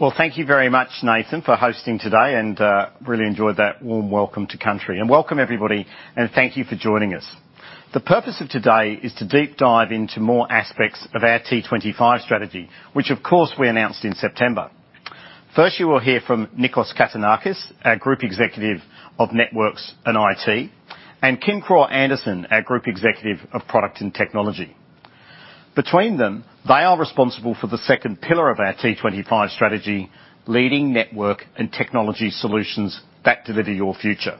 Well, thank you very much, Nathan, for hosting today, and really enjoyed that warm welcome to country. Welcome, everybody, and thank you for joining us. The purpose of today is to deep dive into more aspects of our T25 strategy, which of course, we announced in September. First, you will hear from Nikos Katinakis, our Group Executive of Networks and IT, and Kim Krogh Andersen, our Group Executive of Product and Technology. Between them, they are responsible for the second pillar of our T25 strategy, leading network and technology solutions that deliver your future.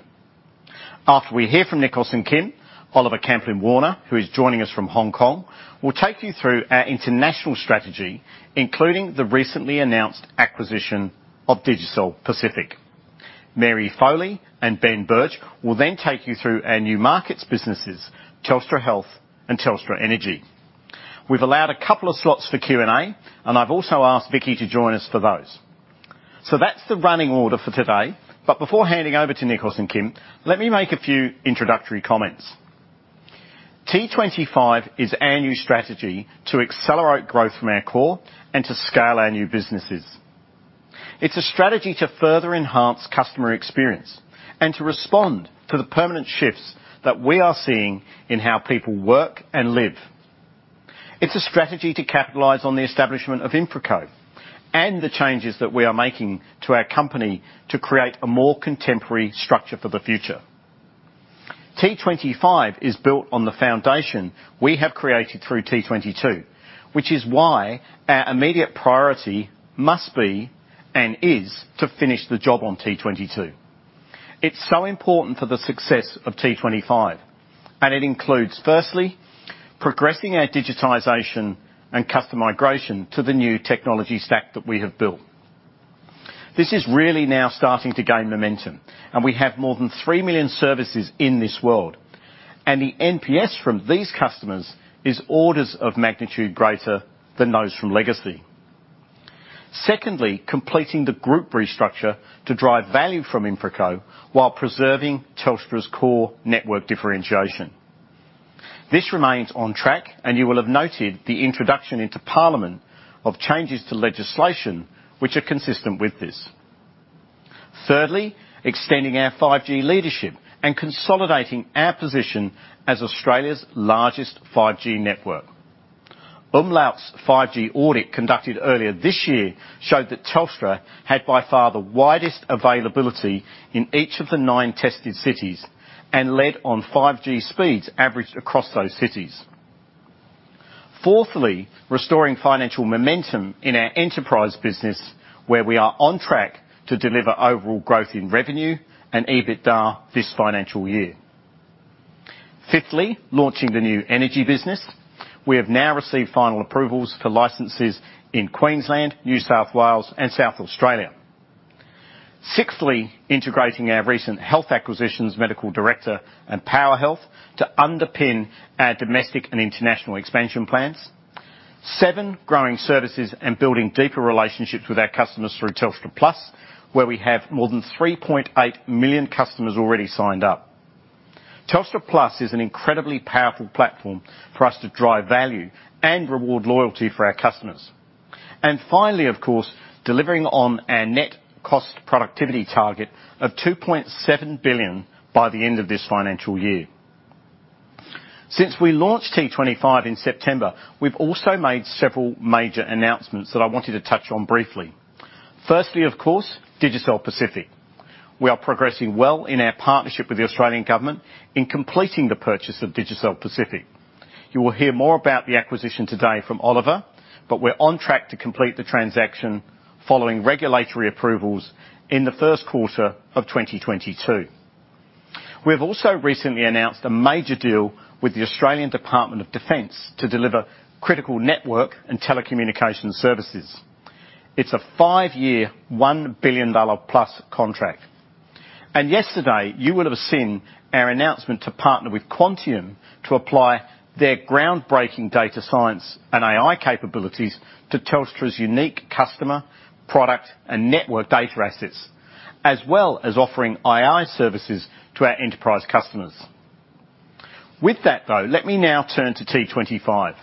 After we hear from Nikos and Kim, Oliver Camplin-Warner, who is joining us from Hong Kong, will take you through our international strategy, including the recently announced acquisition of Digicel Pacific. Mary Foley and Ben Burge will then take you through our new markets businesses, Telstra Health and Telstra Energy. We've allowed a couple of slots for Q&A, and I've also asked Vicki to join us for those. So that's the running order for today, but before handing over to Nikos and Kim, let me make a few introductory comments. T25 is our new strategy to accelerate growth from our core and to scale our new businesses. It's a strategy to further enhance customer experience and to respond to the permanent shifts that we are seeing in how people work and live. It's a strategy to capitalize on the establishment of InfraCo and the changes that we are making to our company to create a more contemporary structure for the future. T25 is built on the foundation we have created through T22, which is why our immediate priority must be and is to finish the job on T22. It's so important for the success of T25, and it includes, firstly, progressing our digitization and customer migration to the new technology stack that we have built. This is really now starting to gain momentum, and we have more than 3 million services in this world, and the NPS from these customers is orders of magnitude greater than those from legacy. Secondly, completing the group restructure to drive value from InfraCo while preserving Telstra's core network differentiation. This remains on track, and you will have noted the introduction into parliament of changes to legislation which are consistent with this. Thirdly, extending our 5G leadership and consolidating our position as Australia's largest 5G network. Umlaut's 5G audit, conducted earlier this year, showed that Telstra had, by far, the widest availability in each of the 9 tested cities and led on 5G speeds averaged across those cities. Fourthly, restoring financial momentum in our enterprise business, where we are on track to deliver overall growth in revenue and EBITDA this financial year. Fifthly, launching the new energy business. We have now received final approvals for licenses in Queensland, New South Wales, and South Australia. Sixthly, integrating our recent health acquisitions, MedicaDirector, and PowerHealth, to underpin our domestic and international expansion plans. Seventhly, growing services and building deeper relationships with our customers through Telstra Plus, where we have more than 3.8 million customers already signed up. Telstra Plus is an incredibly powerful platform for us to drive value and reward loyalty for our customers. And finally, of course, delivering on our net cost productivity target of AUD 2.7 billion by the end of this financial year. Since we launched T25 in September, we've also made several major announcements that I wanted to touch on briefly. Firstly, of course, Digicel Pacific. We are progressing well in our partnership with the Australian government in completing the purchase of Digicel Pacific. You will hear more about the acquisition today from Oliver, but we're on track to complete the transaction following regulatory approvals in the first quarter of 2022. We have also recently announced a major deal with the Australian Department of Defence to deliver critical network and telecommunication services. It's a five-year, AUD 1 billion+ contract. Yesterday, you will have seen our announcement to partner with Quantium to apply their groundbreaking data science and AI capabilities to Telstra's unique customer, product, and network data assets, as well as offering AI services to our enterprise customers. With that, though, let me now turn to T25.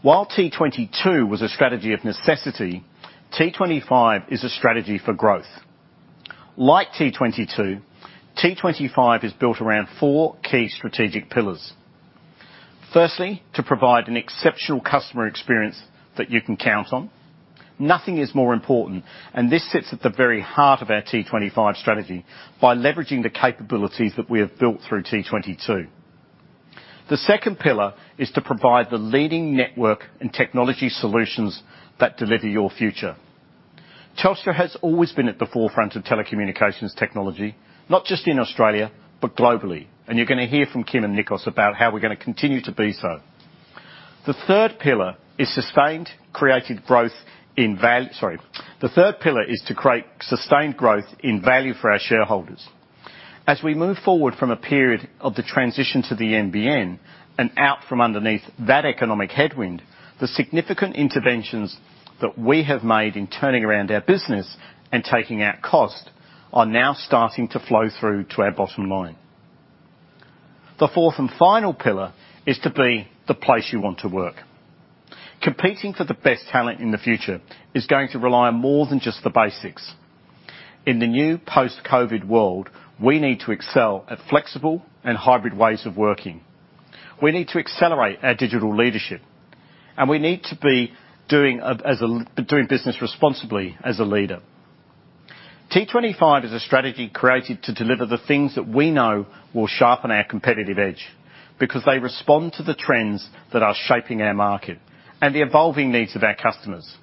While T22 was a strategy of necessity, T25 is a strategy for growth. Like T22, T25 is built around four key strategic pillars. Firstly, to provide an exceptional customer experience that you can count on. Nothing is more important, and this sits at the very heart of our T25 strategy by leveraging the capabilities that we have built through T22. The second pillar is to provide the leading network and technology solutions that deliver your future. Telstra has always been at the forefront of telecommunications technology, not just in Australia, but globally, and you're gonna hear from Kim and Nikos about how we're gonna continue to be so. The third pillar is to create sustained growth in value for our shareholders. As we move forward from a period of the transition to the NBN and out from underneath that economic headwind, the significant interventions that we have made in turning around our business and taking out cost are now starting to flow through to our bottom line. The fourth and final pillar is to be the place you want to work. Competing for the best talent in the future is going to rely on more than just the basics. In the new post-COVID world, we need to excel at flexible and hybrid ways of working. We need to accelerate our digital leadership, and we need to be doing business responsibly as a leader. T25 is a strategy created to deliver the things that we know will sharpen our competitive edge because they respond to the trends that are shaping our market and the evolving needs of our customers.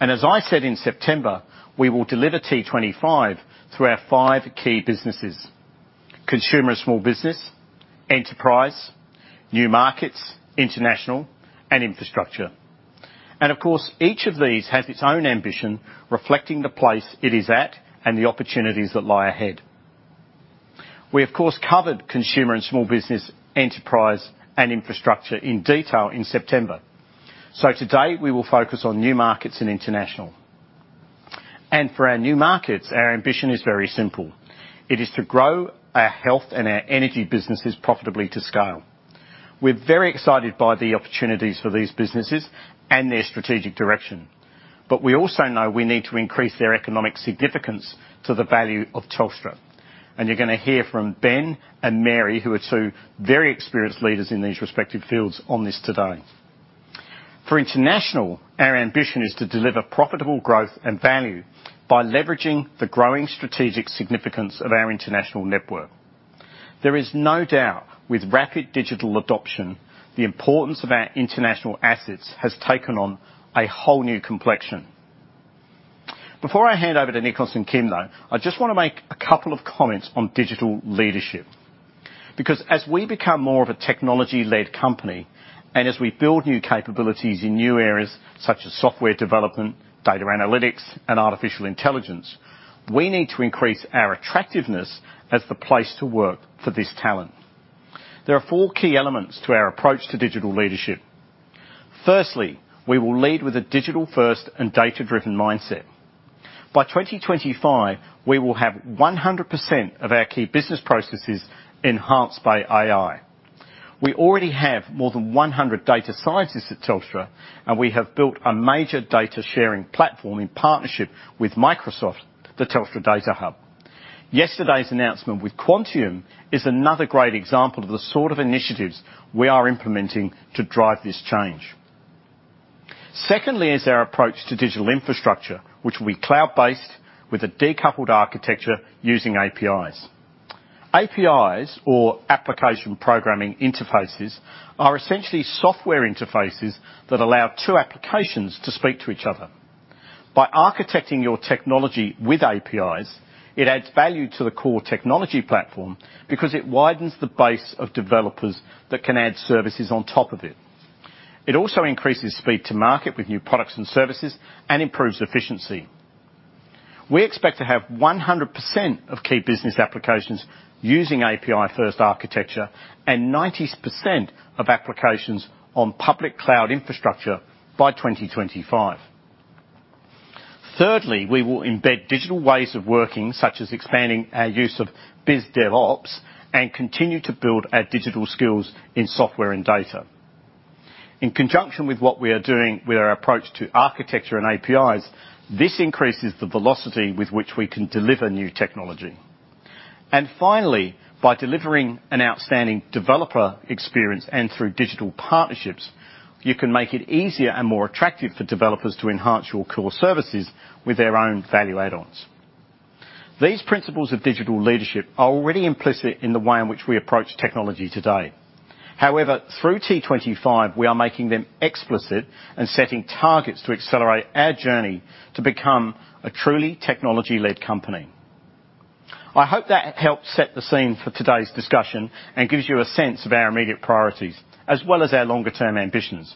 And as I said in September, we will deliver T25 through our five key businesses: consumer and small business, enterprise, new markets, international, and infrastructure. And of course, each of these has its own ambition, reflecting the place it is at and the opportunities that lie ahead. We, of course, covered consumer and small business, enterprise, and infrastructure in detail in September. So today, we will focus on new markets and international. And for our new markets, our ambition is very simple: it is to grow our health and our energy businesses profitably to scale. We're very excited by the opportunities for these businesses and their strategic direction, but we also know we need to increase their economic significance to the value of Telstra. And you're gonna hear from Ben and Mary, who are two very experienced leaders in these respective fields, on this today. For international, our ambition is to deliver profitable growth and value by leveraging the growing strategic significance of our international network. There is no doubt, with rapid digital adoption, the importance of our international assets has taken on a whole new complexion. Before I hand over to Nikos and Kim, though, I just want to make a couple of comments on digital leadership, because as we become more of a technology-led company, and as we build new capabilities in new areas such as software development, data analytics, and artificial intelligence, we need to increase our attractiveness as the place to work for this talent. There are four key elements to our approach to digital leadership. Firstly, we will lead with a digital-first and data-driven mindset. By 2025, we will have 100% of our key business processes enhanced by AI. We already have more than 100 data scientists at Telstra, and we have built a major data-sharing platform in partnership with Microsoft, the Telstra Data Hub. Yesterday's announcement with Quantium is another great example of the sort of initiatives we are implementing to drive this change. Secondly is our approach to digital infrastructure, which will be cloud-based with a decoupled architecture using APIs. APIs, or application programming interfaces, are essentially software interfaces that allow two applications to speak to each other. By architecting your technology with APIs, it adds value to the core technology platform because it widens the base of developers that can add services on top of it. It also increases speed to market with new products and services and improves efficiency. We expect to have 100% of key business applications using API-first architecture and 90% of applications on public cloud infrastructure by 2025. Thirdly, we will embed digital ways of working, such as expanding our use of BizDevOps, and continue to build our digital skills in software and data. In conjunction with what we are doing with our approach to architecture and APIs, this increases the velocity with which we can deliver new technology. And finally, by delivering an outstanding developer experience and through digital partnerships, you can make it easier and more attractive for developers to enhance your core services with their own value add-ons. These principles of digital leadership are already implicit in the way in which we approach technology today. However, through T25, we are making them explicit and setting targets to accelerate our journey to become a truly technology-led company. I hope that helps set the scene for today's discussion and gives you a sense of our immediate priorities, as well as our longer-term ambitions.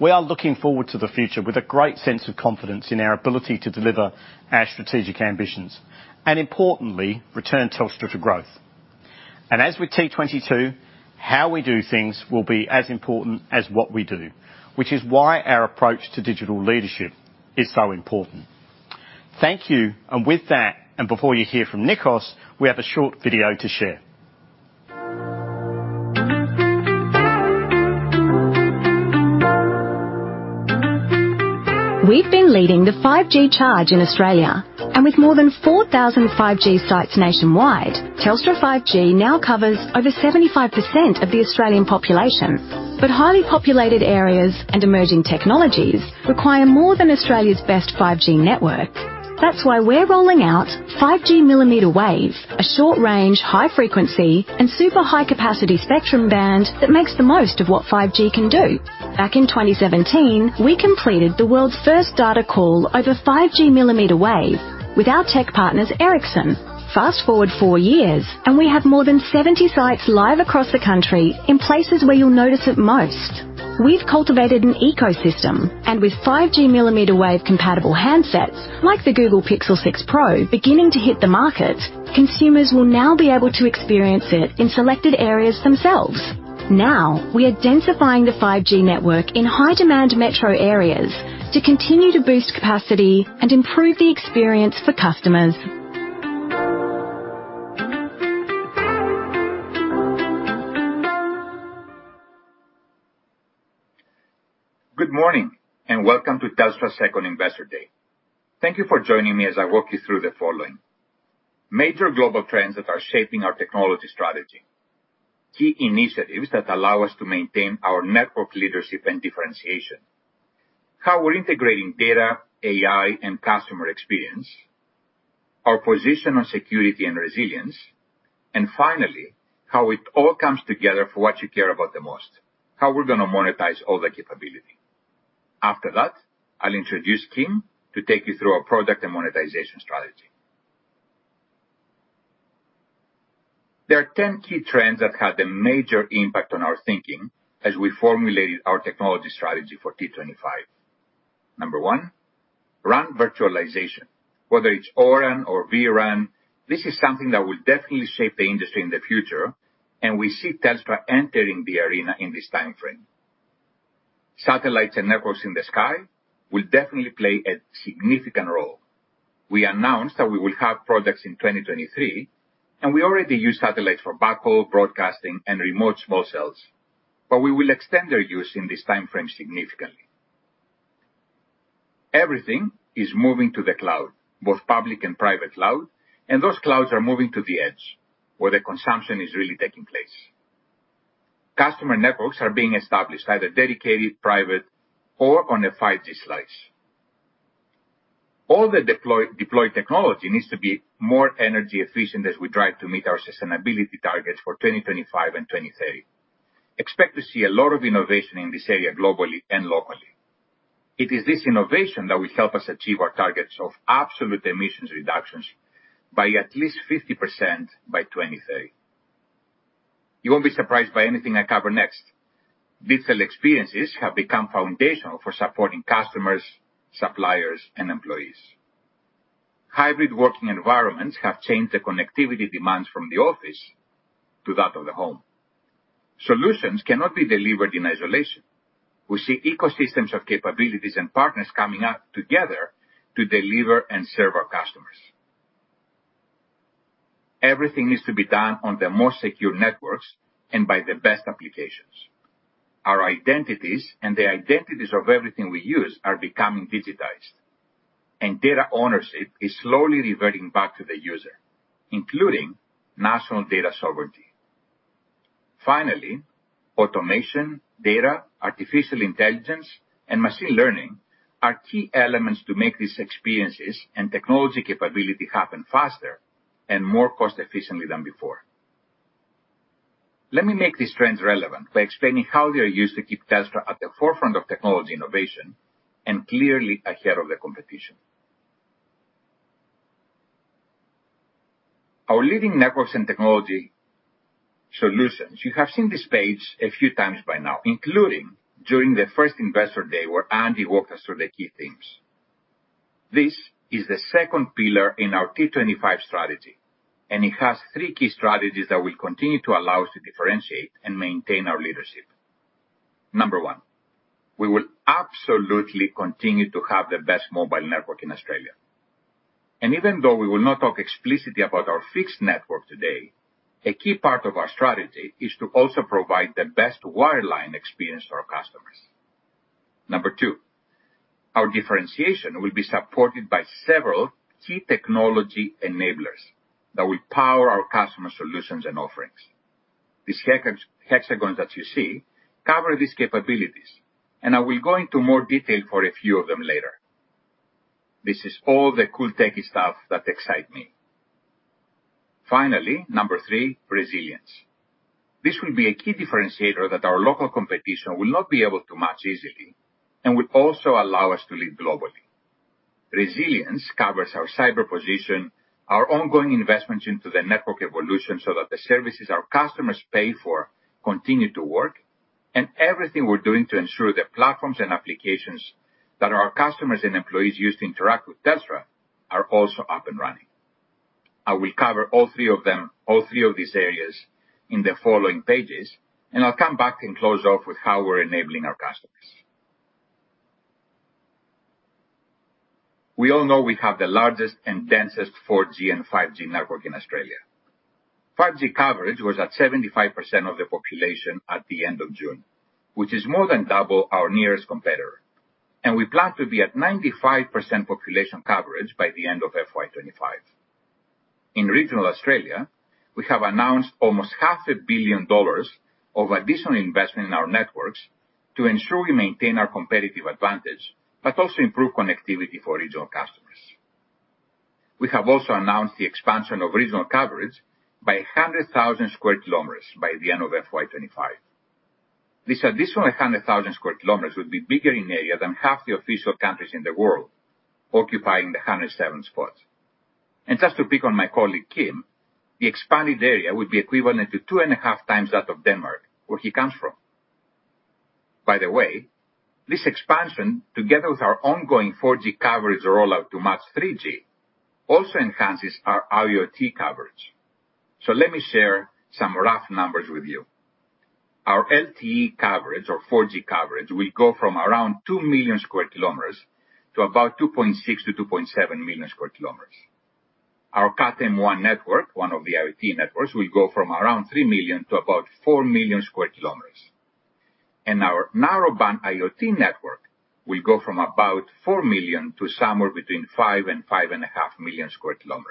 We are looking forward to the future with a great sense of confidence in our ability to deliver our strategic ambitions and, importantly, return Telstra to growth. And as with T22, how we do things will be as important as what we do, which is why our approach to digital leadership is so important. Thank you. And with that, and before you hear from Nikos, we have a short video to share. We've been leading the 5G charge in Australia, and with more than 4,000 5G sites nationwide, Telstra 5G now covers over 75% of the Australian population. But highly populated areas and emerging technologies require more than Australia's best 5G network. That's why we're rolling out 5G millimeter wave, a short-range, high-frequency, and super high-capacity spectrum band that makes the most of what 5G can do. Back in 2017, we completed the world's first data call over 5G millimeter wave with our tech partners, Ericsson. Fast-forward four years, and we have more than 70 sites live across the country in places where you'll notice it most. We've cultivated an ecosystem, and with 5G millimeter wave-compatible handsets, like the Google Pixel 6 Pro, beginning to hit the market, consumers will now be able to experience it in selected areas themselves.... Now, we are densifying the 5G network in high-demand metro areas to continue to boost capacity and improve the experience for customers. Good morning, and welcome to Telstra's second Investor Day. Thank you for joining me as I walk you through the following: major global trends that are shaping our technology strategy, key initiatives that allow us to maintain our network leadership and differentiation, how we're integrating data, AI, and customer experience, our position on security and resilience, and finally, how it all comes together for what you care about the most, how we're gonna monetize all the capability. After that, I'll introduce Kim to take you through our product and monetization strategy. There are 10 key trends that had a major impact on our thinking as we formulated our technology strategy for T25. Number 1, RAN virtualization. Whether it's ORAN or vRAN, this is something that will definitely shape the industry in the future, and we see Telstra entering the arena in this timeframe. Satellites and networks in the sky will definitely play a significant role. We announced that we will have products in 2023, and we already use satellites for backhaul, broadcasting, and remote small cells. But we will extend their use in this timeframe significantly. Everything is moving to the cloud, both public and private cloud, and those clouds are moving to the edge, where the consumption is really taking place. Customer networks are being established, either dedicated, private, or on a 5G slice. All the deployed technology needs to be more energy efficient as we try to meet our sustainability targets for 2025 and 2030. Expect to see a lot of innovation in this area, globally and locally. It is this innovation that will help us achieve our targets of absolute emissions reductions by at least 50% by 2030. You won't be surprised by anything I cover next. Digital experiences have become foundational for supporting customers, suppliers, and employees. Hybrid working environments have changed the connectivity demands from the office to that of the home. Solutions cannot be delivered in isolation. We see ecosystems of capabilities and partners coming up together to deliver and serve our customers. Everything needs to be done on the most secure networks and by the best applications. Our identities, and the identities of everything we use, are becoming digitized, and data ownership is slowly reverting back to the user, including national data sovereignty. Finally, automation, data, artificial intelligence, and machine learning are key elements to make these experiences and technology capability happen faster and more cost-efficiently than before. Let me make these trends relevant by explaining how they are used to keep Telstra at the forefront of technology innovation and clearly ahead of the competition. Our leading networks and technology solutions. You have seen this page a few times by now, including during the first Investor Day, where Andy walked us through the key themes. This is the second pillar in our T25 strategy, and it has three key strategies that will continue to allow us to differentiate and maintain our leadership. Number one, we will absolutely continue to have the best mobile network in Australia. Even though we will not talk explicitly about our fixed network today, a key part of our strategy is to also provide the best wireline experience to our customers. Number two, our differentiation will be supported by several key technology enablers that will power our customer solutions and offerings. These hexagons that you see cover these capabilities, and I will go into more detail for a few of them later. This is all the cool techie stuff that excite me. Finally, number three, resilience. This will be a key differentiator that our local competition will not be able to match easily and will also allow us to lead globally. Resilience covers our cyber position, our ongoing investments into the network evolution so that the services our customers pay for continue to work, and everything we're doing to ensure the platforms and applications that our customers and employees use to interact with Telstra are also up and running. I will cover all three of them, all three of these areas in the following pages, and I'll come back and close off with how we're enabling our customers. We all know we have the largest and densest 4G and 5G network in Australia. 5G coverage was at 75% of the population at the end of June, which is more than double our nearest competitor, and we plan to be at 95% population coverage by the end of FY 2025. In regional Australia, we have announced almost 500 million dollars of additional investment in our networks to ensure we maintain our competitive advantage, but also improve connectivity for regional customers. We have also announced the expansion of regional coverage by 100,000 sq km by the end of FY 2025. This additional 100,000 sq km would be bigger in area than half the official countries in the world, occupying the 107th spot. And just to pick on my colleague, Kim, the expanded area would be equivalent to 2.5x that of Denmark, where he comes from. By the way, this expansion, together with our ongoing 4G coverage rollout to match 3G, also enhances our IoT coverage. So let me share some rough numbers with you. Our LTE coverage or 4G coverage will go from around 2 million sq km to about 2.6-2.7 million sq km. Our Cat M1 network, one of the IoT networks, will go from around 3 million sq km to about 4 million sq km. And our Narrowband IoT network will go from about 4 million sq km to somewhere between 5 and 5.5 million sq km.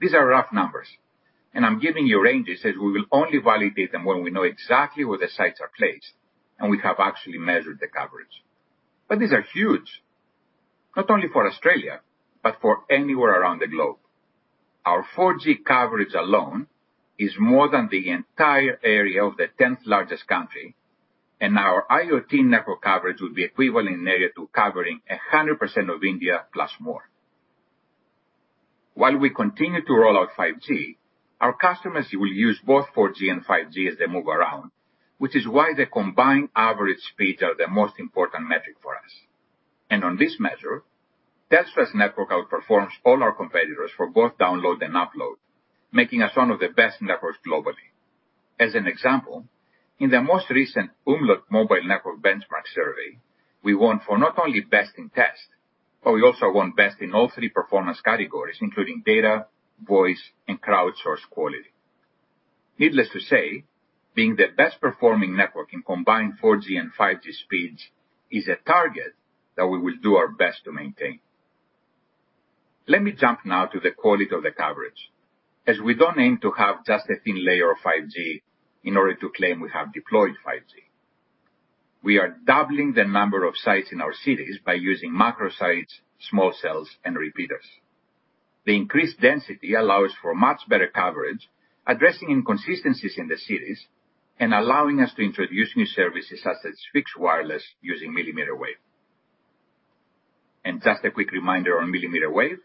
These are rough numbers, and I'm giving you ranges, as we will only validate them when we know exactly where the sites are placed, and we have actually measured the coverage. But these are huge, not only for Australia, but for anywhere around the globe. Our 4G coverage alone is more than the entire area of the tenth-largest country, and our IoT network coverage would be equivalent in area to covering 100% of India, plus more. While we continue to roll out 5G, our customers will use both 4G and 5G as they move around, which is why the combined average speeds are the most important metric for us. And on this measure, Telstra's network outperforms all our competitors for both download and upload, making us one of the best networks globally. As an example, in the most recent Umlaut Mobile Network Benchmark survey, we won for not only Best in Test, but we also won best in all three performance categories, including data, voice, and crowdsourced quality. Needless to say, being the best-performing network in combined 4G and 5G speeds is a target that we will do our best to maintain. Let me jump now to the quality of the coverage, as we don't aim to have just a thin layer of 5G in order to claim we have deployed 5G. We are doubling the number of sites in our cities by using macro sites, small cells, and repeaters. The increased density allows for much better coverage, addressing inconsistencies in the cities and allowing us to introduce new services such as fixed wireless using millimeter wave. Just a quick reminder on millimeter wave,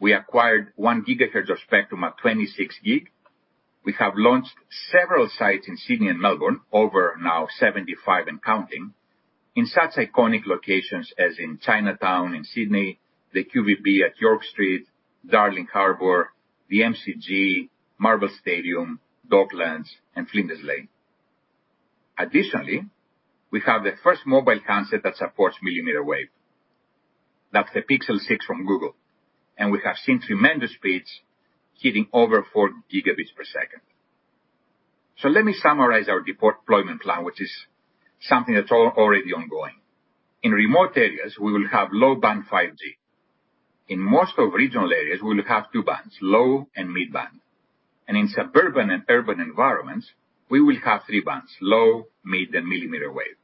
we acquired 1 GHz of spectrum at 26 GHz. We have launched several sites in Sydney and Melbourne, over now 75 and counting, in such iconic locations as in Chinatown, in Sydney, the QVB at York Street, Darling Harbour, the MCG, Marvel Stadium, Docklands and Flinders Lane. Additionally, we have the first mobile handset that supports millimeter wave. That's the Pixel 6 from Google, and we have seen tremendous speeds hitting over 4 Gbps. Let me summarize our deployment plan, which is something that's already ongoing. In remote areas, we will have low-band 5G. In most of regional areas, we will have two bands, low and mid-band, and in suburban and urban environments, we will have three bands: low, mid, and millimeter wave.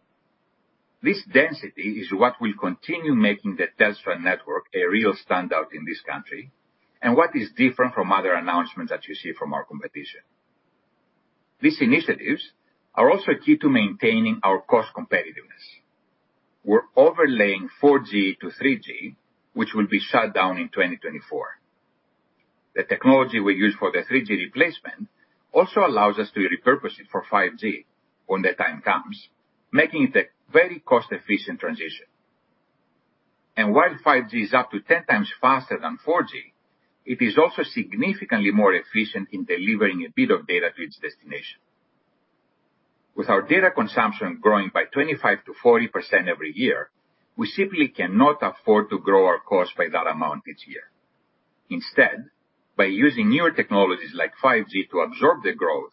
This density is what will continue making the Telstra network a real standout in this country and what is different from other announcements that you see from our competition. These initiatives are also key to maintaining our cost competitiveness. We're overlaying 4G -3G, which will be shut down in 2024. The technology we use for the 3G replacement also allows us to repurpose it for 5G when the time comes, making it a very cost-efficient transition. And while 5G is up to 10x faster than 4G, it is also significantly more efficient in delivering a bit of data to its destination. With our data consumption growing by 25%-40% every year, we simply cannot afford to grow our cost by that amount each year. Instead, by using newer technologies like 5G to absorb the growth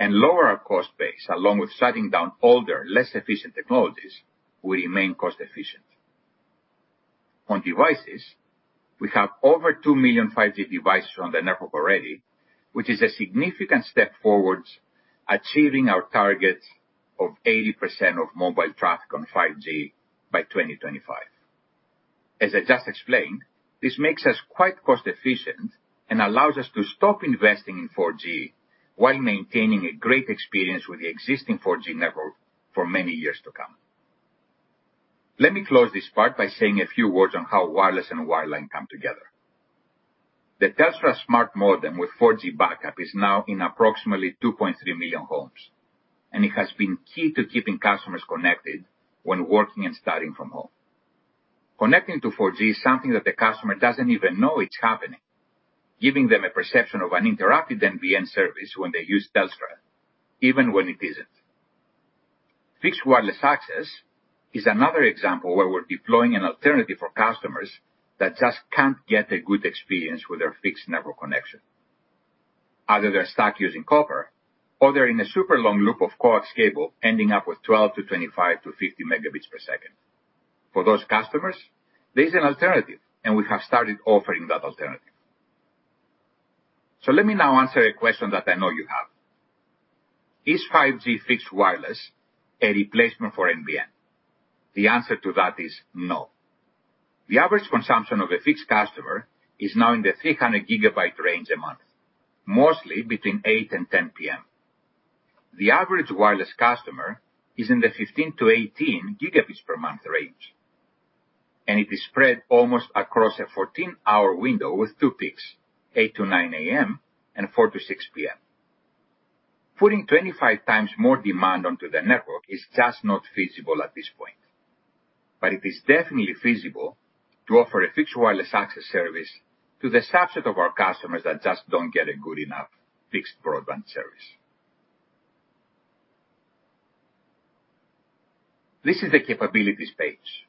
and lower our cost base, along with shutting down older, less efficient technologies, we remain cost efficient. On devices, we have over 2 million 5G devices on the network already, which is a significant step towards achieving our target of 80% of mobile traffic on 5G by 2025. As I just explained, this makes us quite cost efficient and allows us to stop investing in 4G while maintaining a great experience with the existing 4G network for many years to come. Let me close this part by saying a few words on how wireless and wireline come together. The Telstra Smart Modem with 4G backup is now in approximately 2.3 million homes, and it has been key to keeping customers connected when working and studying from home. Connecting to 4G is something that the customer doesn't even know it's happening, giving them a perception of an interrupted NBN service when they use Telstra, even when it isn't. Fixed wireless access is another example where we're deploying an alternative for customers that just can't get a good experience with their fixed network connection. Either they're stuck using copper, or they're in a super long loop of coax cable, ending up with 12 to 25 to 50 Mbps. For those customers, there's an alternative, and we have started offering that alternative. So let me now answer a question that I know you have: Is 5G fixed wireless a replacement for NBN? The answer to that is no. The average consumption of a fixed customer is now in the 300 GB range a month, mostly between 8 and 10 P.M. The average wireless customer is in the 15-18 gigabits per month range... and it is spread almost across a 14-hour window with two peaks, 8-9 A.M. and 4-6 P.M. Putting 25x more demand onto the network is just not feasible at this point. But it is definitely feasible to offer a fixed wireless access service to the subset of our customers that just don't get a good enough fixed broadband service. This is the capabilities page.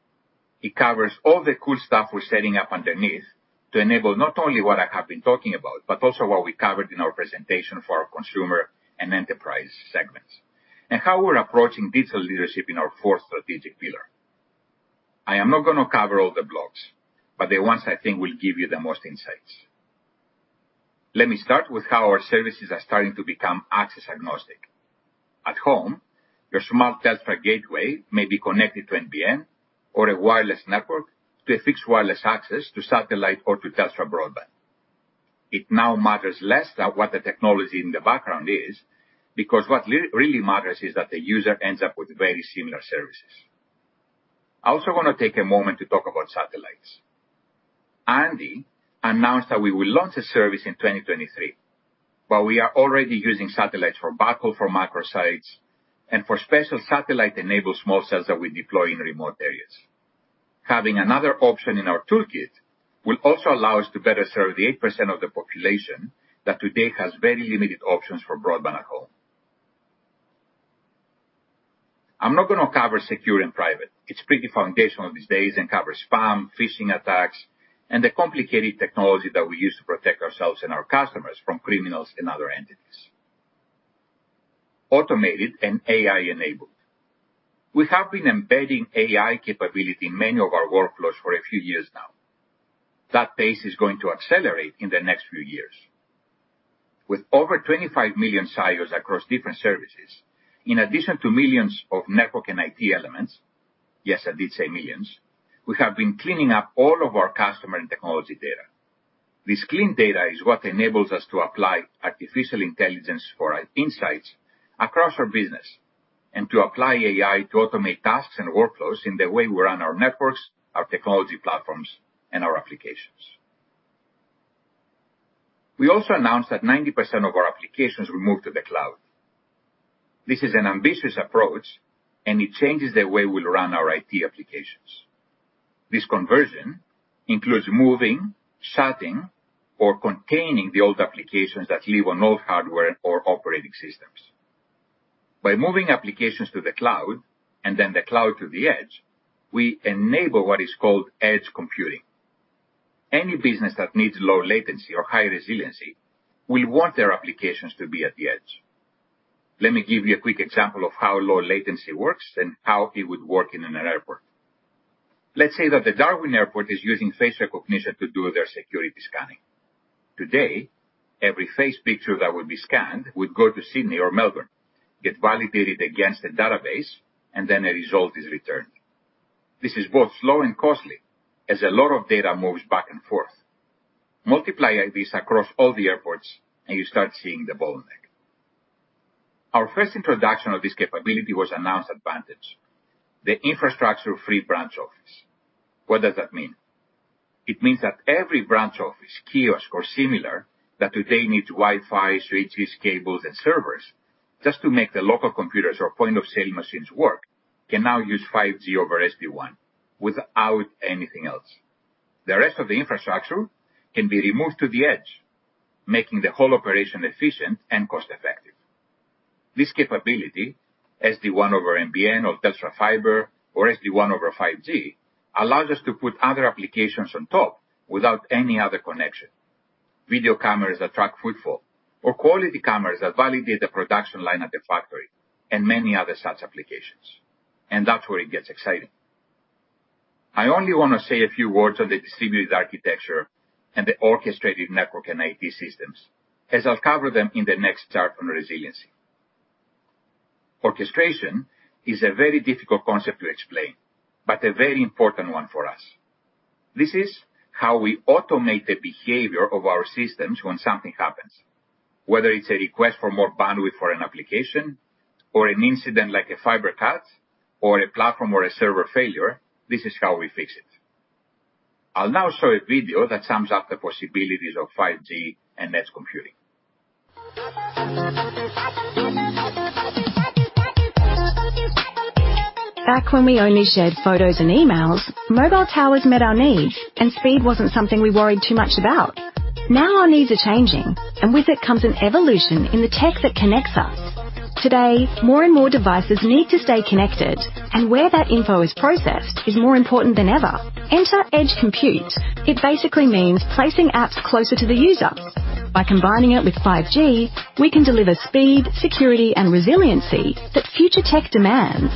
It covers all the cool stuff we're setting up underneath, to enable not only what I have been talking about, but also what we covered in our presentation for our consumer and enterprise segments, and how we're approaching digital leadership in our fourth strategic pillar. I am not gonna cover all the blocks, but the ones I think will give you the most insights. Let me start with how our services are starting to become access-agnostic. At home, your smart Telstra gateway may be connected to NBN or a wireless network, to a fixed wireless access, to satellite, or to Telstra broadband. It now matters less than what the technology in the background is, because what really matters is that the user ends up with very similar services. I also want to take a moment to talk about satellites. Andy announced that we will launch a service in 2023, but we are already using satellites for backhaul, for micro sites, and for special satellite-enabled small cells that we deploy in remote areas. Having another option in our toolkit will also allow us to better serve the 8% of the population, that today has very limited options for broadband at home. I'm not gonna cover secure and private. It's pretty foundational these days, and covers spam, phishing attacks, and the complicated technology that we use to protect ourselves and our customers from criminals and other entities. Automated and AI-enabled. We have been embedding AI capability in many of our workflows for a few years now. That pace is going to accelerate in the next few years. With over 25 million silos across different services, in addition to millions of network and IT elements, yes, I did say millions, we have been cleaning up all of our customer and technology data. This clean data is what enables us to apply artificial intelligence for our insights across our business, and to apply AI to automate tasks and workflows in the way we run our networks, our technology platforms, and our applications. We also announced that 90% of our applications will move to the cloud. This is an ambitious approach, and it changes the way we'll run our IT applications. This conversion includes moving, shutting, or containing the old applications that live on old hardware or operating systems. By moving applications to the cloud, and then the cloud to the edge, we enable what is called edge computing. Any business that needs low latency or high resiliency will want their applications to be at the edge. Let me give you a quick example of how low latency works and how it would work in an airport. Let's say that the Darwin Airport is using facial recognition to do their security scanning. Today, every face picture that would be scanned would go to Sydney or Melbourne, get validated against a database, and then a result is returned. This is both slow and costly, as a lot of data moves back and forth. Multiply this across all the airports, and you start seeing the bottleneck. Our first introduction of this capability was announced at Vantage, the infrastructure-free branch office. What does that mean? It means that every branch office, kiosk, or similar, that today needs Wi-Fi, switches, cables, and servers, just to make the local computers or point-of-sale machines work, can now use 5G over SD-WAN without anything else. The rest of the infrastructure can be removed to the edge, making the whole operation efficient and cost-effective. This capability, SD-WAN over NBN or Telstra Fibre or SD-WAN over 5G, allows us to put other applications on top without any other connection. Video cameras that track footfall or quality cameras that validate the production line at the factory, and many other such applications, and that's where it gets exciting. I only want to say a few words on the distributed architecture and the orchestrated network and IT systems, as I'll cover them in the next chart on resiliency. Orchestration is a very difficult concept to explain, but a very important one for us. This is how we automate the behavior of our systems when something happens. Whether it's a request for more bandwidth for an application or an incident like a fiber cut or a platform or a server failure, this is how we fix it. I'll now show a video that sums up the possibilities of 5G and edge computing. Back when we only shared photos and emails, mobile towers met our needs, and speed wasn't something we worried too much about. Now, our needs are changing, and with it comes an evolution in the tech that connects us. Today, more and more devices need to stay connected, and where that info is processed is more important than ever. Enter Edge Compute. It basically means placing apps closer to the user. By combining it with 5G, we can deliver speed, security, and resiliency that future tech demands.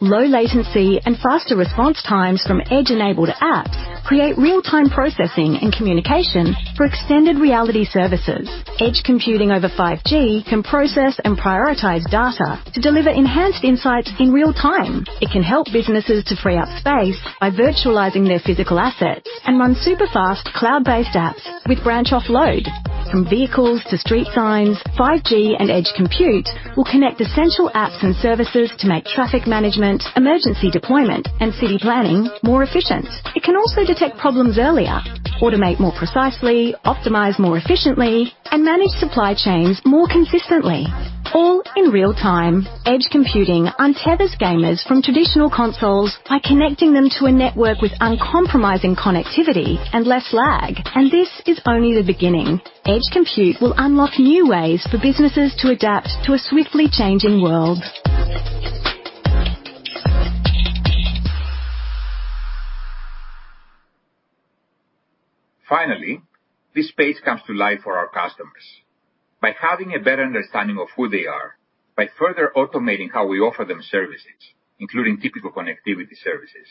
Low latency and faster response times from Edge-enabled apps create real-time processing and communication for extended reality services... Edge computing over 5G can process and prioritize data to deliver enhanced insights in real time. It can help businesses to free up space by virtualizing their physical assets and run super fast cloud-based apps with branch offload. From vehicles to street signs, 5G and Edge Compute will connect essential apps and services to make traffic management, emergency deployment, and city planning more efficient. It can also detect problems earlier, automate more precisely, optimize more efficiently, and manage supply chains more consistently, all in real time. Edge computing untethers gamers from traditional consoles by connecting them to a network with uncompromising connectivity and less lag. This is only the beginning. Edge Compute will unlock new ways for businesses to adapt to a swiftly changing world. Finally, this space comes to life for our customers. By having a better understanding of who they are, by further automating how we offer them services, including typical connectivity services,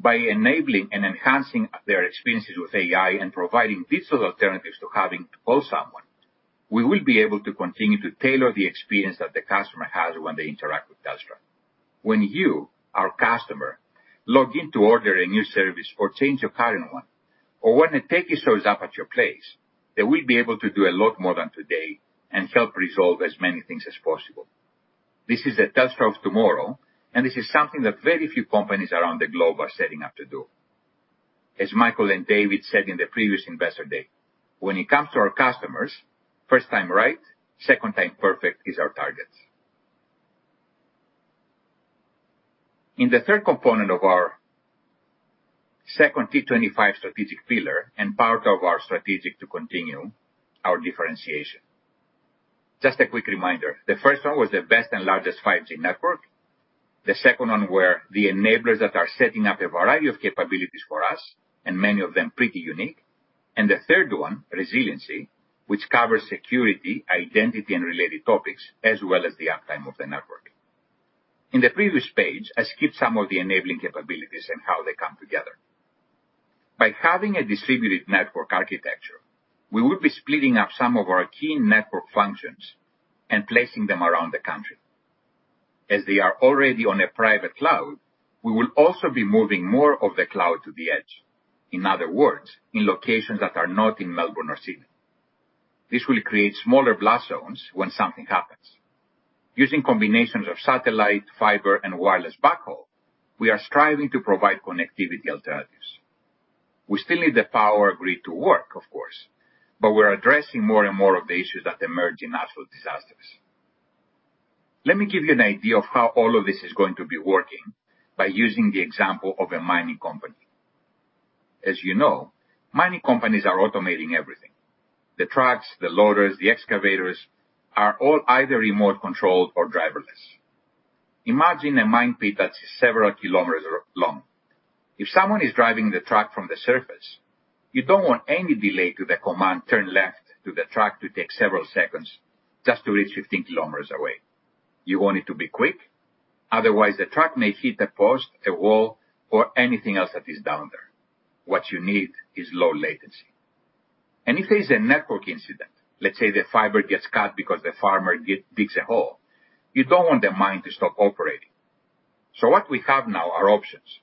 by enabling and enhancing their experiences with AI and providing digital alternatives to having to call someone, we will be able to continue to tailor the experience that the customer has when they interact with Telstra. When you, our customer, log in to order a new service or change your current one, or when a techie shows up at your place, they will be able to do a lot more than today and help resolve as many things as possible. This is the Telstra of tomorrow, and this is something that very few companies around the globe are setting up to do. As Michael and David said in the previous Investor Day, "When it comes to our customers, first time right, second time perfect, is our targets." In the third component of our second T25 strategic pillar, and part of our strategic to continue our differentiation. Just a quick reminder, the first one was the best and largest 5G network. The second one were the enablers that are setting up a variety of capabilities for us, and many of them pretty unique. And the third one, resiliency, which covers security, identity, and related topics, as well as the uptime of the network. In the previous page, I skipped some of the enabling capabilities and how they come together. By having a distributed network architecture, we will be splitting up some of our key network functions and placing them around the country. As they are already on a private cloud, we will also be moving more of the cloud to the edge. In other words, in locations that are not in Melbourne or Sydney. This will create smaller blast zones when something happens. Using combinations of satellite, fiber, and wireless backhaul, we are striving to provide connectivity alternatives. We still need the power grid to work, of course, but we're addressing more and more of the issues that emerge in natural disasters. Let me give you an idea of how all of this is going to be working by using the example of a mining company. As you know, mining companies are automating everything. The trucks, the loaders, the excavators, are all either remote-controlled or driverless. Imagine a mine pit that's several kilometers long. If someone is driving the truck from the surface, you don't want any delay to the command, "Turn left," to the truck to take several seconds just to reach 15 kilometers away. You want it to be quick, otherwise, the truck may hit a post, a wall, or anything else that is down there. What you need is low latency. And if there is a network incident, let's say the fiber gets cut because the farmer digs a hole, you don't want the mine to stop operating. So what we have now are options,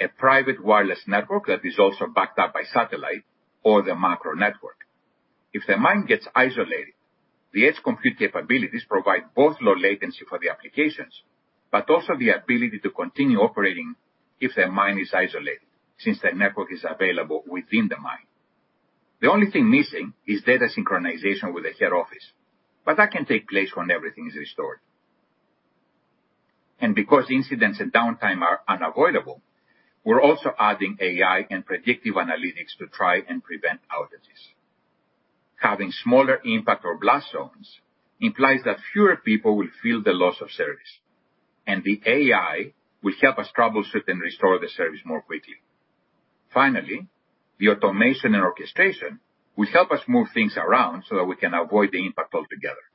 a private wireless network that is also backed up by satellite or the macro network. If the mine gets isolated, the Edge Compute capabilities provide both low latency for the applications, but also the ability to continue operating if the mine is isolated, since the network is available within the mine. The only thing missing is data synchronization with the head office, but that can take place when everything is restored. And because incidents and downtime are unavoidable, we're also adding AI and predictive analytics to try and prevent outages. Having smaller impact or blast zones implies that fewer people will feel the loss of service, and the AI will help us troubleshoot and restore the service more quickly. Finally, the automation and orchestration will help us move things around so that we can avoid the impact altogether.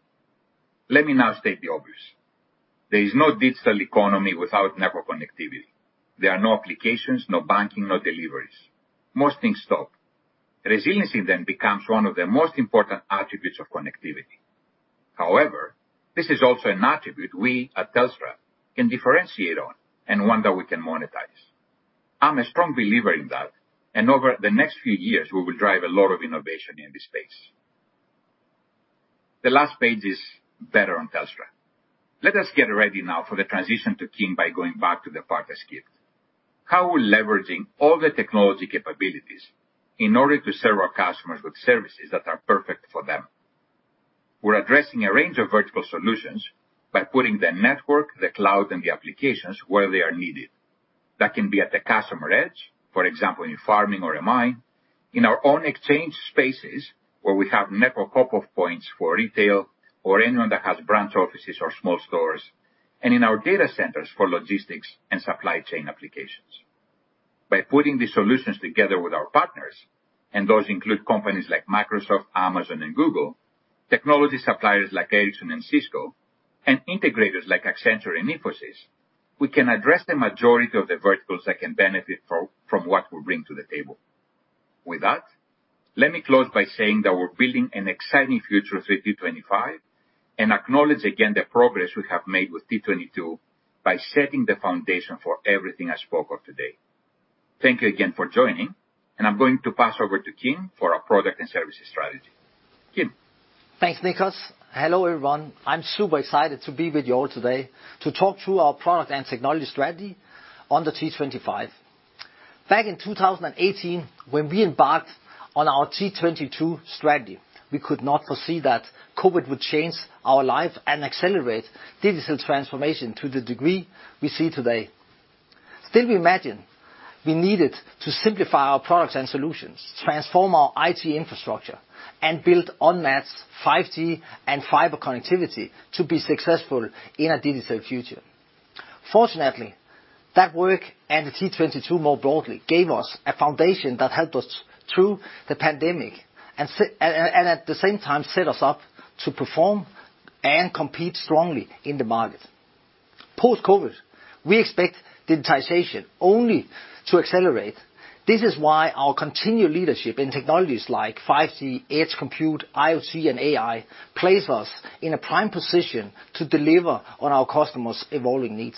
Let me now state the obvious. There is no digital economy without network connectivity. There are no applications, no banking, no deliveries. Most things stop. Resiliency then becomes one of the most important attributes of connectivity. However, this is also an attribute we at Telstra can differentiate on and one that we can monetize. I'm a strong believer in that, and over the next few years, we will drive a lot of innovation in this space. The last page is better on Telstra. Let us get ready now for the transition to Kim by going back to the part I skipped. How we're leveraging all the technology capabilities in order to serve our customers with services that are perfect for them? We're addressing a range of vertical solutions by putting the network, the cloud, and the applications where they are needed. That can be at the customer edge, for example, in farming or a mine, in our own exchange spaces, where we have network hop-off points for retail or anyone that has branch offices or small stores, and in our data centers for logistics and supply chain applications. By putting these solutions together with our partners, and those include companies like Microsoft, Amazon, and Google, technology suppliers like Ericsson and Cisco, and integrators like Accenture and Infosys, we can address the majority of the verticals that can benefit from what we bring to the table. With that, let me close by saying that we're building an exciting future with T25, and acknowledge again the progress we have made with T22 by setting the foundation for everything I spoke of today. Thank you again for joining, and I'm going to pass over to Kim for our product and services strategy. Kim? Thanks, Nikos. Hello, everyone. I'm super excited to be with you all today to talk through our product and technology strategy on the T25. Back in 2018, when we embarked on our T22 strategy, we could not foresee that COVID would change our lives and accelerate digital transformation to the degree we see today. Still, we imagined we needed to simplify our products and solutions, transform our IT infrastructure, and build unmatched 5G and fiber connectivity to be successful in a digital future. Fortunately, that work, and the T22, more broadly, gave us a foundation that helped us through the pandemic, and at the same time, set us up to perform and compete strongly in the market. Post-COVID, we expect digitization only to accelerate. This is why our continued leadership in technologies like 5G, edge compute, IoT, and AI places us in a prime position to deliver on our customers' evolving needs.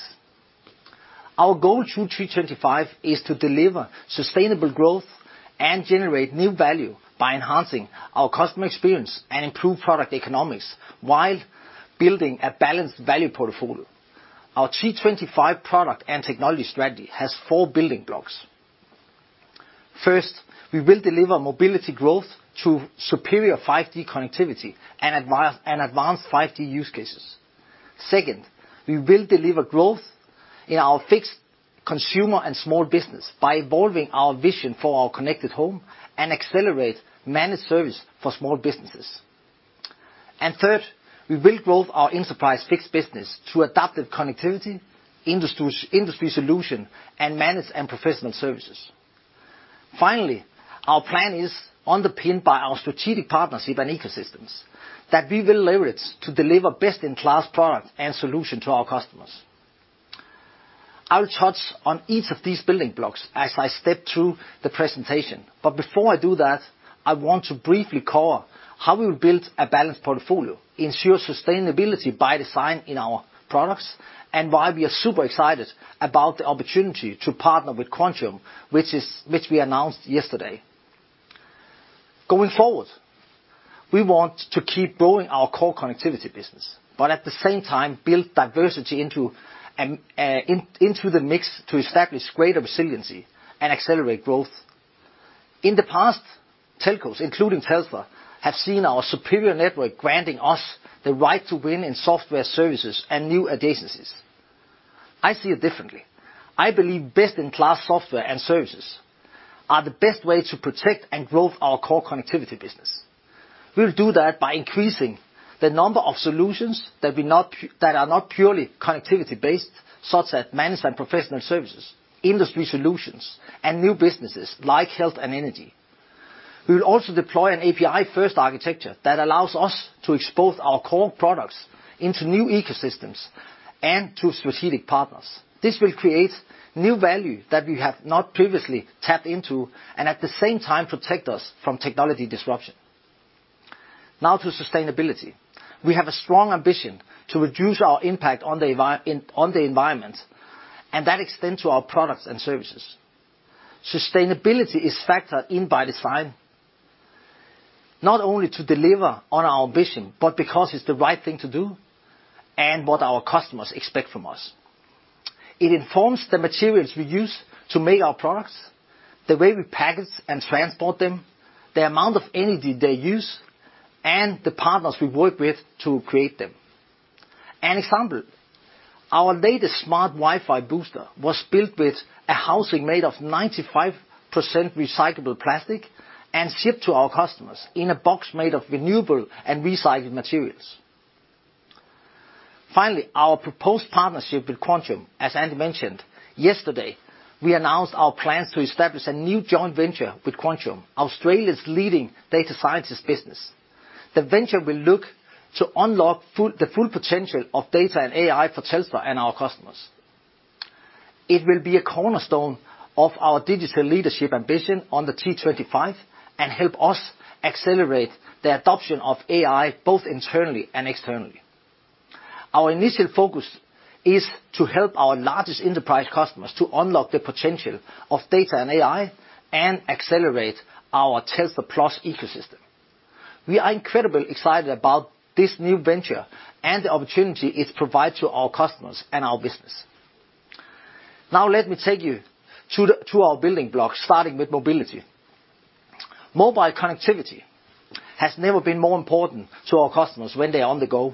Our goal through T25 is to deliver sustainable growth and generate new value by enhancing our customer experience and improve product economics, while building a balanced value portfolio. Our T25 product and technology strategy has four building blocks. First, we will deliver mobility growth through superior 5G connectivity and and advanced 5G use cases. Second, we will deliver growth in our fixed consumer and small business by evolving our vision for our connected home and accelerate managed service for small businesses. And third, we will grow our enterprise fixed business through adaptive connectivity, industry, industry solution, and managed and professional services. Finally, our plan is underpinned by our strategic partners in ecosystems that we will leverage to deliver best-in-class product and solution to our customers. I will touch on each of these building blocks as I step through the presentation. But before I do that, I want to briefly cover how we will build a balanced portfolio, ensure sustainability by design in our products, and why we are super excited about the opportunity to partner with Quantium, which we announced yesterday. Going forward, we want to keep growing our core connectivity business, but at the same time, build diversity into the mix to establish greater resiliency and accelerate growth. In the past, telcos, including Telstra, have seen our superior network granting us the right to win in software services and new adjacencies. I see it differently. I believe best-in-class software and services are the best way to protect and grow our core connectivity business. We'll do that by increasing the number of solutions that are not purely connectivity-based, such as managed and professional services, industry solutions, and new businesses, like health and energy. We will also deploy an API-first architecture that allows us to expose our core products into new ecosystems and to strategic partners. This will create new value that we have not previously tapped into, and at the same time, protect us from technology disruption. Now to sustainability. We have a strong ambition to reduce our impact on the environment, and that extends to our products and services. Sustainability is factored in by design, not only to deliver on our ambition, but because it's the right thing to do and what our customers expect from us. It informs the materials we use to make our products, the way we package and transport them, the amount of energy they use, and the partners we work with to create them. An example, our latest Smart Wi-Fi Booster was built with a housing made of 95% recyclable plastic and shipped to our customers in a box made of renewable and recycled materials. Finally, our proposed partnership with Quantium. As Andy mentioned, yesterday, we announced our plans to establish a new joint venture with Quantium, Australia's leading data scientist business. The venture will look to unlock the full potential of data and AI for Telstra and our customers. It will be a cornerstone of our digital leadership ambition on the T25 and help us accelerate the adoption of AI, both internally and externally. Our initial focus is to help our largest enterprise customers to unlock the potential of data and AI and accelerate our Telstra Plus ecosystem. We are incredibly excited about this new venture and the opportunity it provides to our customers and our business. Now let me take you to our building blocks, starting with mobility. Mobile connectivity has never been more important to our customers when they are on the go.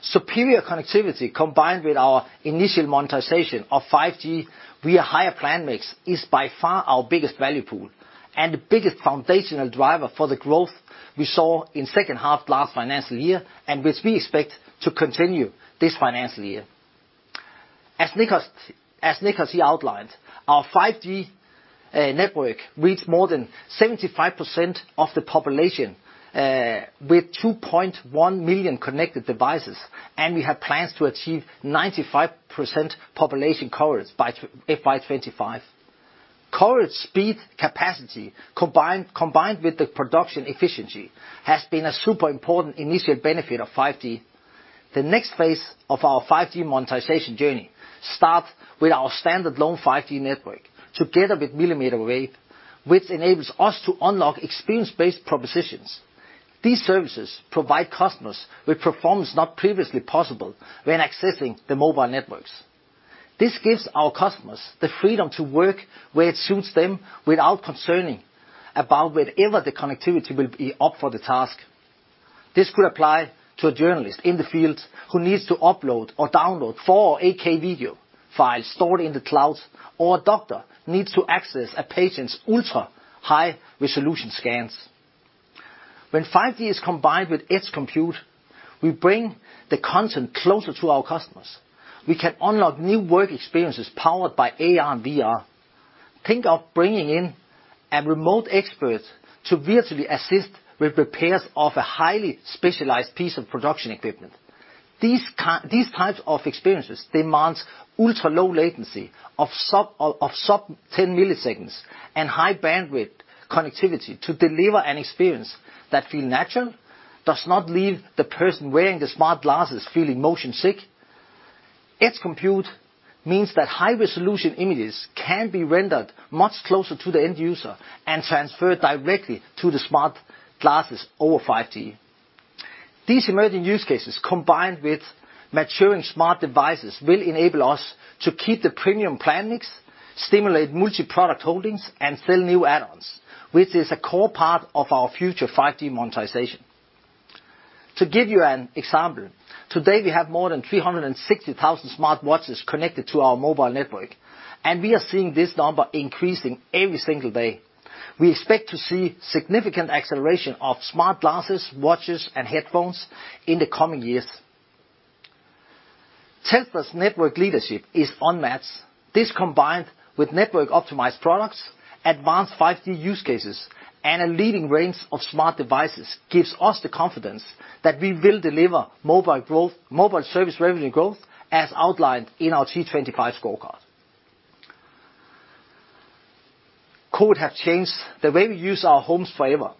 Superior connectivity, combined with our initial monetization of 5G, via higher plan mix, is by far our biggest value pool and the biggest foundational driver for the growth we saw in second half last financial year, and which we expect to continue this financial year. As Nikos outlined, our 5G network reached more than 75% of the population with 2.1 million connected devices, and we have plans to achieve 95% population coverage by 2025. Coverage, speed, capacity, combined with the production efficiency, has been a super important initial benefit of 5G. The next phase of our 5G monetization journey start with our standalone 5G network, together with millimeter wave, which enables us to unlock experience-based propositions. These services provide customers with performance not previously possible when accessing the mobile networks. This gives our customers the freedom to work where it suits them, without concerning about whether the connectivity will be up for the task. This could apply to a journalist in the field who needs to upload or download 4K video files stored in the cloud, or a doctor needs to access a patient's ultra-high resolution scans. When 5G is combined with Edge Compute, we bring the content closer to our customers. We can unlock new work experiences powered by AR and VR. Think of bringing in a remote expert to virtually assist with repairs of a highly specialized piece of production equipment. These types of experiences demands ultra-low latency of sub-10 milliseconds and high bandwidth connectivity to deliver an experience that feel natural, does not leave the person wearing the smart glasses feeling motion sick. Edge Compute means that high-resolution images can be rendered much closer to the end user and transferred directly to the smart glasses over 5G. These emerging use cases, combined with maturing smart devices, will enable us to keep the premium plan mix, stimulate multi-product holdings, and sell new add-ons, which is a core part of our future 5G monetization. To give you an example, today, we have more than 360,000 smart watches connected to our mobile network, and we are seeing this number increasing every single day. We expect to see significant acceleration of smart glasses, watches, and headphones in the coming years. Telstra's network leadership is unmatched. This, combined with network-optimized products, advanced 5G use cases, and a leading range of smart devices, gives us the confidence that we will deliver mobile growth, mobile service revenue growth, as outlined in our T25 scorecard. COVID have changed the way we use our homes forever.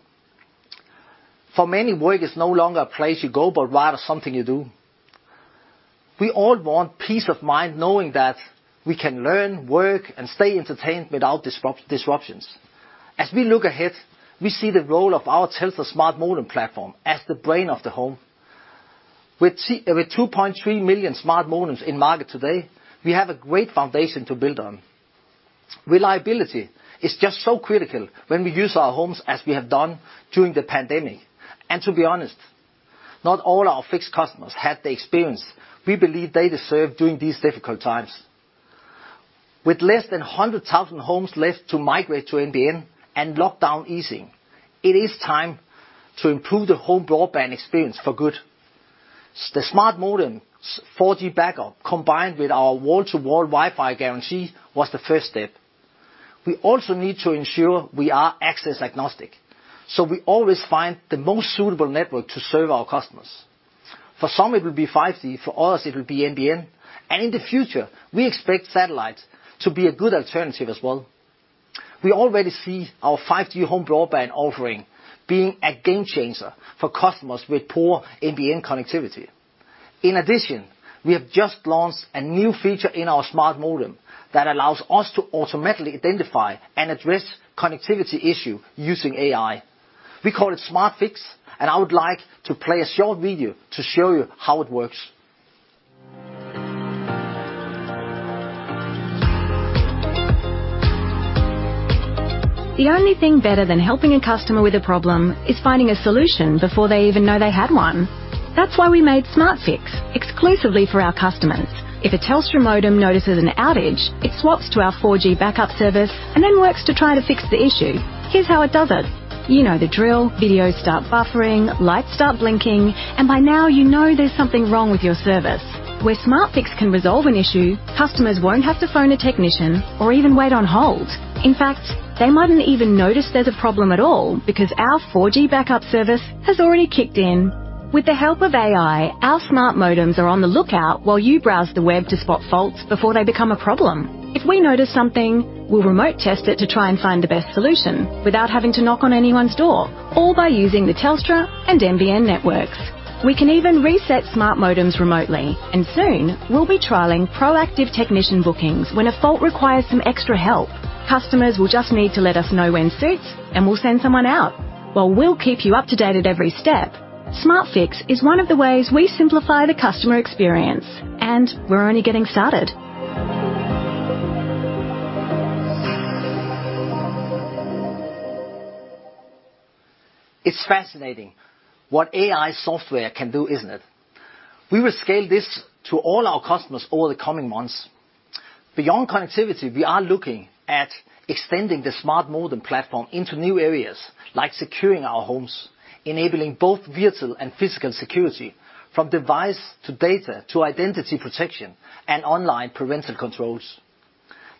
For many, work is no longer a place you go, but rather something you do. We all want peace of mind knowing that we can learn, work, and stay entertained without disruptions. As we look ahead, we see the role of our Telstra Smart Modem platform as the brain of the home. With 2.3 million Smart Modems in market today, we have a great foundation to build on. Reliability is just so critical when we use our homes as we have done during the pandemic, and to be honest, not all our fixed customers had the experience we believe they deserve during these difficult times. With less than 100,000 homes left to migrate to NBN and lockdown easing, it is time to improve the home broadband experience for good. The Smart Modem's 4G backup, combined with our Wall-to-Wall Wi-Fi guarantee, was the first step. We also need to ensure we are access agnostic, so we always find the most suitable network to serve our customers. For some, it will be 5G, for others, it will be NBN, and in the future, we expect satellite to be a good alternative as well. We already see our 5G home broadband offering being a game changer for customers with poor NBN connectivity. In addition, we have just launched a new feature in our Smart Modem that allows us to automatically identify and address connectivity issue using AI. We call it Smart Fix, and I would like to play a short video to show you how it works. The only thing better than helping a customer with a problem is finding a solution before they even know they had one. That's why we made Smart Fix exclusively for our customers. If a Telstra modem notices an outage, it swaps to our 4G backup service and then works to try to fix the issue. Here's how it does it. You know the drill, videos start buffering, lights start blinking, and by now you know there's something wrong with your service. Where Smart Fix can resolve an issue, customers won't have to phone a technician or even wait on hold. In fact, they mightn't even notice there's a problem at all, because our 4G backup service has already kicked in. With the help of AI, our Smart Modems are on the lookout while you browse the web to spot faults before they become a problem. If we notice something, we'll remote test it to try and find the best solution without having to knock on anyone's door, all by using the Telstra and NBN networks. We can even reset Smart Modems remotely, and soon we'll be trialing proactive technician bookings when a fault requires some extra help. Customers will just need to let us know when suits, and we'll send someone out, while we'll keep you up to date at every step. Smart Fix is one of the ways we simplify the customer experience, and we're only getting started. It's fascinating what AI software can do, isn't it? We will scale this to all our customers over the coming months. Beyond connectivity, we are looking at extending the Smart Modem platform into new areas, like securing our homes, enabling both virtual and physical security, from device to data to identity protection and online parental controls.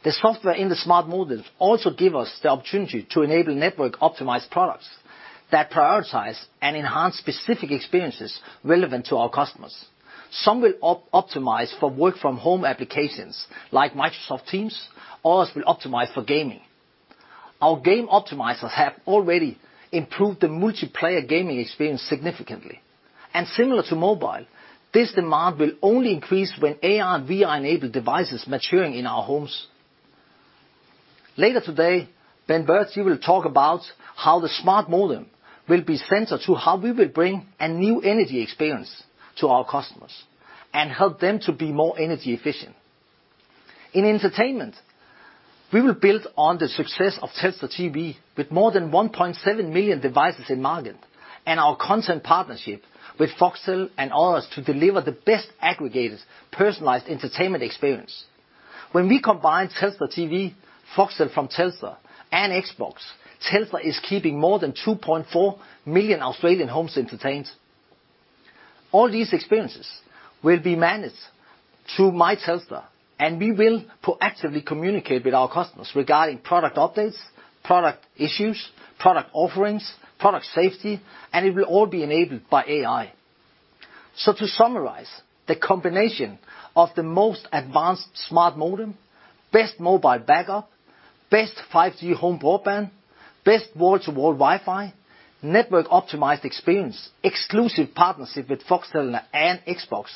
The software in the Smart Modems also give us the opportunity to enable network-optimized products that prioritize and enhance specific experiences relevant to our customers. Some will optimize for work from home applications, like Microsoft Teams, others will optimize for gaming. Our Game Optimisers have already improved the multiplayer gaming experience significantly, and similar to mobile, this demand will only increase when AR and VR-enabled devices maturing in our homes. Later today, Ben Burge will talk about how the Smart Modem will be central to how we will bring a new energy experience to our customers and help them to be more energy efficient. In entertainment, we will build on the success of Telstra TV, with more than 1.7 million devices in market, and our content partnership with Foxtel and others to deliver the best aggregated, personalized entertainment experience. When we combine Telstra TV, Foxtel from Telstra, and Xbox, Telstra is keeping more than 2.4 million Australian homes entertained. All these experiences will be managed through My Telstra, and we will proactively communicate with our customers regarding product updates, product issues, product offerings, product safety, and it will all be enabled by AI. To summarize, the combination of the most advanced Smart Modem, best mobile backup, best 5G home broadband, best Wall-to-Wall Wi-Fi, network-optimized experience, exclusive partnership with Foxtel and Xbox,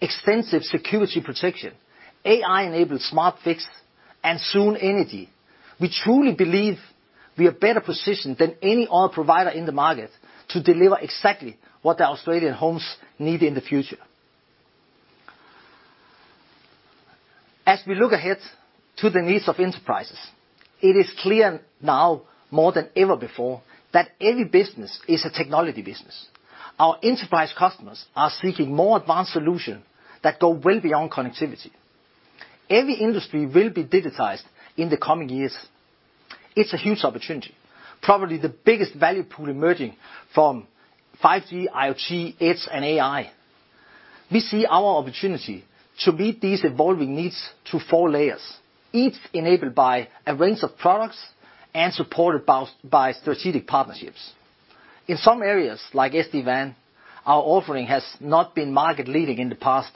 extensive security protection, AI-enabled smart fix, and soon, energy. We truly believe we are better positioned than any other provider in the market to deliver exactly what the Australian homes need in the future. As we look ahead to the needs of enterprises, it is clear now, more than ever before, that every business is a technology business. Our enterprise customers are seeking more advanced solution that go well beyond connectivity. Every industry will be digitized in the coming years. It's a huge opportunity, probably the biggest value pool emerging from 5G, IoT, Edge, and AI. We see our opportunity to meet these evolving needs through four layers, each enabled by a range of products and supported by strategic partnerships. In some areas, like SD-WAN, our offering has not been market leading in the past,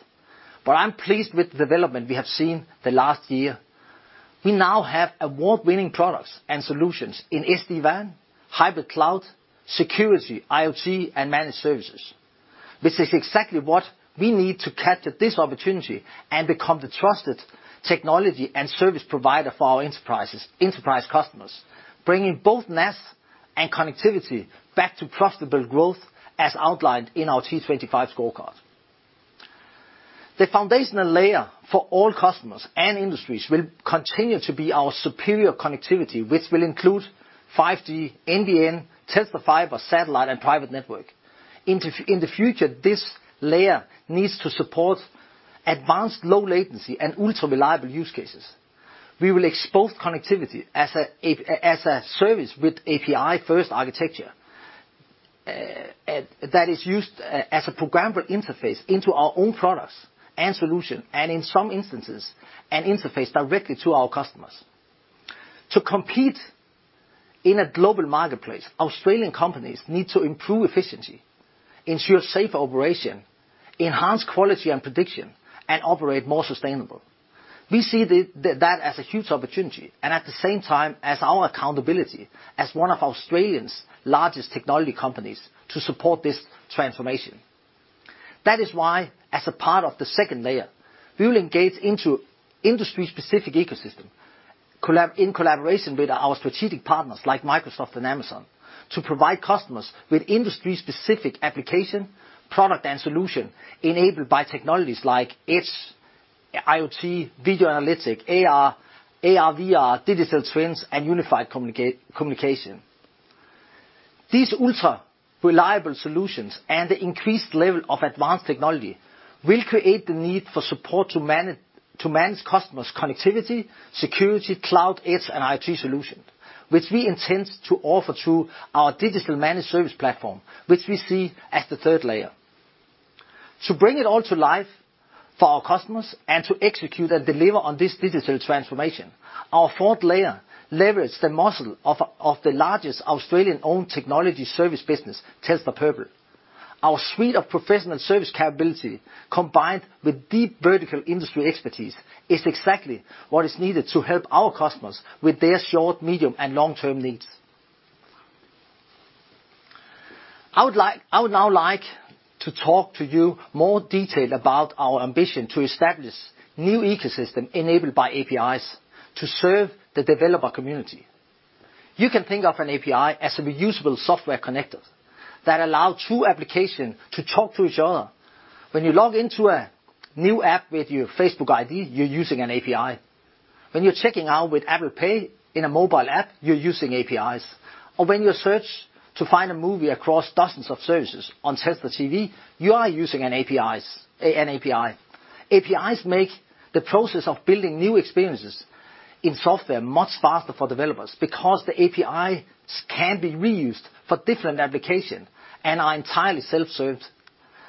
but I'm pleased with the development we have seen the last year. We now have award-winning products and solutions in SD-WAN, hybrid cloud, security, IoT, and managed services, which is exactly what we need to capture this opportunity and become the trusted technology and service provider for our enterprise customers, bringing both NaaS and connectivity back to profitable growth, as outlined in our T25 scorecard. The foundational layer for all customers and industries will continue to be our superior connectivity, which will include 5G, NBN, Telstra Fibre, Satellite, and Private Network. In the future, this layer needs to support advanced low latency and ultra-reliable use cases. We will expose connectivity as a service with API-first architecture that is used as a programmable interface into our own products and solution, and in some instances, an interface directly to our customers. To compete in a global marketplace, Australian companies need to improve efficiency, ensure safe operation, enhance quality and prediction, and operate more sustainable. We see that as a huge opportunity and at the same time, as our accountability as one of Australia's largest technology companies, to support this transformation. That is why, as a part of the second layer, we will engage into industry-specific ecosystem, in collaboration with our strategic partners, like Microsoft and Amazon, to provide customers with industry-specific application, product, and solution enabled by technologies like Edge, IoT, video analytics, AR, AR/VR, digital twins, and unified communications. These ultra-reliable solutions and the increased level of advanced technology will create the need for support to manage customers' connectivity, security, cloud, edge, and IT solution, which we intend to offer through our digital managed service platform, which we see as the third layer. To bring it all to life for our customers and to execute and deliver on this digital transformation, our fourth layer leverages the muscle of the largest Australian-owned technology service business, Telstra Purple. Our suite of professional service capability, combined with deep vertical industry expertise, is exactly what is needed to help our customers with their short, medium, and long-term needs. I would now like to talk to you more detail about our ambition to establish new ecosystem enabled by APIs to serve the developer community. You can think of an API as a reusable software connector that allow two application to talk to each other. When you log into a new app with your Facebook ID, you're using an API. When you're checking out with Apple Pay in a mobile app, you're using APIs. Or when you search to find a movie across dozens of services on Telstra TV, you are using an API. APIs make the process of building new experiences in software much faster for developers, because the APIs can be reused for different application and are entirely self-served.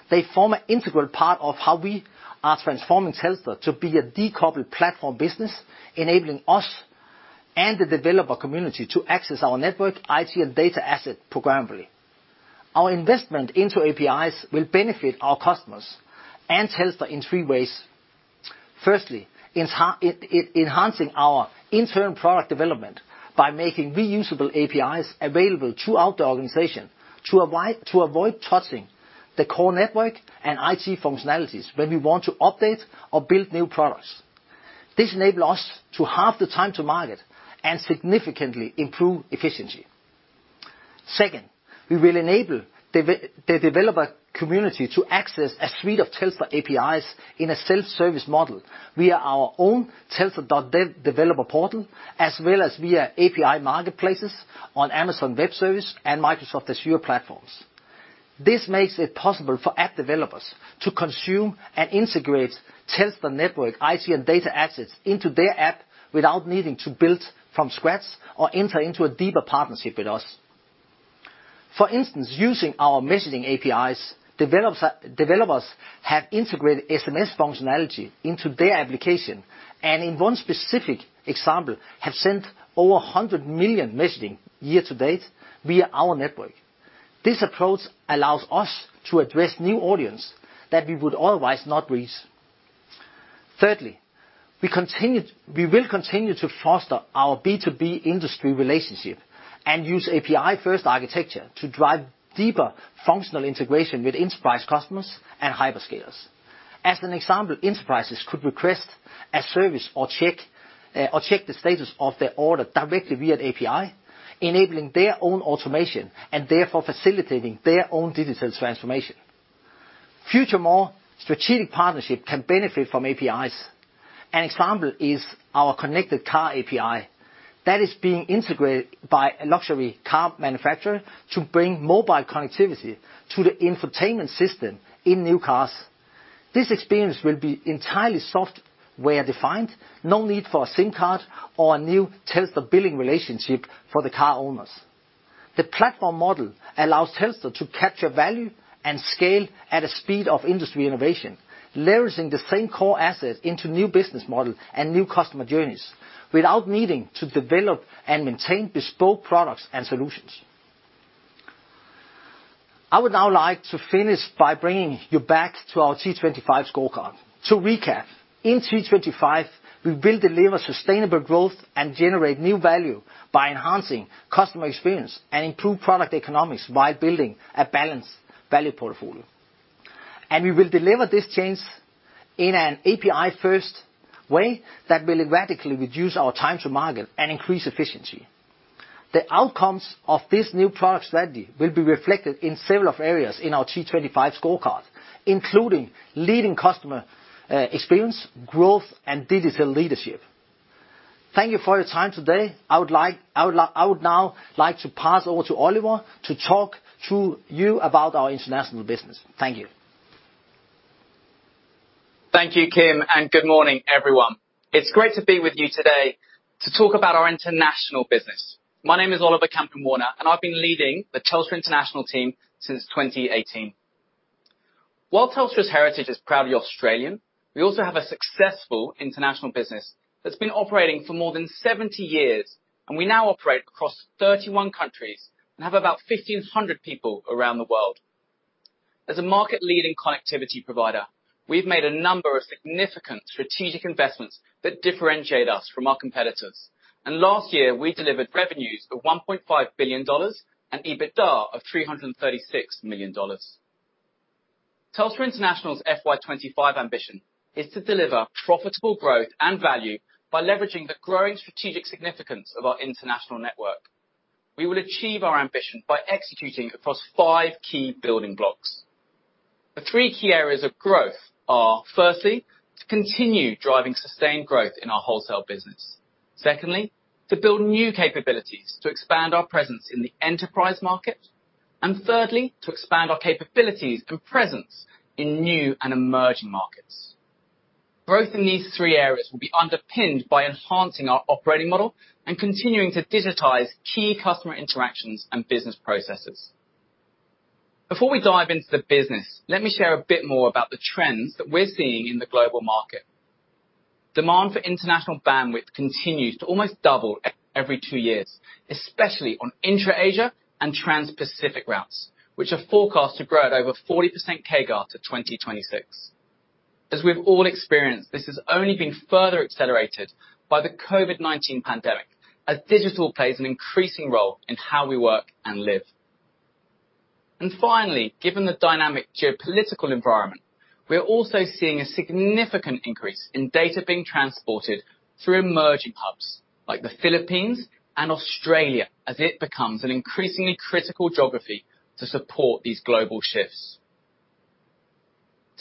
They form an integral part of how we are transforming Telstra to be a decoupled platform business, enabling us and the developer community to access our network, IT, and data asset programmably. Our investment into APIs will benefit our customers and Telstra in three ways. Firstly, enhancing our internal product development by making reusable APIs available throughout the organization, to avoid touching the core network and IT functionalities when we want to update or build new products. This enables us to halve the time to market and significantly improve efficiency. Second, we will enable the developer community to access a suite of Telstra APIs in a self-service model via our own Telstra.dev developer portal, as well as via API marketplaces on Amazon Web Services and Microsoft Azure platforms. This makes it possible for app developers to consume and integrate Telstra network, IT, and data assets into their app without needing to build from scratch or enter into a deeper partnership with us. For instance, using our messaging APIs, developers have integrated SMS functionality into their application, and in one specific example, have sent over 100 million messages year to date via our network. This approach allows us to address new audience that we would otherwise not reach. Thirdly, we will continue to foster our B2B industry relationship and use API-first architecture to drive deeper functional integration with enterprise customers and hyperscalers. As an example, enterprises could request a service or check the status of their order directly via API, enabling their own automation, and therefore facilitating their own digital transformation. Furthermore, more strategic partnership can benefit from APIs. An example is our connected car API that is being integrated by a luxury car manufacturer to bring mobile connectivity to the infotainment system in new cars. This experience will be entirely software-defined, no need for a SIM card or a new Telstra billing relationship for the car owners. The platform model allows Telstra to capture value and scale at a speed of industry innovation, leveraging the same core assets into new business model and new customer journeys, without needing to develop and maintain bespoke products and solutions. I would now like to finish by bringing you back to our T25 scorecard. To recap, in T25, we will deliver sustainable growth and generate new value by enhancing customer experience and improve product economics while building a balanced value portfolio. And we will deliver this change in an API-first way that will radically reduce our time to market and increase efficiency. The outcomes of this new product strategy will be reflected in several of areas in our T25 scorecard, including leading customer experience, growth, and digital leadership. Thank you for your time today. I would now like to pass over to Oliver to talk to you about our international business. Thank you. Thank you, Kim, and good morning, everyone. It's great to be with you today to talk about our international business. My name is Oliver Camplin-Warner, and I've been leading the Telstra International team since 2018. While Telstra's heritage is proudly Australian, we also have a successful international business that's been operating for more than 70 years, and we now operate across 31 countries and have about 1,500 people around the world. As a market-leading connectivity provider, we've made a number of significant strategic investments that differentiate us from our competitors. Last year, we delivered revenues of 1.5 billion dollars and EBITDA of 336 million dollars. Telstra International's FY 2025 ambition is to deliver profitable growth and value by leveraging the growing strategic significance of our international network. We will achieve our ambition by executing across five key building blocks. The three key areas of growth are, firstly, to continue driving sustained growth in our wholesale business. Secondly, to build new capabilities to expand our presence in the enterprise market. Thirdly, to expand our capabilities and presence in new and emerging markets. Growth in these three areas will be underpinned by enhancing our operating model and continuing to digitize key customer interactions and business processes. Before we dive into the business, let me share a bit more about the trends that we're seeing in the global market. Demand for international bandwidth continues to almost double every two years, especially on intra-Asia and Trans-Pacific routes, which are forecast to grow at over 40% CAGR to 2026. As we've all experienced, this has only been further accelerated by the COVID-19 pandemic, as digital plays an increasing role in how we work and live. And finally, given the dynamic geopolitical environment, we are also seeing a significant increase in data being transported through emerging hubs like the Philippines and Australia, as it becomes an increasingly critical geography to support these global shifts.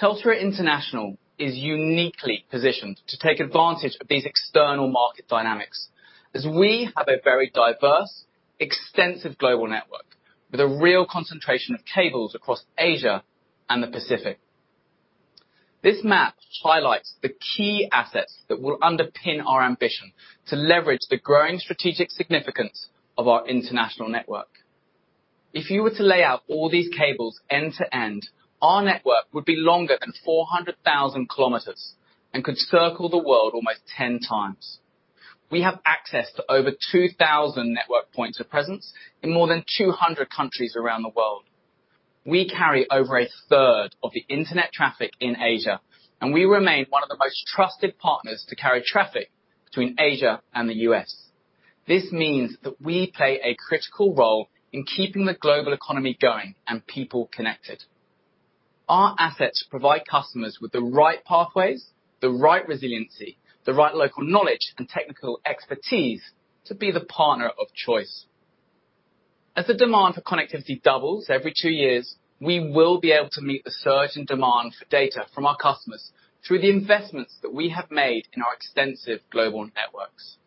Telstra International is uniquely positioned to take advantage of these external market dynamics, as we have a very diverse, extensive global network with a real concentration of cables across Asia and the Pacific. This map highlights the key assets that will underpin our ambition to leverage the growing strategic significance of our international network. If you were to lay out all these cables end to end, our network would be longer than 400,000 kilometers and could circle the world almost 10x. We have access to over 2,000 network points of presence in more than 200 countries around the world. We carry over a third of the internet traffic in Asia, and we remain one of the most trusted partners to carry traffic between Asia and the U.S. This means that we play a critical role in keeping the global economy going and people connected. Our assets provide customers with the right pathways, the right resiliency, the right local knowledge and technical expertise to be the partner of choice. As the demand for connectivity doubles every two years, we will be able to meet the surge in demand for data from our customers through the investments that we have made in our extensive global networks.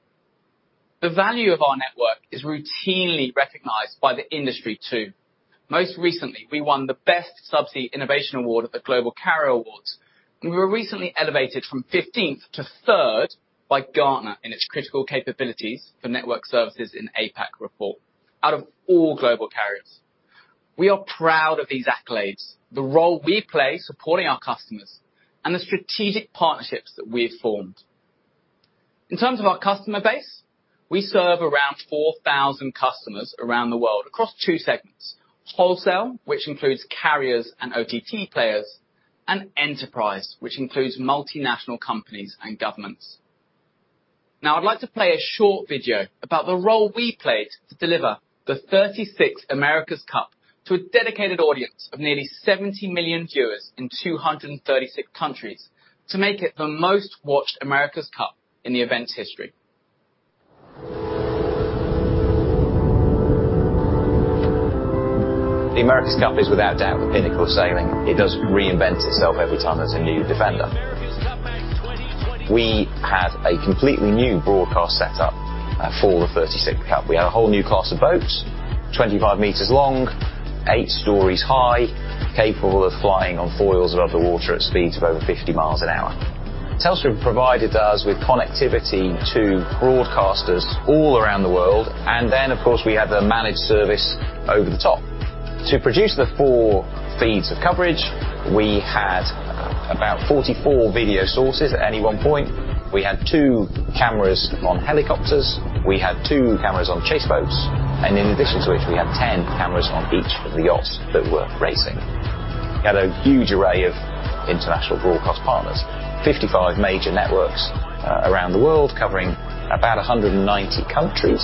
The value of our network is routinely recognized by the industry, too. Most recently, we won the Best Subsea Innovation Award at the Global Carrier Awards, and we were recently elevated from 15th to 3rd by Gartner in its critical capabilities for network services in APAC report out of all global carriers. We are proud of these accolades, the role we play supporting our customers, and the strategic partnerships that we've formed. In terms of our customer base, we serve around 4,000 customers around the world across two segments: wholesale, which includes carriers and OTT players, and enterprise, which includes multinational companies and governments. Now, I'd like to play a short video about the role we played to deliver the 36th America's Cup to a dedicated audience of nearly 70 million viewers in 236 countries to make it the most-watched America's Cup in the event's history. The America's Cup is without doubt the pinnacle of sailing. It does reinvent itself every time there's a new defender. The America's Cup back 2020- We had a completely new broadcast set up for the 36th cup. We had a whole new class of boats, 25 meters long, eight stories high, capable of flying on foils above the water at speeds of over 50 mi an hour. Telstra provided us with connectivity to broadcasters all around the world, and then, of course, we had the managed service over the top. To produce the four feeds of coverage, we had about 44 video sources at any one point. We had two cameras on helicopters, we had two cameras on chase boats, and in addition to which, we had 10 cameras on each of the yachts that were racing. We had a huge array of international broadcast partners, 55 major networks around the world, covering about 190 countries,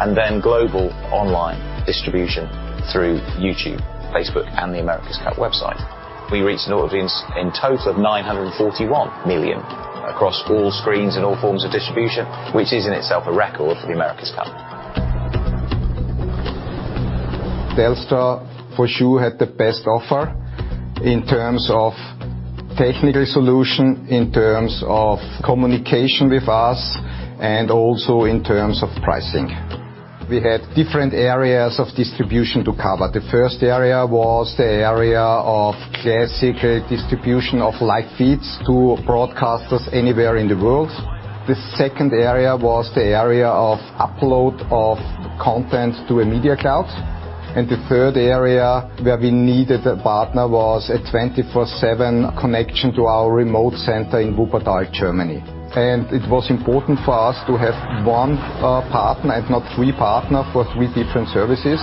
and then global online distribution through YouTube, Facebook, and the America's Cup website. We reached an audience in total of 941 million across all screens and all forms of distribution, which is in itself a record for the America's Cup. Telstra for sure had the best offer in terms of technical solution, in terms of communication with us, and also in terms of pricing. We had different areas of distribution to cover. The first area was the area of classic distribution of live feeds to broadcasters anywhere in the world. The second area was the area of upload of content to a media cloud. And the third area where we needed a partner was a 24/7 connection to our remote center in Wuppertal, Germany. And it was important for us to have one partner and not three partner for three different services. is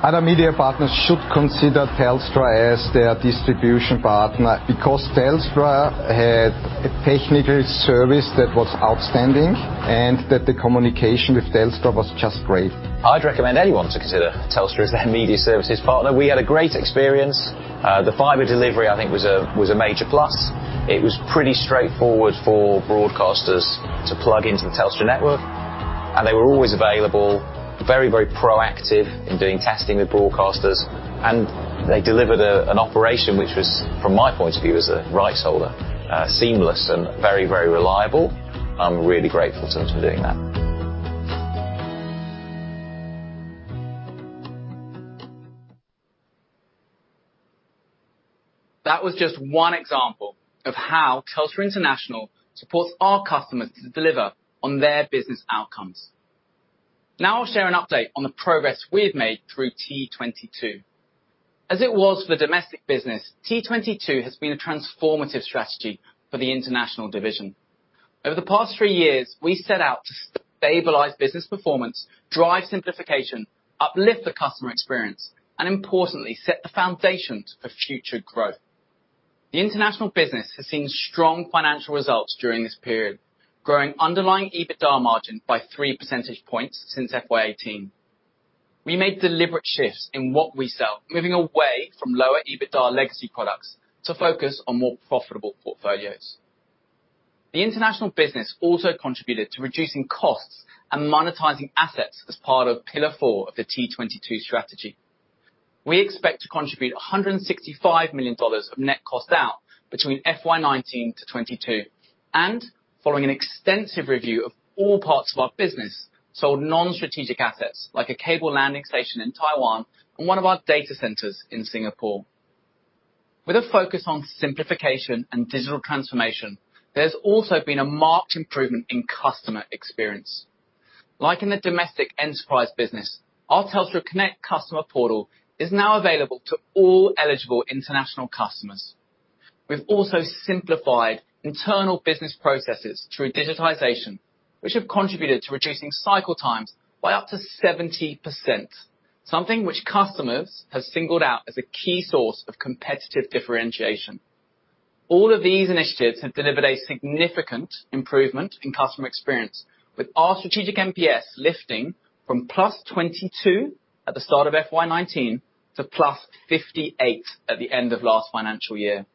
about to win the America's Cup. Other media partners should consider Telstra as their distribution partner, because Telstra had a technical service that was outstanding and that the communication with Telstra was just great. I'd recommend anyone to consider Telstra as their media services partner. We had a great experience. The fiber delivery, I think, was a major plus. It was pretty straightforward for broadcasters to plug into the Telstra network, and they were always available. Very, very proactive in doing testing with broadcasters, and they delivered an operation which was, from my point of view as a rights holder, seamless and very, very reliable. I'm really grateful to them for doing that. That was just one example of how Telstra International supports our customers to deliver on their business outcomes. Now I'll share an update on the progress we have made through T22. As it was for the domestic business, T22 has been a transformative strategy for the international division. Over the past three years, we set out to stabilize business performance, drive simplification, uplift the customer experience, and importantly, set the foundation for future growth. The international business has seen strong financial results during this period, growing underlying EBITDA margin by 3 percentage points since FY 2018. We made deliberate shifts in what we sell, moving away from lower EBITDA legacy products to focus on more profitable portfolios... The international business also contributed to reducing costs and monetizing assets as part of Pillar Four of the T22 strategy. We expect to contribute 165 million dollars of net cost out between FY 2019 to 2022, and following an extensive review of all parts of our business, sold non-strategic assets like a cable landing station in Taiwan and one of our data centers in Singapore. With a focus on simplification and digital transformation, there's also been a marked improvement in customer experience. Like in the domestic enterprise business, our Telstra Connect customer portal is now available to all eligible international customers. We've also simplified internal business processes through digitization, which have contributed to reducing cycle times by up to 70%, something which customers have singled out as a key source of competitive differentiation. All of these initiatives have delivered a significant improvement in customer experience, with our strategic NPS lifting from +22 at the start of FY 2019 to +58 at the end of last financial year.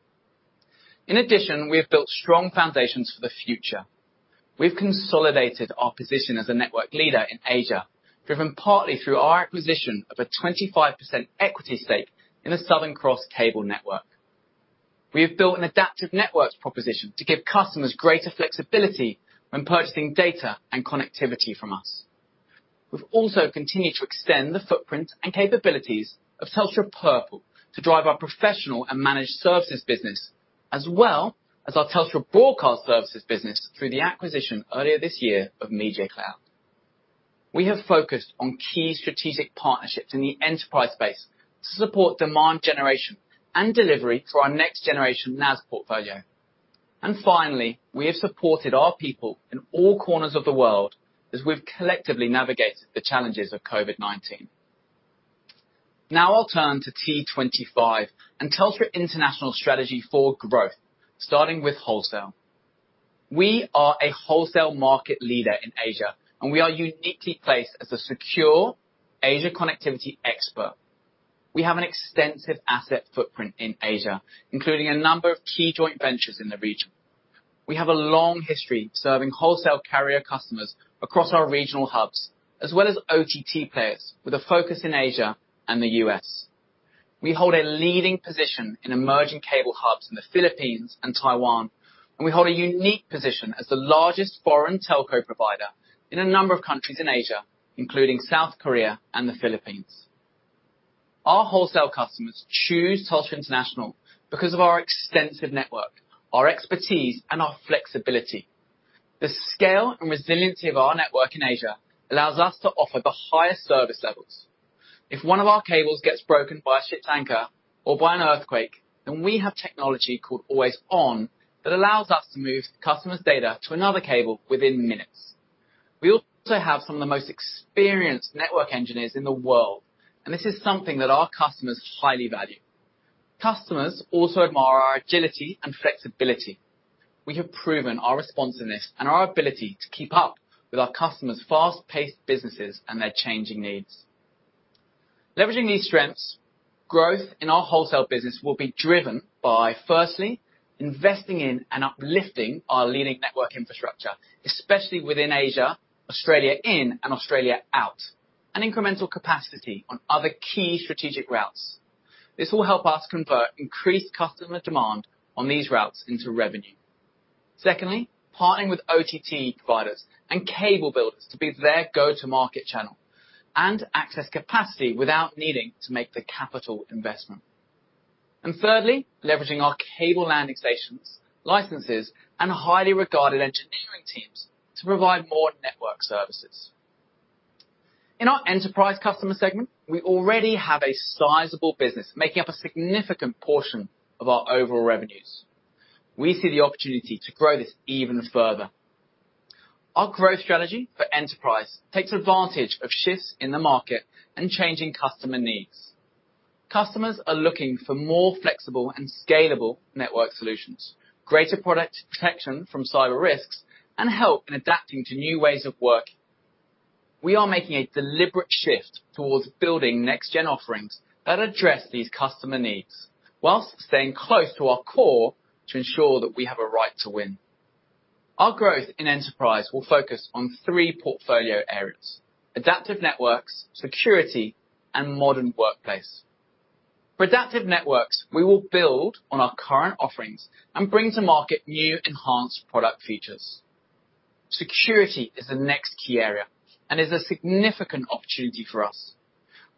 In addition, we have built strong foundations for the future. We've consolidated our position as a network leader in Asia, driven partly through our acquisition of a 25% equity stake in the Southern Cross Cable Network. We have built an Adaptive Networks proposition to give customers greater flexibility when purchasing data and connectivity from us. We've also continued to extend the footprint and capabilities of Telstra Purple to drive our professional and managed services business, as well as our Telstra Broadcast Services business through the acquisition earlier this year of MediaCloud. We have focused on key strategic partnerships in the enterprise space to support demand generation and delivery for our next generation NaaS portfolio. Finally, we have supported our people in all corners of the world as we've collectively navigated the challenges of COVID-19. Now I'll turn to T25 and Telstra International's strategy for growth, starting with wholesale. We are a wholesale market leader in Asia, and we are uniquely placed as a secure Asia connectivity expert. We have an extensive asset footprint in Asia, including a number of key joint ventures in the region. We have a long history of serving wholesale carrier customers across our regional hubs, as well as OTT players, with a focus in Asia and the U.S. We hold a leading position in emerging cable hubs in the Philippines and Taiwan, and we hold a unique position as the largest foreign telco provider in a number of countries in Asia, including South Korea and the Philippines. Our wholesale customers choose Telstra International because of our extensive network, our expertise, and our flexibility. The scale and resiliency of our network in Asia allows us to offer the highest service levels. If one of our cables gets broken by a ship's anchor or by an earthquake, then we have technology called Always On that allows us to move customers' data to another cable within minutes. We also have some of the most experienced network engineers in the world, and this is something that our customers highly value. Customers also admire our agility and flexibility. We have proven our responsiveness and our ability to keep up with our customers' fast-paced businesses and their changing needs. Leveraging these strengths, growth in our wholesale business will be driven by, firstly, investing in and uplifting our leading network infrastructure, especially within Asia, Australia in and Australia out, and incremental capacity on other key strategic routes. This will help us convert increased customer demand on these routes into revenue. Secondly, partnering with OTT providers and cable builders to be their go-to-market channel and access capacity without needing to make the capital investment. And thirdly, leveraging our cable landing stations, licenses, and highly regarded engineering teams to provide more network services. In our enterprise customer segment, we already have a sizable business, making up a significant portion of our overall revenues. We see the opportunity to grow this even further. Our growth strategy for enterprise takes advantage of shifts in the market and changing customer needs. Customers are looking for more flexible and scalable network solutions, greater product protection from cyber risks, and help in adapting to new ways of working. We are making a deliberate shift towards building next-gen offerings that address these customer needs, while staying close to our core to ensure that we have a right to win. Our growth in enterprise will focus on three portfolio areas: Adaptive Networks, security, and Modern Workplace. For Adaptive Networks, we will build on our current offerings and bring to market new, enhanced product features. Security is the next key area and is a significant opportunity for us.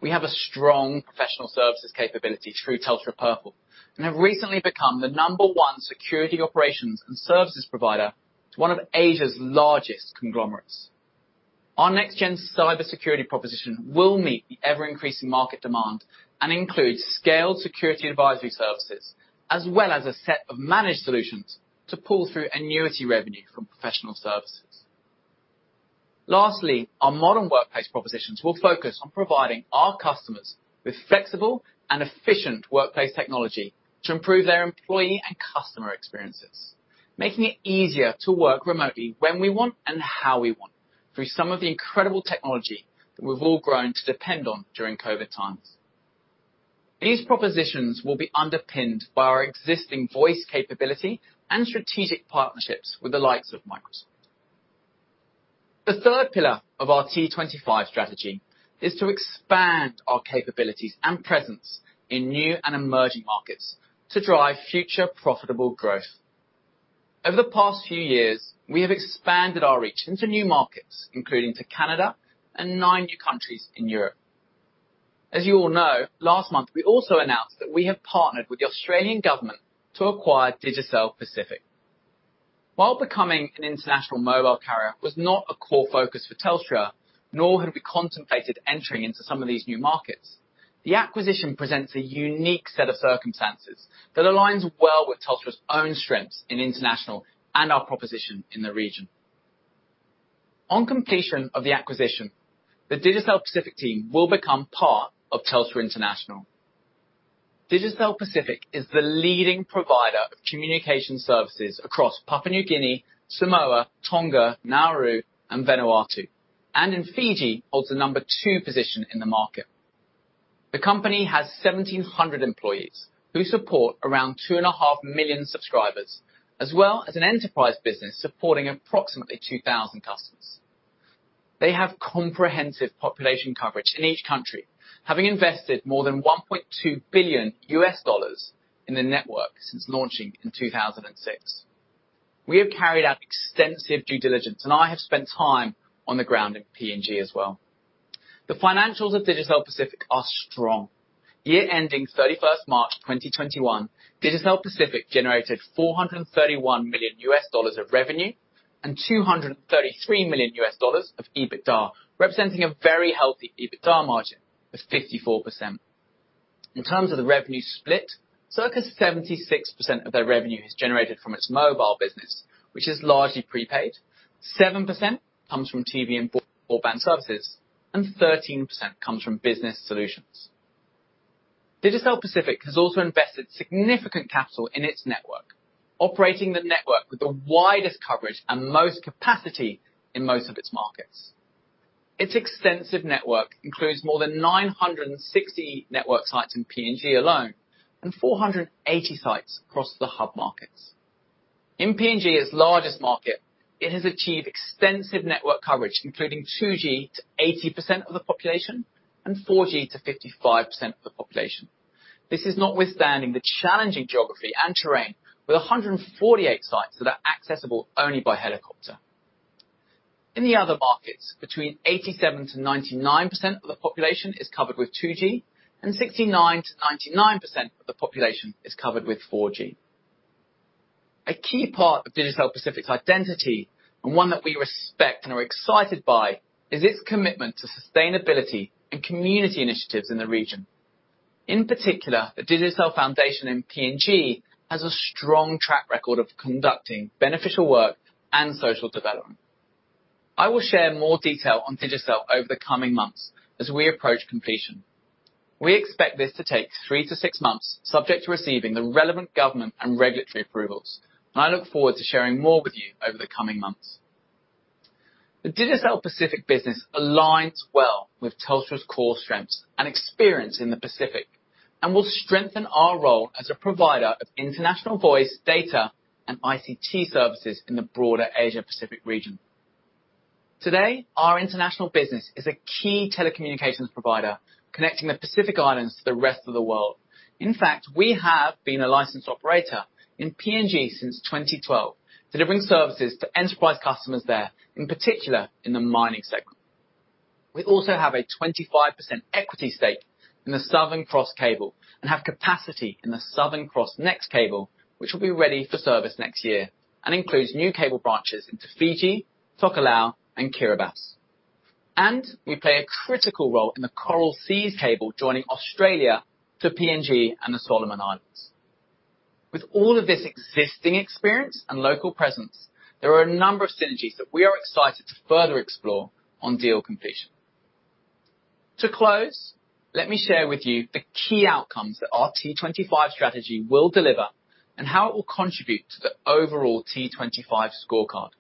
We have a strong professional services capability through Telstra Purple, and have recently become the number one security operations and services provider to one of Asia's largest conglomerates. Our next-gen cybersecurity proposition will meet the ever-increasing market demand and includes scaled security advisory services, as well as a set of managed solutions to pull through annuity revenue from professional services. Lastly, our Modern Workplace propositions will focus on providing our customers with flexible and efficient workplace technology to improve their employee and customer experiences, making it easier to work remotely when we want and how we want through some of the incredible technology that we've all grown to depend on during COVID times. These propositions will be underpinned by our existing voice capability and strategic partnerships with the likes of Microsoft. The third pillar of our T25 strategy is to expand our capabilities and presence in new and emerging markets to drive future profitable growth. Over the past few years, we have expanded our reach into new markets, including to Canada and nine new countries in Europe. As you all know, last month, we also announced that we have partnered with the Australian government to acquire Digicel Pacific. While becoming an international mobile carrier was not a core focus for Telstra, nor had we contemplated entering into some of these new markets, the acquisition presents a unique set of circumstances that aligns well with Telstra's own strengths in international and our proposition in the region. On completion of the acquisition, the Digicel Pacific team will become part of Telstra International. Digicel Pacific is the leading provider of communication services across Papua New Guinea, Samoa, Tonga, Nauru, and Vanuatu, and in Fiji, holds the number two position in the market. The company has 1,700 employees who support around 2.5 million subscribers, as well as an enterprise business supporting approximately 2,000 customers. They have comprehensive population coverage in each country, having invested more than $1.2 billion in the network since launching in 2006. We have carried out extensive due diligence, and I have spent time on the ground in PNG as well. The financials of Digicel Pacific are strong. Year ending March 31, 2021, Digicel Pacific generated $431 million of revenue and $233 million of EBITDA, representing a very healthy EBITDA margin of 54%. In terms of the revenue split, circa 76% of their revenue is generated from its mobile business, which is largely prepaid. 7% comes from TV and broadband services, and 13% comes from business solutions. Digicel Pacific has also invested significant capital in its network, operating the network with the widest coverage and most capacity in most of its markets. Its extensive network includes more than 960 network sites in PNG alone and 480 sites across the hub markets. In PNG, its largest market, it has achieved extensive network coverage, including 2G to 80% of the population and 4G to 55% of the population. This is notwithstanding the challenging geography and terrain, with 148 sites that are accessible only by helicopter. In the other markets, between 87%-99% of the population is covered with 2G, and 69%-99% of the population is covered with 4G. A key part of Digicel Pacific's identity, and one that we respect and are excited by, is its commitment to sustainability and community initiatives in the region. In particular, the Digicel Foundation in PNG has a strong track record of conducting beneficial work and social development. I will share more detail on Digicel over the coming months as we approach completion. We expect this to take three to six months, subject to receiving the relevant government and regulatory approvals, and I look forward to sharing more with you over the coming months. The Digicel Pacific business aligns well with Telstra's core strengths and experience in the Pacific and will strengthen our role as a provider of international voice, data, and ICT services in the broader Asia-Pacific region. Today, our international business is a key telecommunications provider, connecting the Pacific Islands to the rest of the world. In fact, we have been a licensed operator in PNG since 2012, delivering services to enterprise customers there, in particular, in the mining segment. We also have a 25% equity stake in the Southern Cross Cable and have capacity in the Southern Cross NEXT cable, which will be ready for service next year and includes new cable branches into Fiji, Tokelau, and Kiribati. And we play a critical role in the Coral Sea Cable, joining Australia to PNG and the Solomon Islands. With all of this existing experience and local presence, there are a number of synergies that we are excited to further explore on deal completion. To close, let me share with you the key outcomes that our T25 strategy will deliver and how it will contribute to the overall T25 scorecard,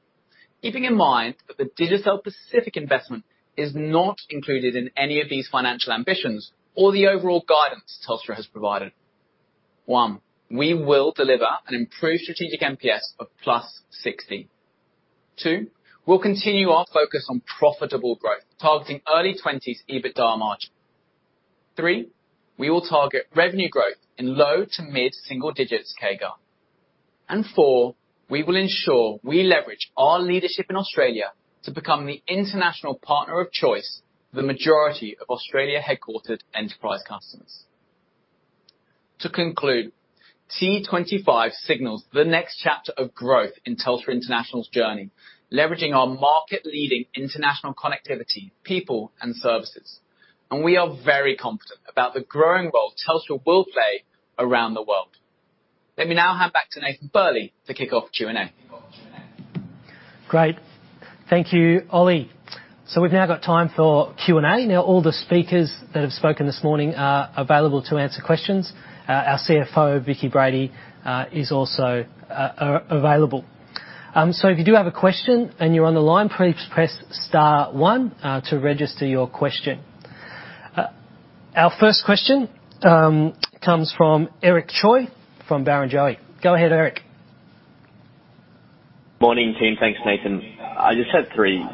keeping in mind that the Digicel Pacific investment is not included in any of these financial ambitions or the overall guidance Telstra has provided. One, we will deliver an improved strategic NPS of +60. Two, we'll continue our focus on profitable growth, targeting early 20s EBITDA margin. Three, we will target revenue growth in low- to mid-single digits CAGR. And four, we will ensure we leverage our leadership in Australia to become the international partner of choice for the majority of Australia-headquartered enterprise customers. To conclude, T25 signals the next chapter of growth in Telstra International's journey, leveraging our market-leading international connectivity, people, and services. And we are very confident about the growing role Telstra will play around the world. Let me now hand back to Nathan Burley to kick off Q&A. Great. Thank you, Ollie. So we've now got time for Q&A. Now, all the speakers that have spoken this morning are available to answer questions. Our CFO, Vicki Brady, is also available. So if you do have a question and you're on the line, please press star one to register your question. Our first question comes from Eric Choi from Barrenjoey. Go ahead, Eric. Morning, team. Thanks, Nathan. I just had three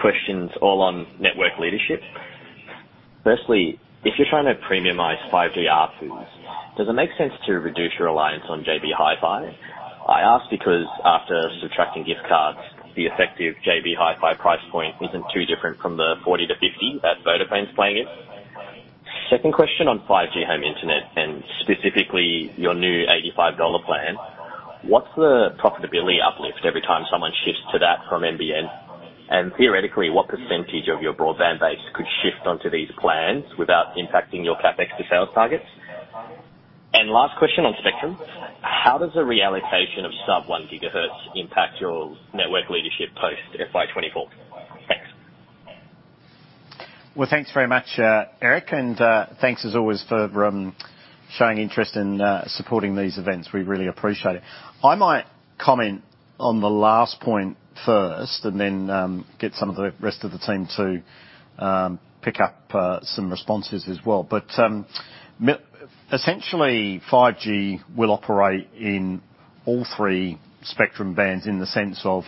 questions, all on network leadership. Firstly, if you're trying to premiumize 5G R2s, does it make sense to reduce your reliance on JB Hi-Fi? I ask because after subtracting gift cards, the effective JB Hi-Fi price point isn't too different from the 40-50 that Vodafone's playing it. Second question on 5G home Internet, and specifically your new 85 dollar plan. What's the profitability uplift every time someone shifts to that from NBN? And theoretically, what percentage of your broadband base could shift onto these plans without impacting your CapEx to sales targets? And last question on spectrum, how does the reallocation of sub-1 gigahertz impact your network leadership post FY 2024? Thanks. Well, thanks very much, Eric, and, thanks, as always, for, showing interest in, supporting these events. We really appreciate it. I might comment on the last point first and then, get some of the rest of the team to, pick up, some responses as well. But, essentially, 5G will operate in all three spectrum bands, in the sense of,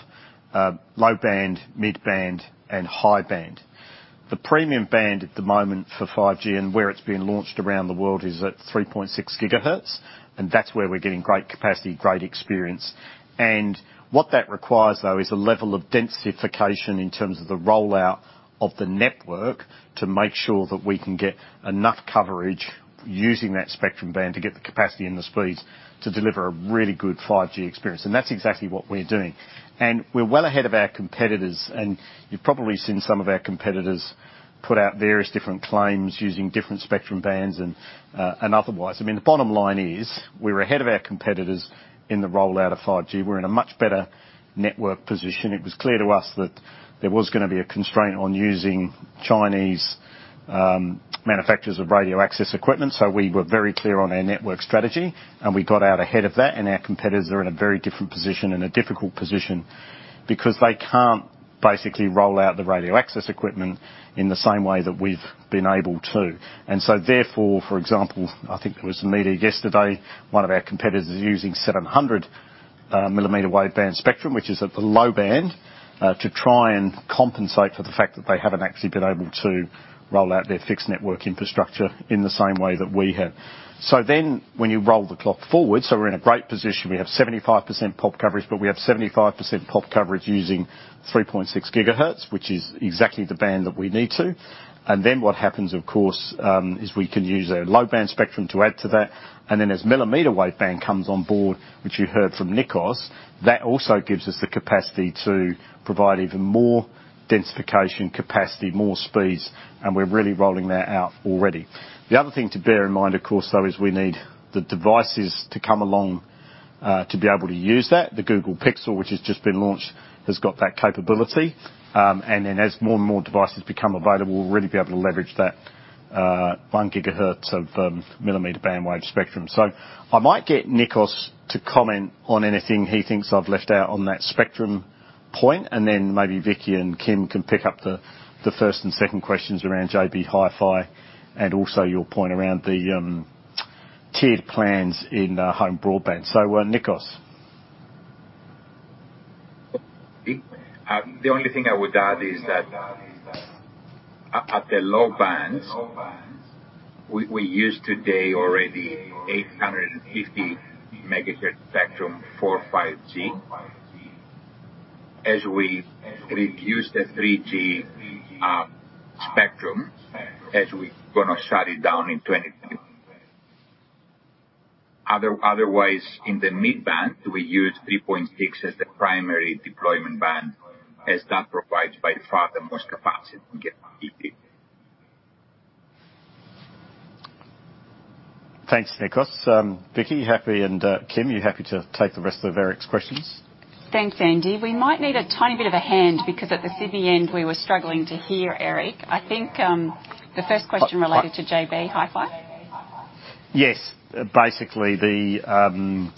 low band, mid band, and high band. The premium band at the moment for 5G, and where it's being launched around the world, is at 3.6 gigahertz, and that's where we're getting great capacity, great experience. And what that requires, though, is a level of densification in terms of the rollout of the network to make sure that we can get enough coverage using that spectrum band to get the capacity and the speeds to deliver a really good 5G experience, and that's exactly what we're doing. And we're well ahead of our competitors, and you've probably seen some of our competitors put out various different claims using different spectrum bands and, and otherwise. I mean, the bottom line is, we're ahead of our competitors in the rollout of 5G. We're in a much better network position. It was clear to us that there was gonna be a constraint on using Chinese manufacturers of radio access equipment, so we were very clear on our network strategy, and we got out ahead of that, and our competitors are in a very different position, and a difficult position, because they can't basically roll out the radio access equipment in the same way that we've been able to. So therefore, for example, I think there was a meeting yesterday, one of our competitors is using 700 millimeter wave band spectrum, which is at the low band, to try and compensate for the fact that they haven't actually been able to roll out their fixed network infrastructure in the same way that we have. So then, when you roll the clock forward, so we're in a great position. We have 75% pop coverage, but we have 75% pop coverage using 3.6 gigahertz, which is exactly the band that we need to. And then what happens, of course, is we can use a low-band spectrum to add to that, and then as millimeter wave band comes on board, which you heard from Nikos, that also gives us the capacity to provide even more densification capacity, more speeds, and we're really rolling that out already. The other thing to bear in mind, of course, though, is we need the devices to come along, to be able to use that. The Google Pixel, which has just been launched, has got that capability. And then as more and more devices become available, we'll really be able to leverage that, 1 gigahertz of, millimeter band wave spectrum. So I might get Nikos to comment on anything he thinks I've left out on that spectrum point, and then maybe Vicki and Kim can pick up the first and second questions around JB Hi-Fi, and also your point around the tiered plans in home broadband. So, Nikos? The only thing I would add is that at the low bands, we use today already 850 megahertz spectrum for 5G. As we reduce the 3G spectrum, as we're gonna shut it down in twenty... Otherwise, in the mid band, we use 3.6 as the primary deployment band, as that provides by far the most capacity we get. Thanks, Nikos. Vicki, you happy and, Kim, you happy to take the rest of Eric's questions? Thanks, Andy. We might need a tiny bit of a hand, because at the Sydney end, we were struggling to hear Eric. I think, the first question related to JB Hi-Fi. Yes. Basically, I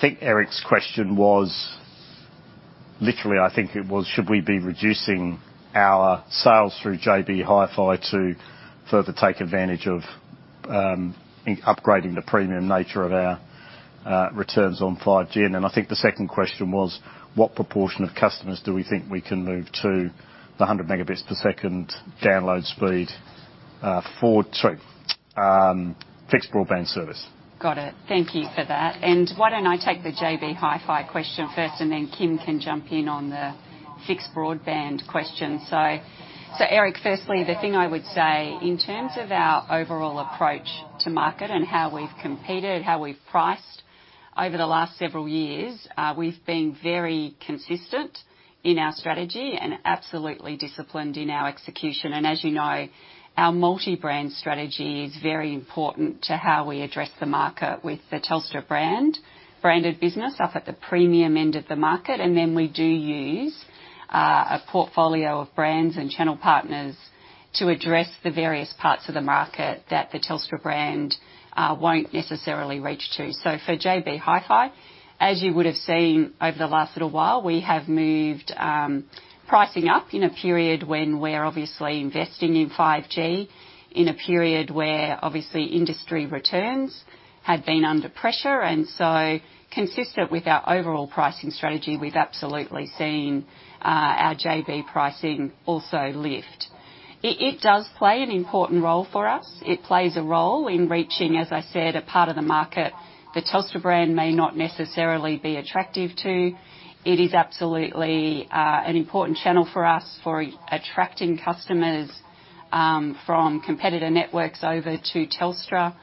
think Eric's question was, literally, I think it was, should we be reducing our sales through JB Hi-Fi to further take advantage of, in upgrading the premium nature of our, returns on 5G? And then I think the second question was: What proportion of customers do we think we can move to the 100 Mbps download speed, for, sorry, fixed broadband service? Got it. Thank you for that. And why don't I take the JB Hi-Fi question first, and then Kim can jump in on the fixed broadband question. So, so Eric, firstly, the thing I would say, in terms of our overall approach to market and how we've competed, how we've priced over the last several years, we've been very consistent in our strategy and absolutely disciplined in our execution. And as you know, our multi-brand strategy is very important to how we address the market with the Telstra brand. Branded business up at the premium end of the market, and then we do use a portfolio of brands and channel partners to address the various parts of the market that the Telstra brand won't necessarily reach to. So for JB Hi-Fi, as you would have seen over the last little while, we have moved pricing up in a period when we're obviously investing in 5G, in a period where, obviously, industry returns had been under pressure. And so consistent with our overall pricing strategy, we've absolutely seen our JB pricing also lift. It, it does play an important role for us. It plays a role in reaching, as I said, a part of the market the Telstra brand may not necessarily be attractive to. It is absolutely an important channel for us for attracting customers from competitor networks over to Telstra.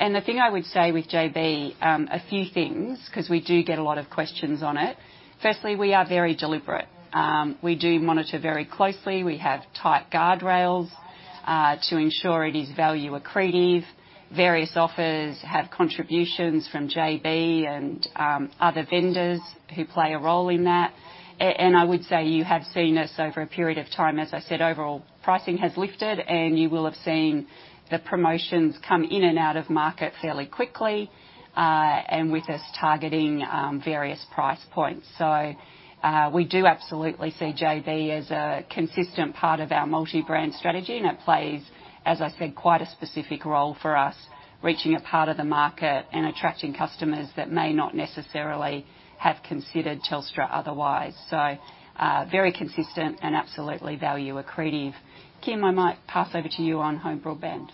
And the thing I would say with JB a few things, 'cause we do get a lot of questions on it. Firstly, we are very deliberate. We do monitor very closely. We have tight guardrails to ensure it is value accretive. Various offers have contributions from JB and other vendors who play a role in that. And I would say you have seen us over a period of time, as I said, overall, pricing has lifted, and you will have seen the promotions come in and out of market fairly quickly, and with us targeting various price points. So, we do absolutely see JB as a consistent part of our multi-brand strategy, and it plays, as I said, quite a specific role for us, reaching a part of the market and attracting customers that may not necessarily have considered Telstra otherwise. So, very consistent and absolutely value accretive. Kim, I might pass over to you on home broadband.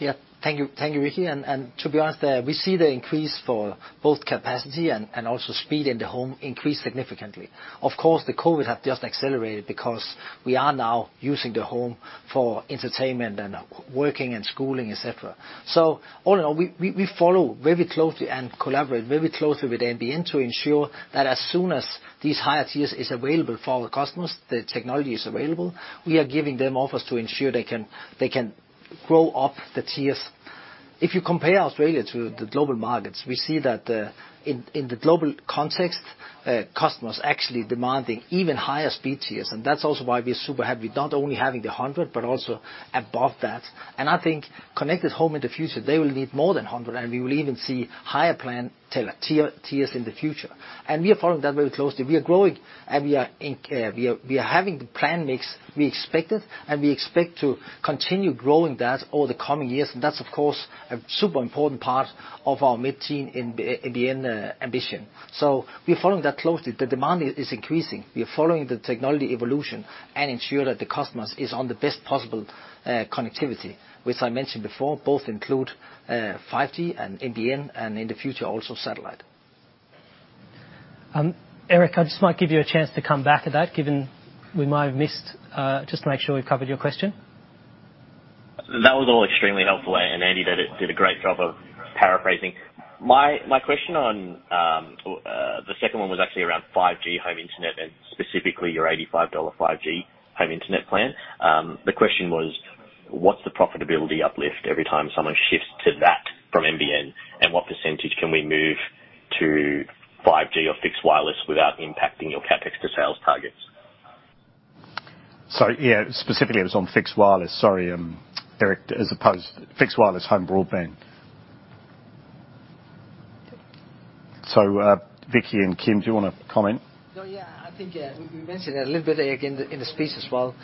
Yeah. Thank you. Thank you, Vicki, and, and to be honest, we see the increase for both capacity and, and also speed in the home increase significantly. Of course, the COVID have just accelerated because we are now using the home for entertainment and working and schooling, et cetera. So all in all, we, we, we follow very closely and collaborate very closely with NBN to ensure that as soon as these higher tiers is available for our customers, the technology is available, we are giving them offers to ensure they can, they can grow up the tiers. If you compare Australia to the global markets, we see that, in, in the global context, customers are actually demanding even higher speed tiers, and that's also why we are super happy, not only having the 100, but also above that. I think connected home in the future, they will need more than 100, and we will even see higher plan tier, tier, tiers in the future. We are following that very closely. We are growing, and we are having the plan mix we expected, and we expect to continue growing that over the coming years. And that's, of course, a super important part of our mid-term NBN ambition. So we're following that closely. The demand is increasing. We are following the technology evolution and ensure that the customers is on the best possible connectivity, which I mentioned before, both include 5G and NBN, and in the future, also satellite. Eric, I just might give you a chance to come back to that, given we might have missed. Just to make sure we've covered your question. That was all extremely helpful, and Andy did a great job of paraphrasing. My question on the second one was actually around 5G home internet and specifically your 85 dollar 5G home internet plan. The question was: What's the profitability uplift every time someone shifts to that from NBN, and what percentage can we move to 5G or fixed wireless without impacting your CapEx to sales targets? So yeah, specifically, it was on fixed wireless. Sorry, Eric, as opposed fixed wireless home broadband. So, Vicki and Kim, do you want to comment? So, yeah, I think, we mentioned a little bit, again, in the speech as well.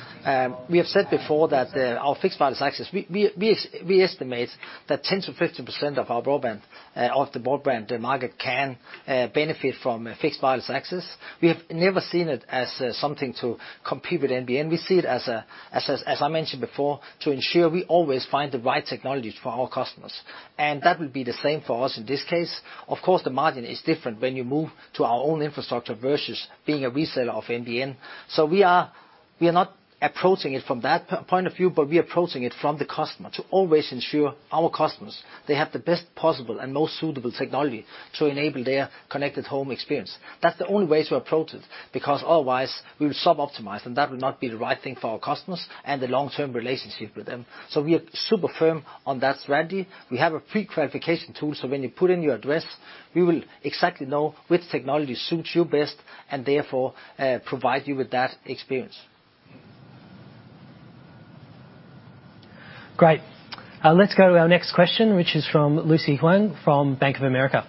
We have said before that, our fixed wireless access, we estimate that 10%-15% of our broadband, of the broadband market can, benefit from a fixed wireless access. We have never seen it as, something to compete with NBN. We see it as a, as as, as I mentioned before, to ensure we always find the right technology for our customers, and that will be the same for us in this case. Of course, the margin is different when you move to our own infrastructure versus being a reseller of NBN. So we are not approaching it from that perspective, but we are approaching it from the customer to always ensure our customers, they have the best possible and most suitable technology to enable their connected home experience. That's the only way to approach it, because otherwise we will suboptimize, and that will not be the right thing for our customers and the long-term relationship with them. So we are super firm on that strategy. We have a pre-qualification tool, so when you put in your address, we will exactly know which technology suits you best and therefore provide you with that experience. Great. Let's go to our next question, which is from Lucy Huang, from Bank of America.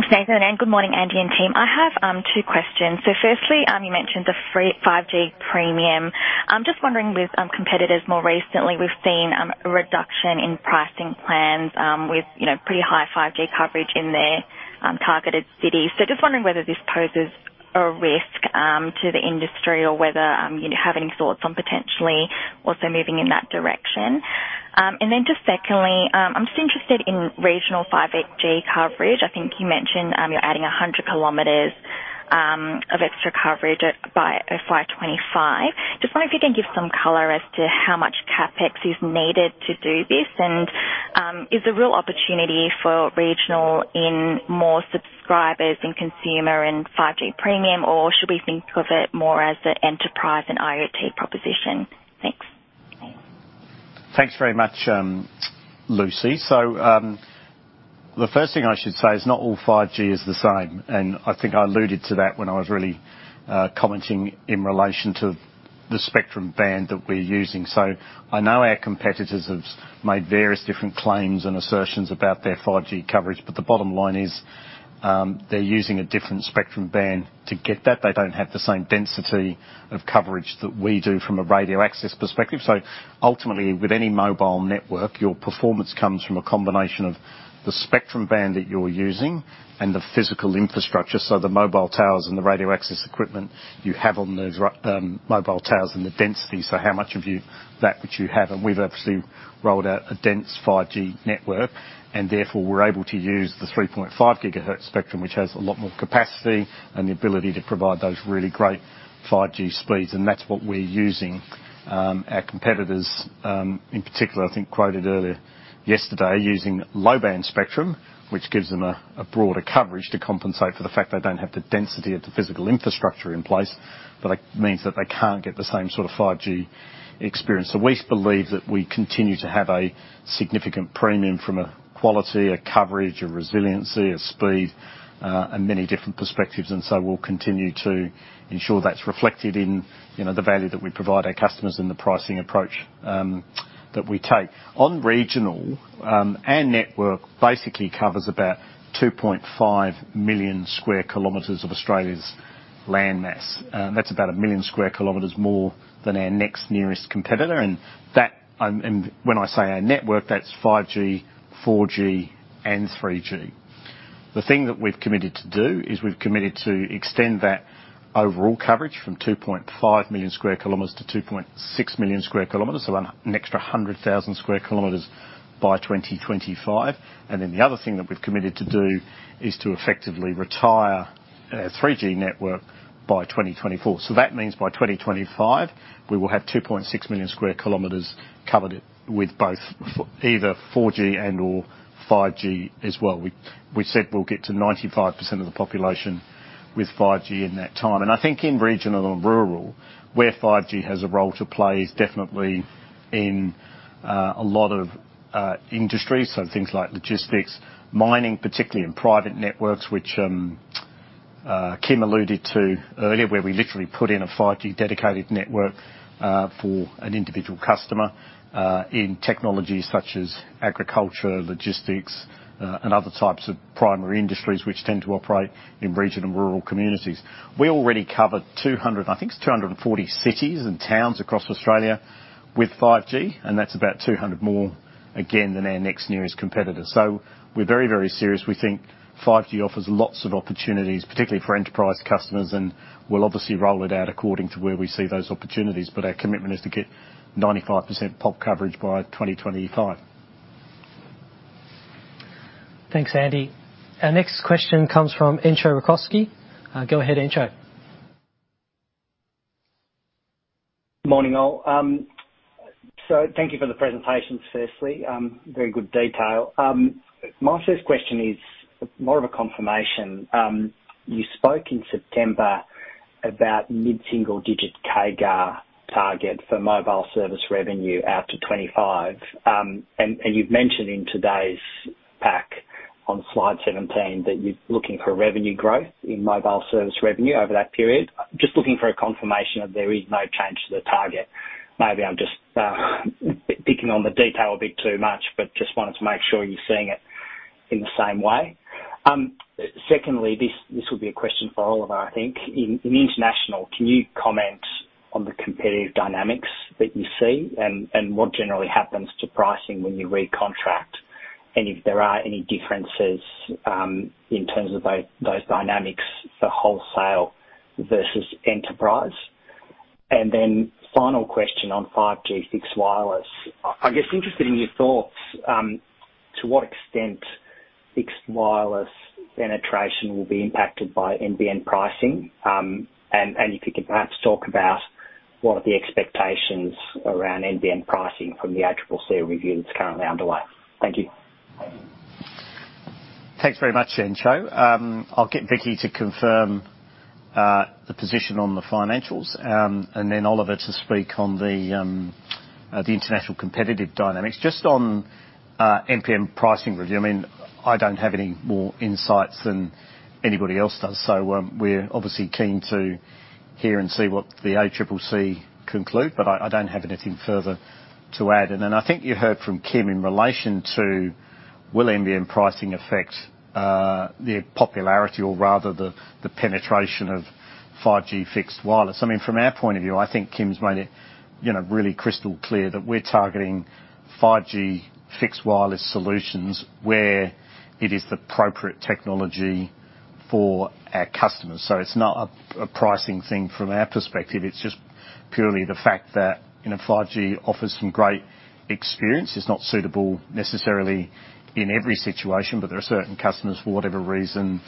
Thanks, Nathan, and good morning, Andy and team. I have two questions. So firstly, you mentioned the free 5G premium. I'm just wondering, with competitors more recently, we've seen a reduction in pricing plans, with, you know, pretty high 5G coverage in their targeted cities. So just wondering whether this poses a risk to the industry or whether you have any thoughts on potentially also moving in that direction. And then just secondly, I'm just interested in regional 5G coverage. I think you mentioned you're adding 100 kilometers of extra coverage at, by, 2025. Just wondering if you can give some color as to how much CapEx is needed to do this, and is there real opportunity for regional in more subscribers, in consumer, and 5G premium, or should we think of it more as an enterprise and IoT proposition? Thanks.... Thanks very much, Lucy. So, the first thing I should say is not all 5G is the same, and I think I alluded to that when I was really, commenting in relation to the spectrum band that we're using. So I know our competitors have made various different claims and assertions about their 5G coverage, but the bottom line is, they're using a different spectrum band to get that. They don't have the same density of coverage that we do from a radio access perspective. So ultimately, with any mobile network, your performance comes from a combination of the spectrum band that you're using and the physical infrastructure, so the mobile towers and the radio access equipment you have on those mobile towers, and the density, so how much of that which you have? And we've obviously rolled out a dense 5G network, and therefore, we're able to use the 3.5 gigahertz spectrum, which has a lot more capacity and the ability to provide those really great 5G speeds, and that's what we're using. Our competitors, in particular, I think, quoted earlier yesterday, are using low-band spectrum, which gives them a broader coverage to compensate for the fact they don't have the density of the physical infrastructure in place, but it means that they can't get the same sort of 5G experience. So we believe that we continue to have a significant premium from a quality, a coverage, a resiliency, a speed, and many different perspectives, and so we'll continue to ensure that's reflected in, you know, the value that we provide our customers and the pricing approach, that we take. On regional, our network basically covers about 2.5 million sq km of Australia's land mass. That's about 1 million sq km more than our next nearest competitor, and that, when I say our network, that's 5G, 4G, and 3G. The thing that we've committed to do is we've committed to extend that overall coverage from 2.5 million sq km to 2.6 million sq km, so an extra 100,000 sq km by 2025. And then the other thing that we've committed to do is to effectively retire our 3G network by 2024. So that means by 2025, we will have 2.6 million sq km covered with either 4G and/or 5G as well. We said we'll get to 95% of the population with 5G in that time. I think in regional and rural, where 5G has a role to play is definitely in a lot of industries, so things like logistics, mining, particularly in private networks, which Kim alluded to earlier, where we literally put in a 5G dedicated network for an individual customer in technologies such as agriculture, logistics, and other types of primary industries which tend to operate in regional and rural communities. We already covered 200, I think it's 240 cities and towns across Australia with 5G, and that's about 200 more, again, than our next nearest competitor. So we're very, very serious. We think 5G offers lots of opportunities, particularly for enterprise customers, and we'll obviously roll it out according to where we see those opportunities. But our commitment is to get 95% pop coverage by 2025. Thanks, Andy. Our next question comes from Entcho Raykovski. Go ahead, Entcho. Morning, all. So thank you for the presentation, firstly. Very good detail. My first question is more of a confirmation. You spoke in September about mid-single digit CAGR target for mobile service revenue out to 25. And, and you've mentioned in today's pack on slide 17 that you're looking for revenue growth in mobile service revenue over that period. Just looking for a confirmation that there is no change to the target. Maybe I'm just picking on the detail a bit too much, but just wanted to make sure you're seeing it in the same way. Secondly, this, this will be a question for Oliver, I think. In, in international, can you comment on the competitive dynamics that you see? What generally happens to pricing when you recontract, and if there are any differences in terms of those dynamics for wholesale versus enterprise? And then final question on 5G fixed wireless. I guess interested in your thoughts to what extent fixed wireless penetration will be impacted by NBN pricing. And if you could perhaps talk about what are the expectations around NBN pricing from the ACCC review that's currently underway. Thank you. Thanks very much, Entcho. I'll get Vicki to confirm the position on the financials, and then Oliver to speak on the international competitive dynamics. Just on NBN pricing review, I mean, I don't have any more insights than anybody else does, so we're obviously keen to hear and see what the ACCC conclude, but I don't have anything further to add. And then I think you heard from Kim in relation to will NBN pricing affect the popularity or rather the penetration of 5G fixed wireless? I mean, from our point of view, I think Kim's made it, you know, really crystal clear that we're targeting 5G fixed wireless solutions where it is the appropriate technology for our customers. So it's not a pricing thing from our perspective. It's just purely the fact that, you know, 5G offers some great experience. It's not suitable necessarily in every situation, but there are certain customers, for whatever reason,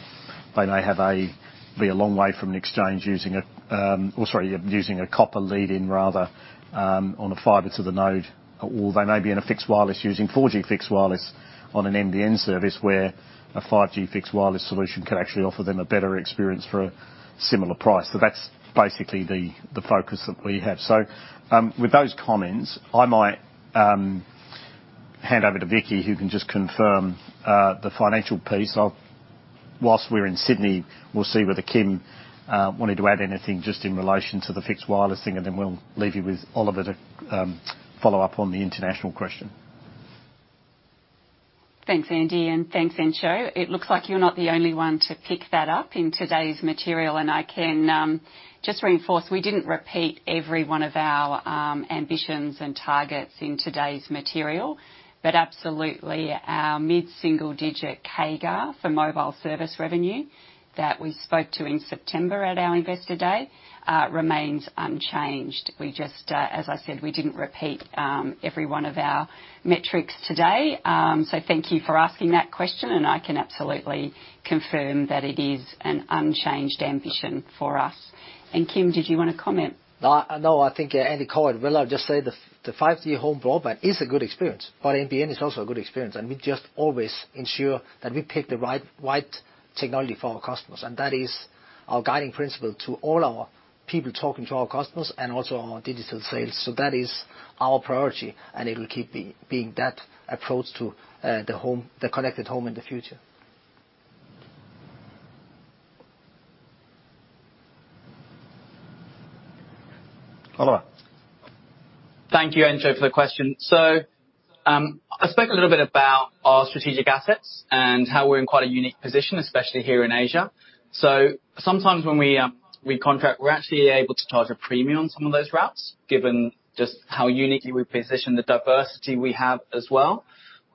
they may be a long way from an exchange using a, or sorry, using a copper lead in rather, on the fiber to the node. Or they may be in a fixed wireless using 4G fixed wireless on an NBN service, where a 5G fixed wireless solution could actually offer them a better experience for a similar price. So that's basically the focus that we have. So, with those comments, I might hand over to Vicki, who can just confirm the financial piece. I'll whilst we're in Sydney, we'll see whether Kim wanted to add anything just in relation to the fixed wireless thing, and then we'll leave you with Oliver to follow up on the international question. Thanks, Andy, and thanks, Entcho. It looks like you're not the only one to pick that up in today's material, and I can just reinforce, we didn't repeat every one of our ambitions and targets in today's material. But absolutely, our mid-single digit CAGR for mobile service revenue that we spoke to in September at our Investor Day remains unchanged. We just, as I said, we didn't repeat every one of our metrics today. So thank you for asking that question, and I can absolutely confirm that it is an unchanged ambition for us. And Kim, did you want to comment? No, no, I think, Andy Penn, well, I'll just say the, the five-year home broadband is a good experience, but NBN is also a good experience, and we just always ensure that we pick the right, right technology for our customers. That is our guiding principle to all our people talking to our customers and also our digital sales. That is our priority, and it will keep being, being that approach to, the home, the connected home in the future. Oliver? Thank you, Entcho, for the question. So, I spoke a little bit about our strategic assets and how we're in quite a unique position, especially here in Asia. So sometimes when we, we contract, we're actually able to charge a premium on some of those routes, given just how uniquely we position the diversity we have as well.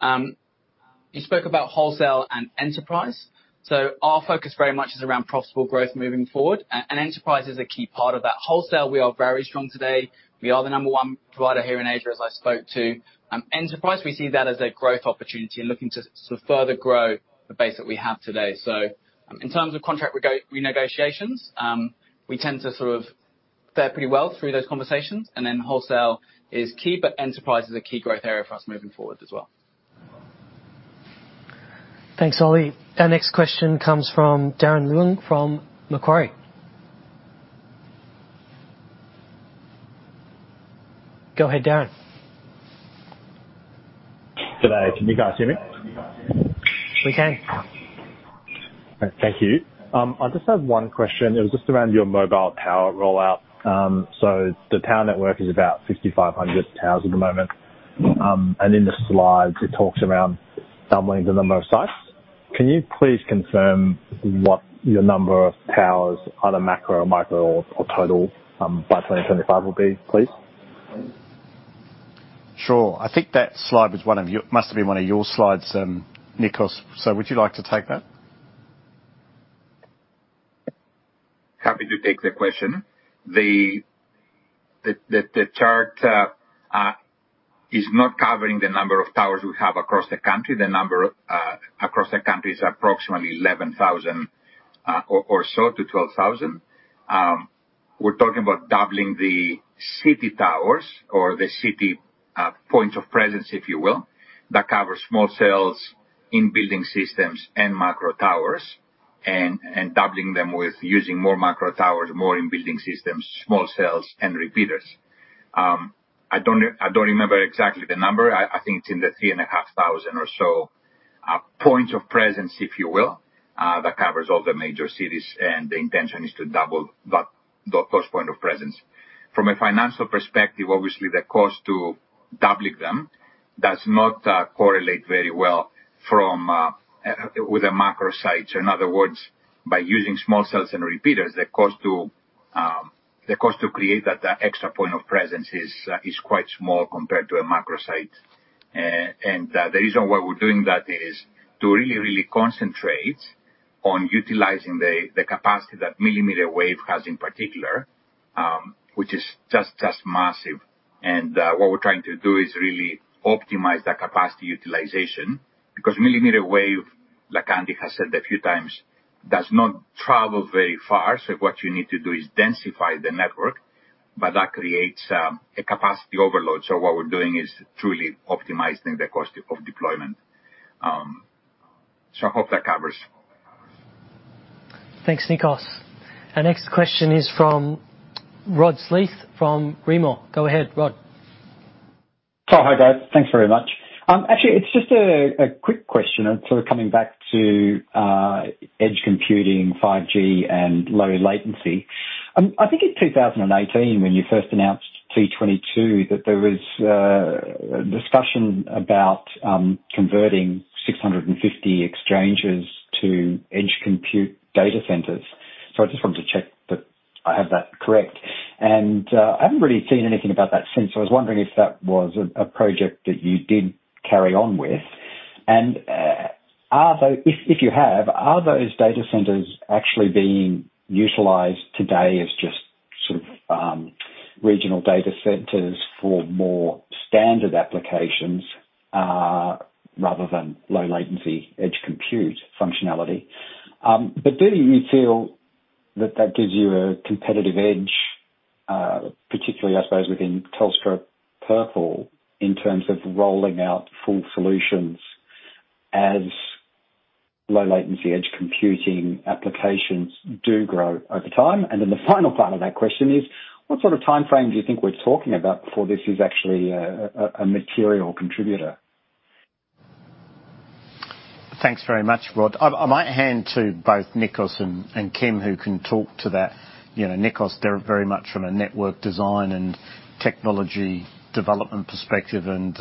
You spoke about wholesale and enterprise. So our focus very much is around profitable growth moving forward, and enterprise is a key part of that. Wholesale, we are very strong today. We are the number one provider here in Asia, as I spoke to. Enterprise, we see that as a growth opportunity and looking to sort of further grow the base that we have today. So, in terms of contract renegotiations, we tend to sort of fare pretty well through those conversations. And then wholesale is key, but enterprise is a key growth area for us moving forward as well. Thanks, Ollie. Our next question comes from Darren Leung from Macquarie. Go ahead, Darren. G'day. Can you guys hear me? We can. Thank you. I just have one question. It was just around your mobile tower rollout. The tower network is about 6,500 towers at the moment. In the slides, it talks around doubling the number of sites. Can you please confirm what your number of towers, either macro or micro or, or total, by 2025 will be, please? Sure. I think that slide must have been one of your slides, Nikos. So would you like to take that? Happy to take the question. The chart is not covering the number of towers we have across the country. The number across the country is approximately 11,000 or so to 12,000. We're talking about doubling the city towers or the city points of presence, if you will, that cover small cells in building systems and micro towers, and doubling them with using more micro towers, more in building systems, small cells and repeaters. I don't remember exactly the number. I think it's in the 3,500 or so points of presence, if you will, that covers all the major cities, and the intention is to double that, those point of presence. From a financial perspective, obviously, the cost to doubling them does not correlate very well with the macro sites. In other words, by using small cells and repeaters, the cost to create that extra point of presence is quite small compared to a macro site. And the reason why we're doing that is to really, really concentrate on utilizing the capacity that millimeter wave has in particular, which is just, just massive. And what we're trying to do is really optimize the capacity utilization, because millimeter wave, like Andy has said a few times, does not travel very far. So what you need to do is densify the network, but that creates a capacity overload. So what we're doing is truly optimizing the cost of deployment. So I hope that covers. Thanks, Nikos. Our next question is from Rod Sleath from Rimor. Go ahead, Rod. Oh, hi, guys. Thanks very much. Actually, it's just a quick question, and sort of coming back to edge computing, 5G, and low latency. I think in 2018, when you first announced T22, that there was a discussion about converting 650 exchanges to edge compute data centers. So I just wanted to check that I have that correct. And I haven't really seen anything about that since. So I was wondering if that was a project that you did carry on with. And are those—if you have, are those data centers actually being utilized today as just sort of regional data centers for more standard applications rather than low latency edge compute functionality? Do you feel that that gives you a competitive edge, particularly, I suppose, within Telstra Purple, in terms of rolling out full solutions as-... low latency edge computing applications do grow over time? And then the final part of that question is: what sort of time frame do you think we're talking about before this is actually a material contributor? Thanks very much, Rod. I might hand to both Nikos and Kim, who can talk to that. You know, Nikos, they're very much from a network design and technology development perspective and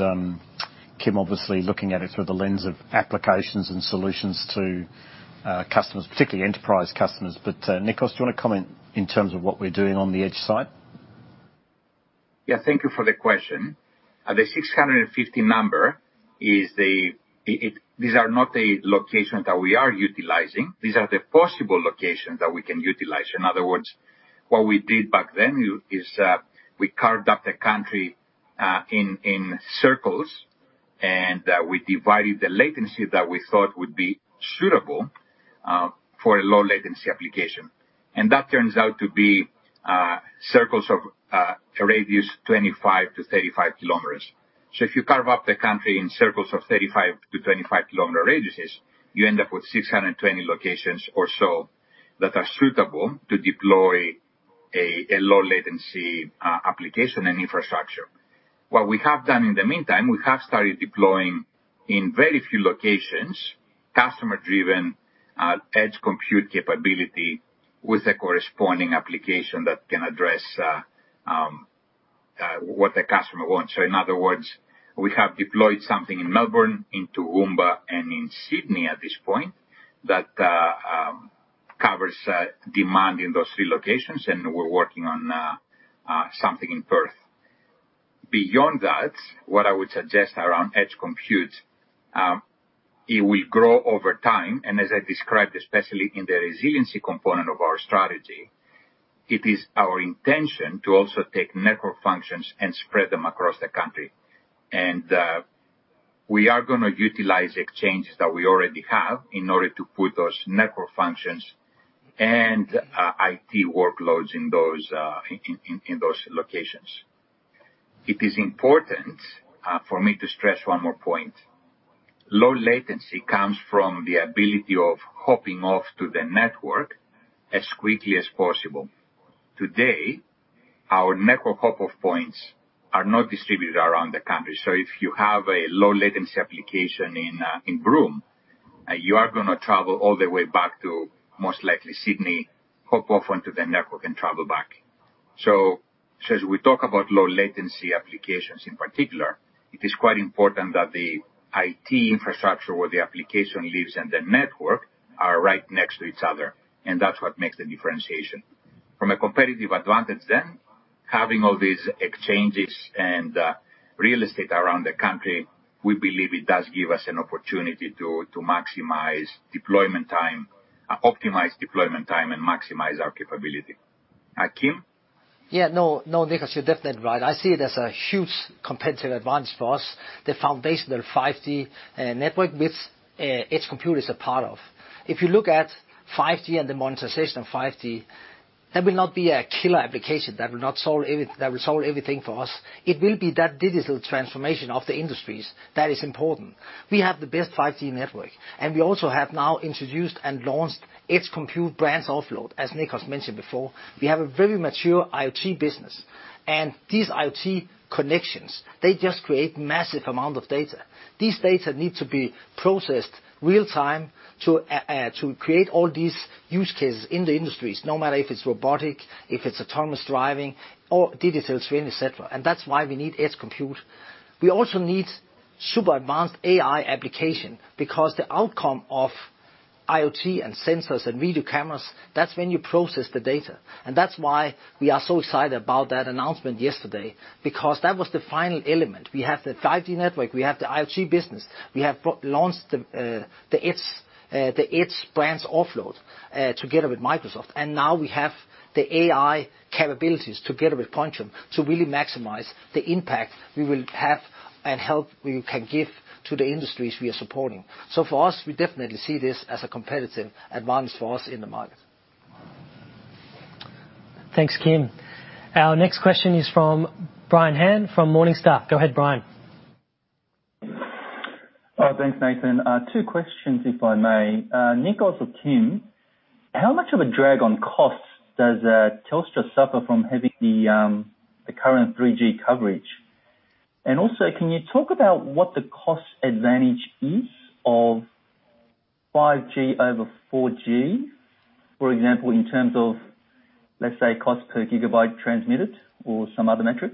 Kim, obviously looking at it through the lens of applications and solutions to customers, particularly enterprise customers. But, Nikos, do you want to comment in terms of what we're doing on the edge side? Yeah, thank you for the question. The 650 number is. These are not the locations that we are utilizing. These are the possible locations that we can utilize. In other words, what we did back then is we carved up the country in circles, and we divided the latency that we thought would be suitable for a low-latency application. And that turns out to be circles of a radius 25-35 km. So if you carve up the country in circles of 35-25 km radiuses, you end up with 620 locations or so, that are suitable to deploy a low-latency application and infrastructure. What we have done in the meantime, we have started deploying in very few locations, customer-driven, edge compute capability with a corresponding application that can address, what the customer wants. So in other words, we have deployed something in Melbourne, in Toowoomba, and in Sydney at this point, that covers demand in those three locations, and we're working on something in Perth. Beyond that, what I would suggest around edge compute, it will grow over time. And as I described, especially in the resiliency component of our strategy, it is our intention to also take network functions and spread them across the country. And we are gonna utilize exchanges that we already have in order to put those network functions and IT workloads in those locations. It is important, for me to stress one more point. Low latency comes from the ability of hopping off to the network as quickly as possible. Today, our network hop-off points are not distributed around the country. So if you have a low-latency application in, in Broome, you are gonna travel all the way back to, most likely, Sydney, hop off onto the network, and travel back. So as we talk about low-latency applications, in particular, it is quite important that the IT infrastructure, where the application lives and the network, are right next to each other, and that's what makes the differentiation. From a competitive advantage then, having all these exchanges and, real estate around the country, we believe it does give us an opportunity to, maximize deployment time. Optimize deployment time and maximize our capability. Kim? Yeah, no, no, Nikos, you're definitely right. I see it as a huge competitive advantage for us, the foundational 5G network with edge compute is a part of. If you look at 5G and the monetization of 5G, there will not be a killer application that will not solve every- that will solve everything for us. It will be that digital transformation of the industries that is important. We have the best 5G network, and we also have now introduced and launched edge compute branch offload, as Nikos mentioned before. We have a very mature IoT business, and these IoT connections, they just create massive amount of data. These data need to be processed real time to a, to create all these use cases in the industries, no matter if it's robotic, if it's autonomous driving, or digital training, et cetera. That's why we need edge compute. We also need super advanced AI application, because the outcome of IoT and sensors and video cameras, that's when you process the data. That's why we are so excited about that announcement yesterday, because that was the final element. We have the 5G network, we have the IoT business, we have pro-launched the, the edge, the edge branch offload together with Microsoft. And now we have the AI capabilities together with Quantium, to really maximize the impact we will have and help we can give to the industries we are supporting. So for us, we definitely see this as a competitive advantage for us in the market. Thanks, Kim. Our next question is from Brian Han, from Morningstar. Go ahead, Brian. Thanks, Nathan. Two questions, if I may. Nikos or Kim, how much of a drag on cost does Telstra suffer from having the current 3G coverage? And also, can you talk about what the cost advantage is of 5G over 4G? For example, in terms of, let's say, cost per gigabyte transmitted or some other metric.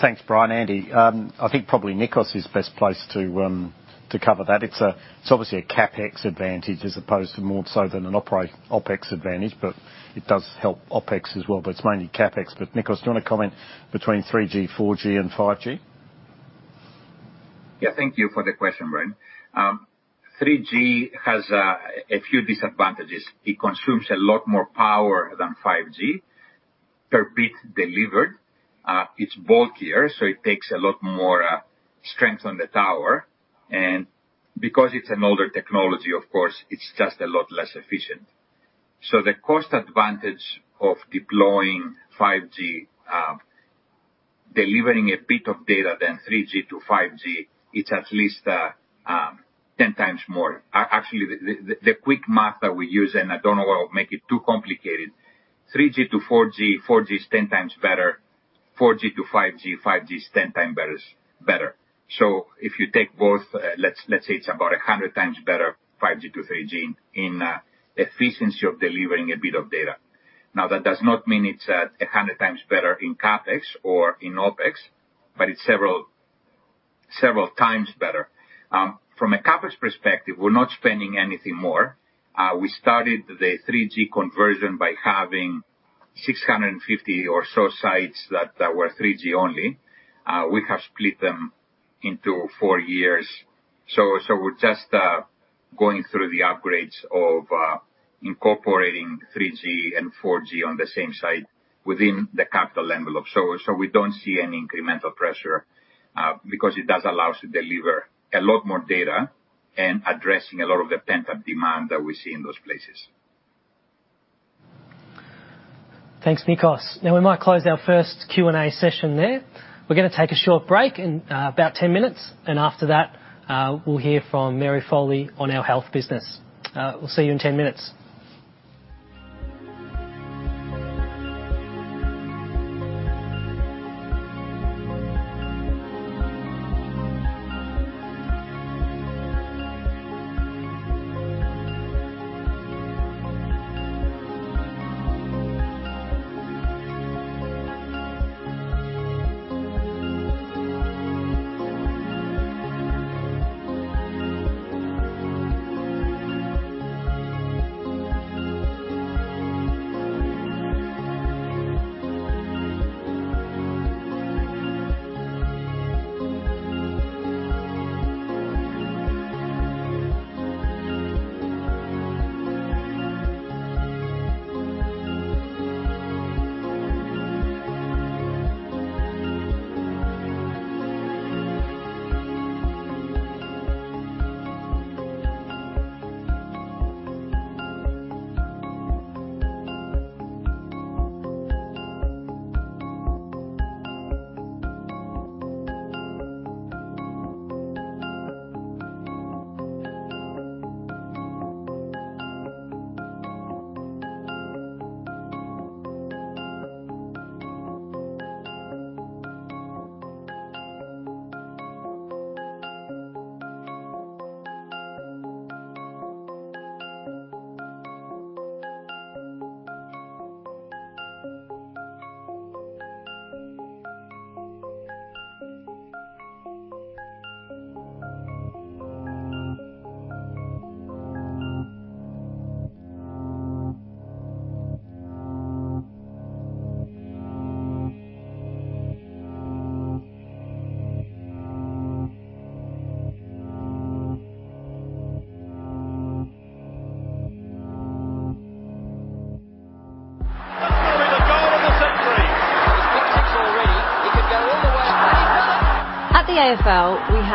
Thanks, Brian. Andy, I think probably Nikos is best placed to cover that. It's obviously a CapEx advantage as opposed to more so than an OpEx advantage, but it does help OpEx as well, but it's mainly CapEx. Nikos, do you want to comment between 3G, 4G, and 5G? Yeah, thank you for the question, Brian. 3G has a few disadvantages. It consumes a lot more power than 5G per bit delivered. It's bulkier, so it takes a lot more strength on the tower, and because it's an older technology, of course, it's just a lot less efficient. So the cost advantage of deploying 5G delivering a bit of data than 3G to 5G, it's at least 10x more. Actually, the quick math that we use, and I don't wanna make it too complicated, 3G to 4G, 4G is 10x better. 4G to 5G, 5G is 10x better. So if you take both, let's say it's about 100x better, 5G to 3G, in efficiency of delivering a bit of data. Now, that does not mean it's a 100x better in CapEx or in OpEx, but it's several, several times better. From a CapEx perspective, we're not spending anything more. We started the 3G conversion by having 650 or so sites that were 3G only. We have split them into four years. So we're just going through the upgrades of incorporating 3G and 4G on the same site within the capital envelope. So we don't see any incremental pressure because it does allow us to deliver a lot more data and addressing a lot of the pent-up demand that we see in those places. Thanks, Nikos. Now, we might close our first Q&A session there. We're gonna take a short break in about 10 minutes, and after that, we'll hear from Mary Foley on our health business. We'll see you in 10 minutes.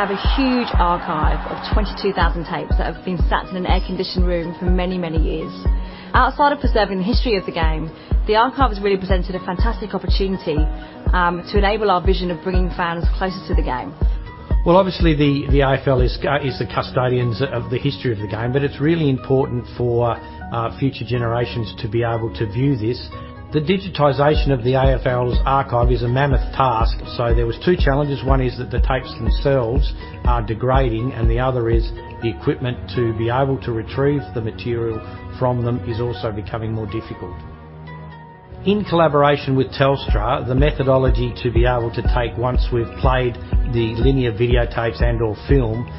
That's gonna be the goal of the century! He's got two already. He could go all the way- At the AFL, we have a huge archive of 22,000 tapes that have been sat in an air-conditioned room for many, many years. Outside of preserving the history of the game, the archive has really presented a fantastic opportunity to enable our vision of bringing fans closer to the game. Well, obviously, the AFL is the custodians of the history of the game, but it's really important for future generations to be able to view this. The digitization of the AFL's archive is a mammoth task, so there was two challenges. One is that the tapes themselves are degrading, and the other is the equipment to be able to retrieve the material from them is also becoming more difficult. In collaboration with Telstra, the methodology to be able to take once we've played the linear videotapes and/or film,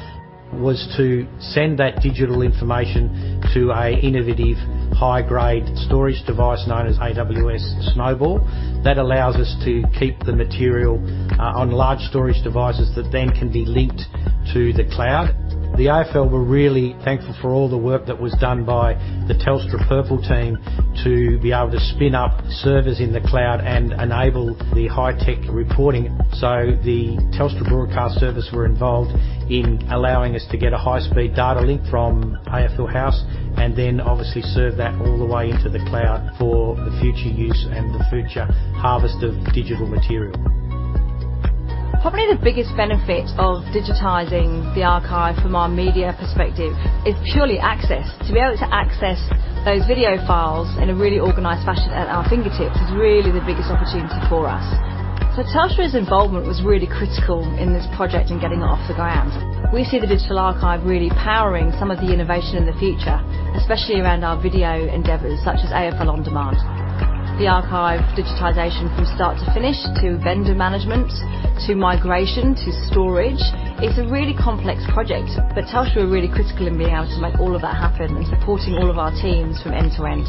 was to send that digital information to a innovative, high-grade storage device known as AWS Snowball. That allows us to keep the material on large storage devices that then can be linked to the cloud. The AFL were really thankful for all the work that was done by the Telstra Purple team to be able to spin up servers in the cloud and enable the high-tech reporting. So the Telstra Broadcast Service were involved in allowing us to get a high-speed data link from AFL House, and then obviously serve that all the way into the cloud for the future use and the future harvest of digital material. Probably the biggest benefit of digitizing the archive from a media perspective is purely access. To be able to access those video files in a really organized fashion at our fingertips, is really the biggest opportunity for us. So Telstra's involvement was really critical in this project in getting it off the ground. We see the digital archive really powering some of the innovation in the future, especially around our video endeavors, such as AFL On Demand. The archive digitization from start to finish, to vendor management, to migration, to storage, it's a really complex project, but Telstra were really critical in being able to make all of that happen and supporting all of our teams from end to end.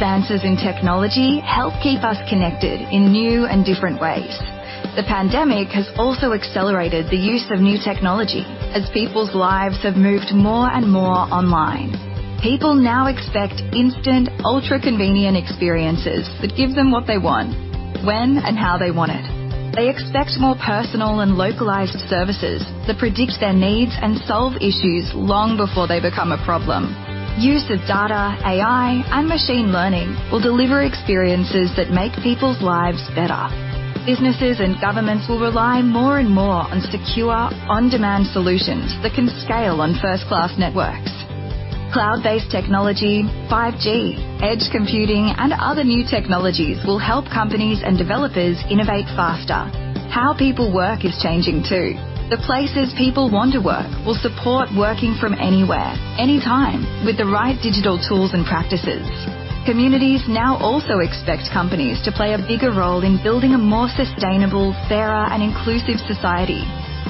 Rapid advances in technology help keep us connected in new and different ways. The pandemic has also accelerated the use of new technology as people's lives have moved more and more online. People now expect instant, ultra-convenient experiences that give them what they want, when and how they want it. They expect more personal and localized services that predict their needs and solve issues long before they become a problem. Use of data, AI, and machine learning will deliver experiences that make people's lives better. Businesses and governments will rely more and more on secure, on-demand solutions that can scale on first-class networks. Cloud-based technology, 5G, edge computing, and other new technologies will help companies and developers innovate faster. How people work is changing, too. The places people want to work will support working from anywhere, anytime, with the right digital tools and practices. Communities now also expect companies to play a bigger role in building a more sustainable, fairer, and inclusive society.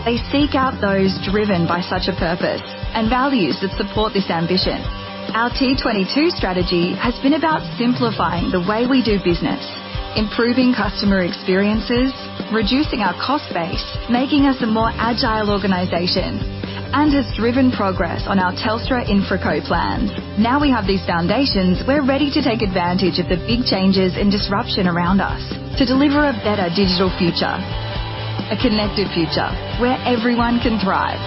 They seek out those driven by such a purpose and values that support this ambition. Our T22 strategy has been about simplifying the way we do business, improving customer experiences, reducing our cost base, making us a more agile organization, and has driven progress on our Telstra InfraCo plans. Now we have these foundations, we're ready to take advantage of the big changes and disruption around us to deliver a better digital future, a connected future where everyone can thrive.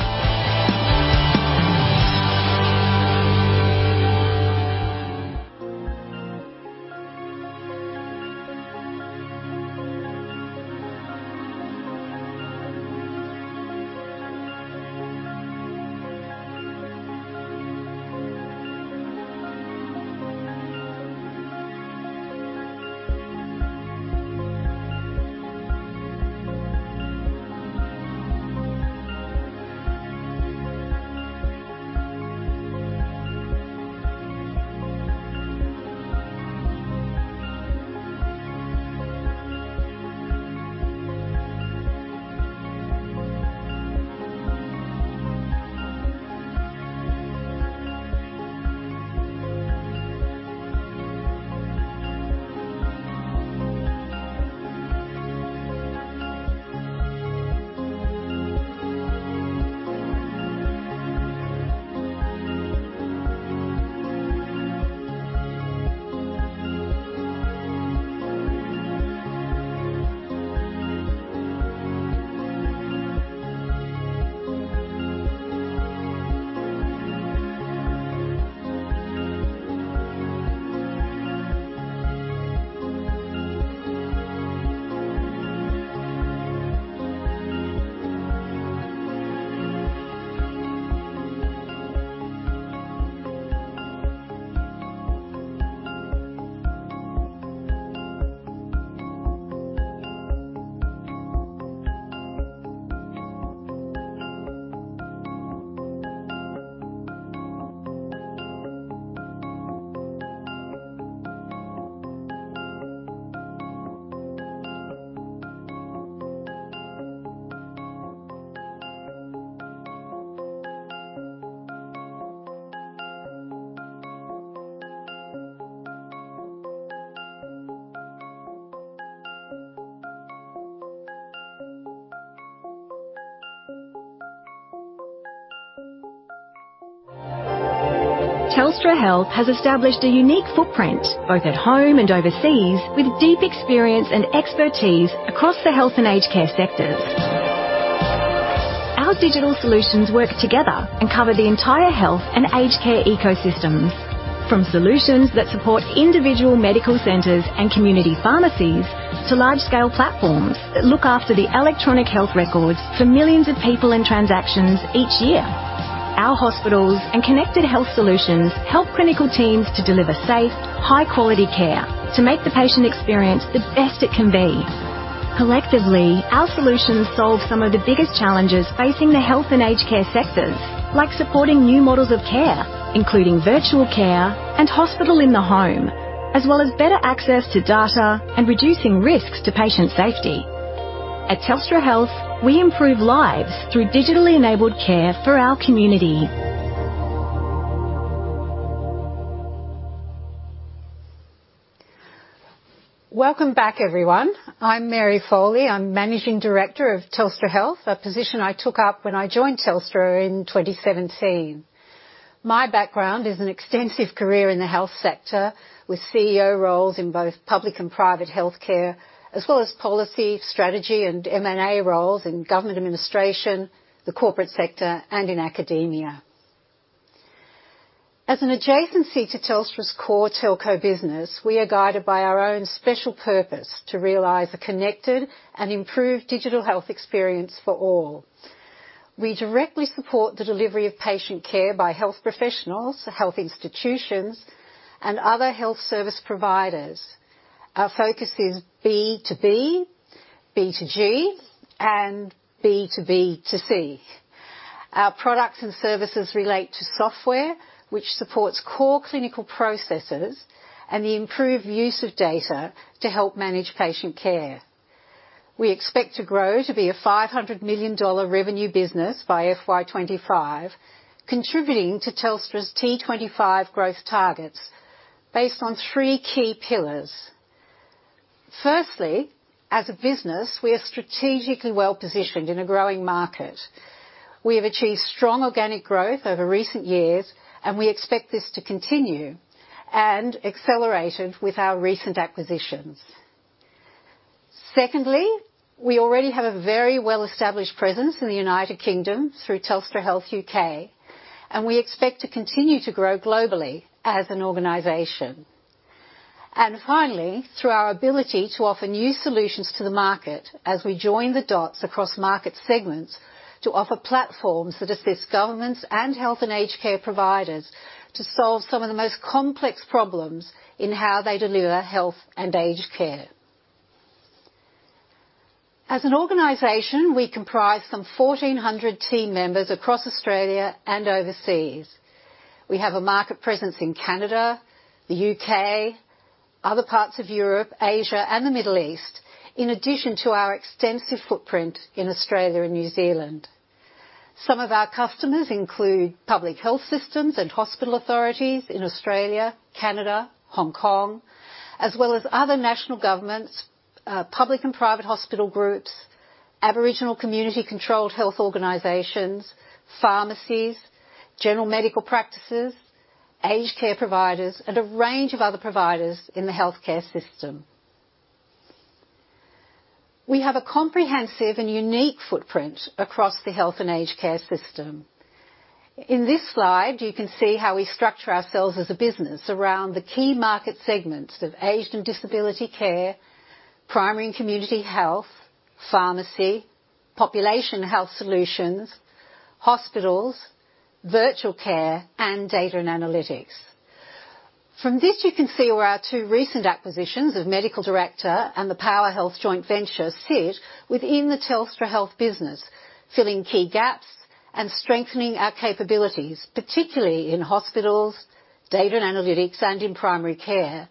Telstra Health has established a unique footprint, both at home and overseas, with deep experience and expertise across the health and aged care sectors. Our digital solutions work together and cover the entire health and aged care ecosystems, from solutions that support individual medical centers and community pharmacies, to large-scale platforms that look after the electronic health records for millions of people and transactions each year. Our hospitals and connected health solutions help clinical teams to deliver safe, high-quality care to make the patient experience the best it can be. Collectively, our solutions solve some of the biggest challenges facing the health and aged care sectors, like supporting new models of care, including virtual care and hospital in the home, as well as better access to data and reducing risks to patient safety. ...At Telstra Health, we improve lives through digitally enabled care for our community. Welcome back, everyone. I'm Mary Foley. I'm Managing Director of Telstra Health, a position I took up when I joined Telstra in 2017. My background is an extensive career in the health sector, with CEO roles in both public and private healthcare, as well as policy, strategy, and M&A roles in government administration, the corporate sector, and in academia. As an adjacency to Telstra's core telco business, we are guided by our own special purpose to realize a connected and improved digital health experience for all. We directly support the delivery of patient care by health professionals, health institutions, and other health service providers. Our focus is B to B, B to G, and B to B to C. Our products and services relate to software, which supports core clinical processes and the improved use of data to help manage patient care. We expect to grow to be a 500 million dollar revenue business by FY 2025, contributing to Telstra's T25 growth targets based on three key pillars. Firstly, as a business, we are strategically well-positioned in a growing market. We have achieved strong organic growth over recent years, and we expect this to continue, and accelerated with our recent acquisitions. Secondly, we already have a very well-established presence in the United Kingdom through Telstra Health U.K., and we expect to continue to grow globally as an organization. Finally, through our ability to offer new solutions to the market as we join the dots across market segments to offer platforms that assist governments and health and aged care providers to solve some of the most complex problems in how they deliver health and aged care. As an organization, we comprise some 1,400 team members across Australia and overseas. We have a market presence in Canada, the U.K., other parts of Europe, Asia, and the Middle East, in addition to our extensive footprint in Australia and New Zealand. Some of our customers include public health systems and hospital authorities in Australia, Canada, Hong Kong, as well as other national governments, public and private hospital groups, Aboriginal community-controlled health organizations, pharmacies, general medical practices, aged care providers, and a range of other providers in the healthcare system. We have a comprehensive and unique footprint across the health and aged care system. In this slide, you can see how we structure ourselves as a business around the key market segments of aged and disability care, primary and community health, pharmacy, population health solutions, hospitals, virtual care, and data and analytics. From this, you can see where our two recent acquisitions of MedicalDirector and the PowerHealth joint venture sit within the Telstra Health business, filling key gaps and strengthening our capabilities, particularly in hospitals, data and analytics, and in primary care.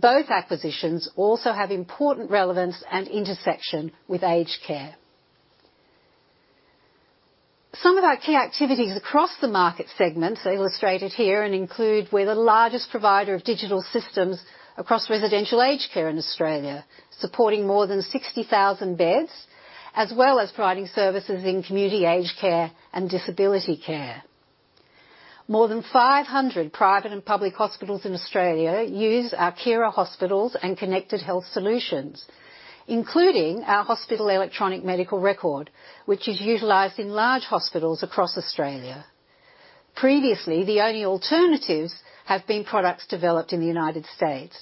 Both acquisitions also have important relevance and intersection with aged care. Some of our key activities across the market segments are illustrated here and include, we're the largest provider of digital systems across residential aged care in Australia, supporting more than 60,000 beds, as well as providing services in community aged care and disability care. More than 500 private and public hospitals in Australia use our Kyra Hospitals and Connected Health solutions, including our hospital electronic medical record, which is utilized in large hospitals across Australia. Previously, the only alternatives have been products developed in the United States.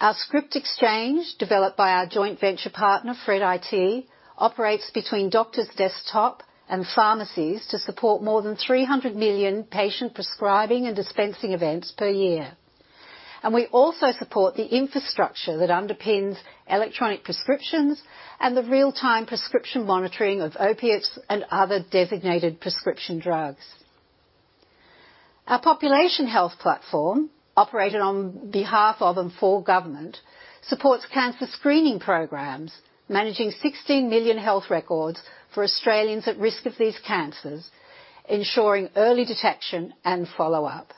Our Script Exchange, developed by our joint venture partner, Fred IT, operates between doctor's desktop and pharmacies to support more than 300 million patient prescribing and dispensing events per year. We also support the infrastructure that underpins electronic prescriptions and the real-time prescription monitoring of opiates and other designated prescription drugs. Our population health platform, operated on behalf of and for government, supports cancer screening programs, managing 16 million health records for Australians at risk of these cancers, ensuring early detection and follow-up.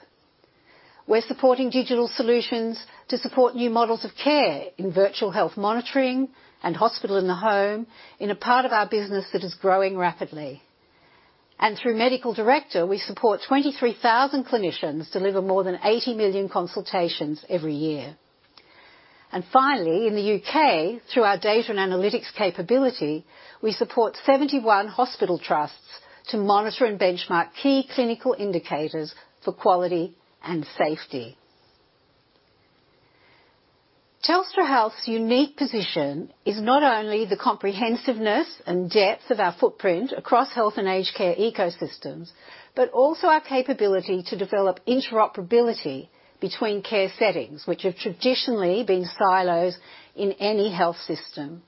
We're supporting digital solutions to support new models of care in virtual health monitoring and hospital in the home in a part of our business that is growing rapidly. Through MedicalDirector, we support 23,000 clinicians deliver more than 80 million consultations every year. And finally, in the U.K., through our data and analytics capability, we support 71 hospital trusts to monitor and benchmark key clinical indicators for quality and safety. Telstra Health's unique position is not only the comprehensiveness and depth of our footprint across health and aged care ecosystems, but also our capability to develop interoperability between care settings, which have traditionally been silos in any health system.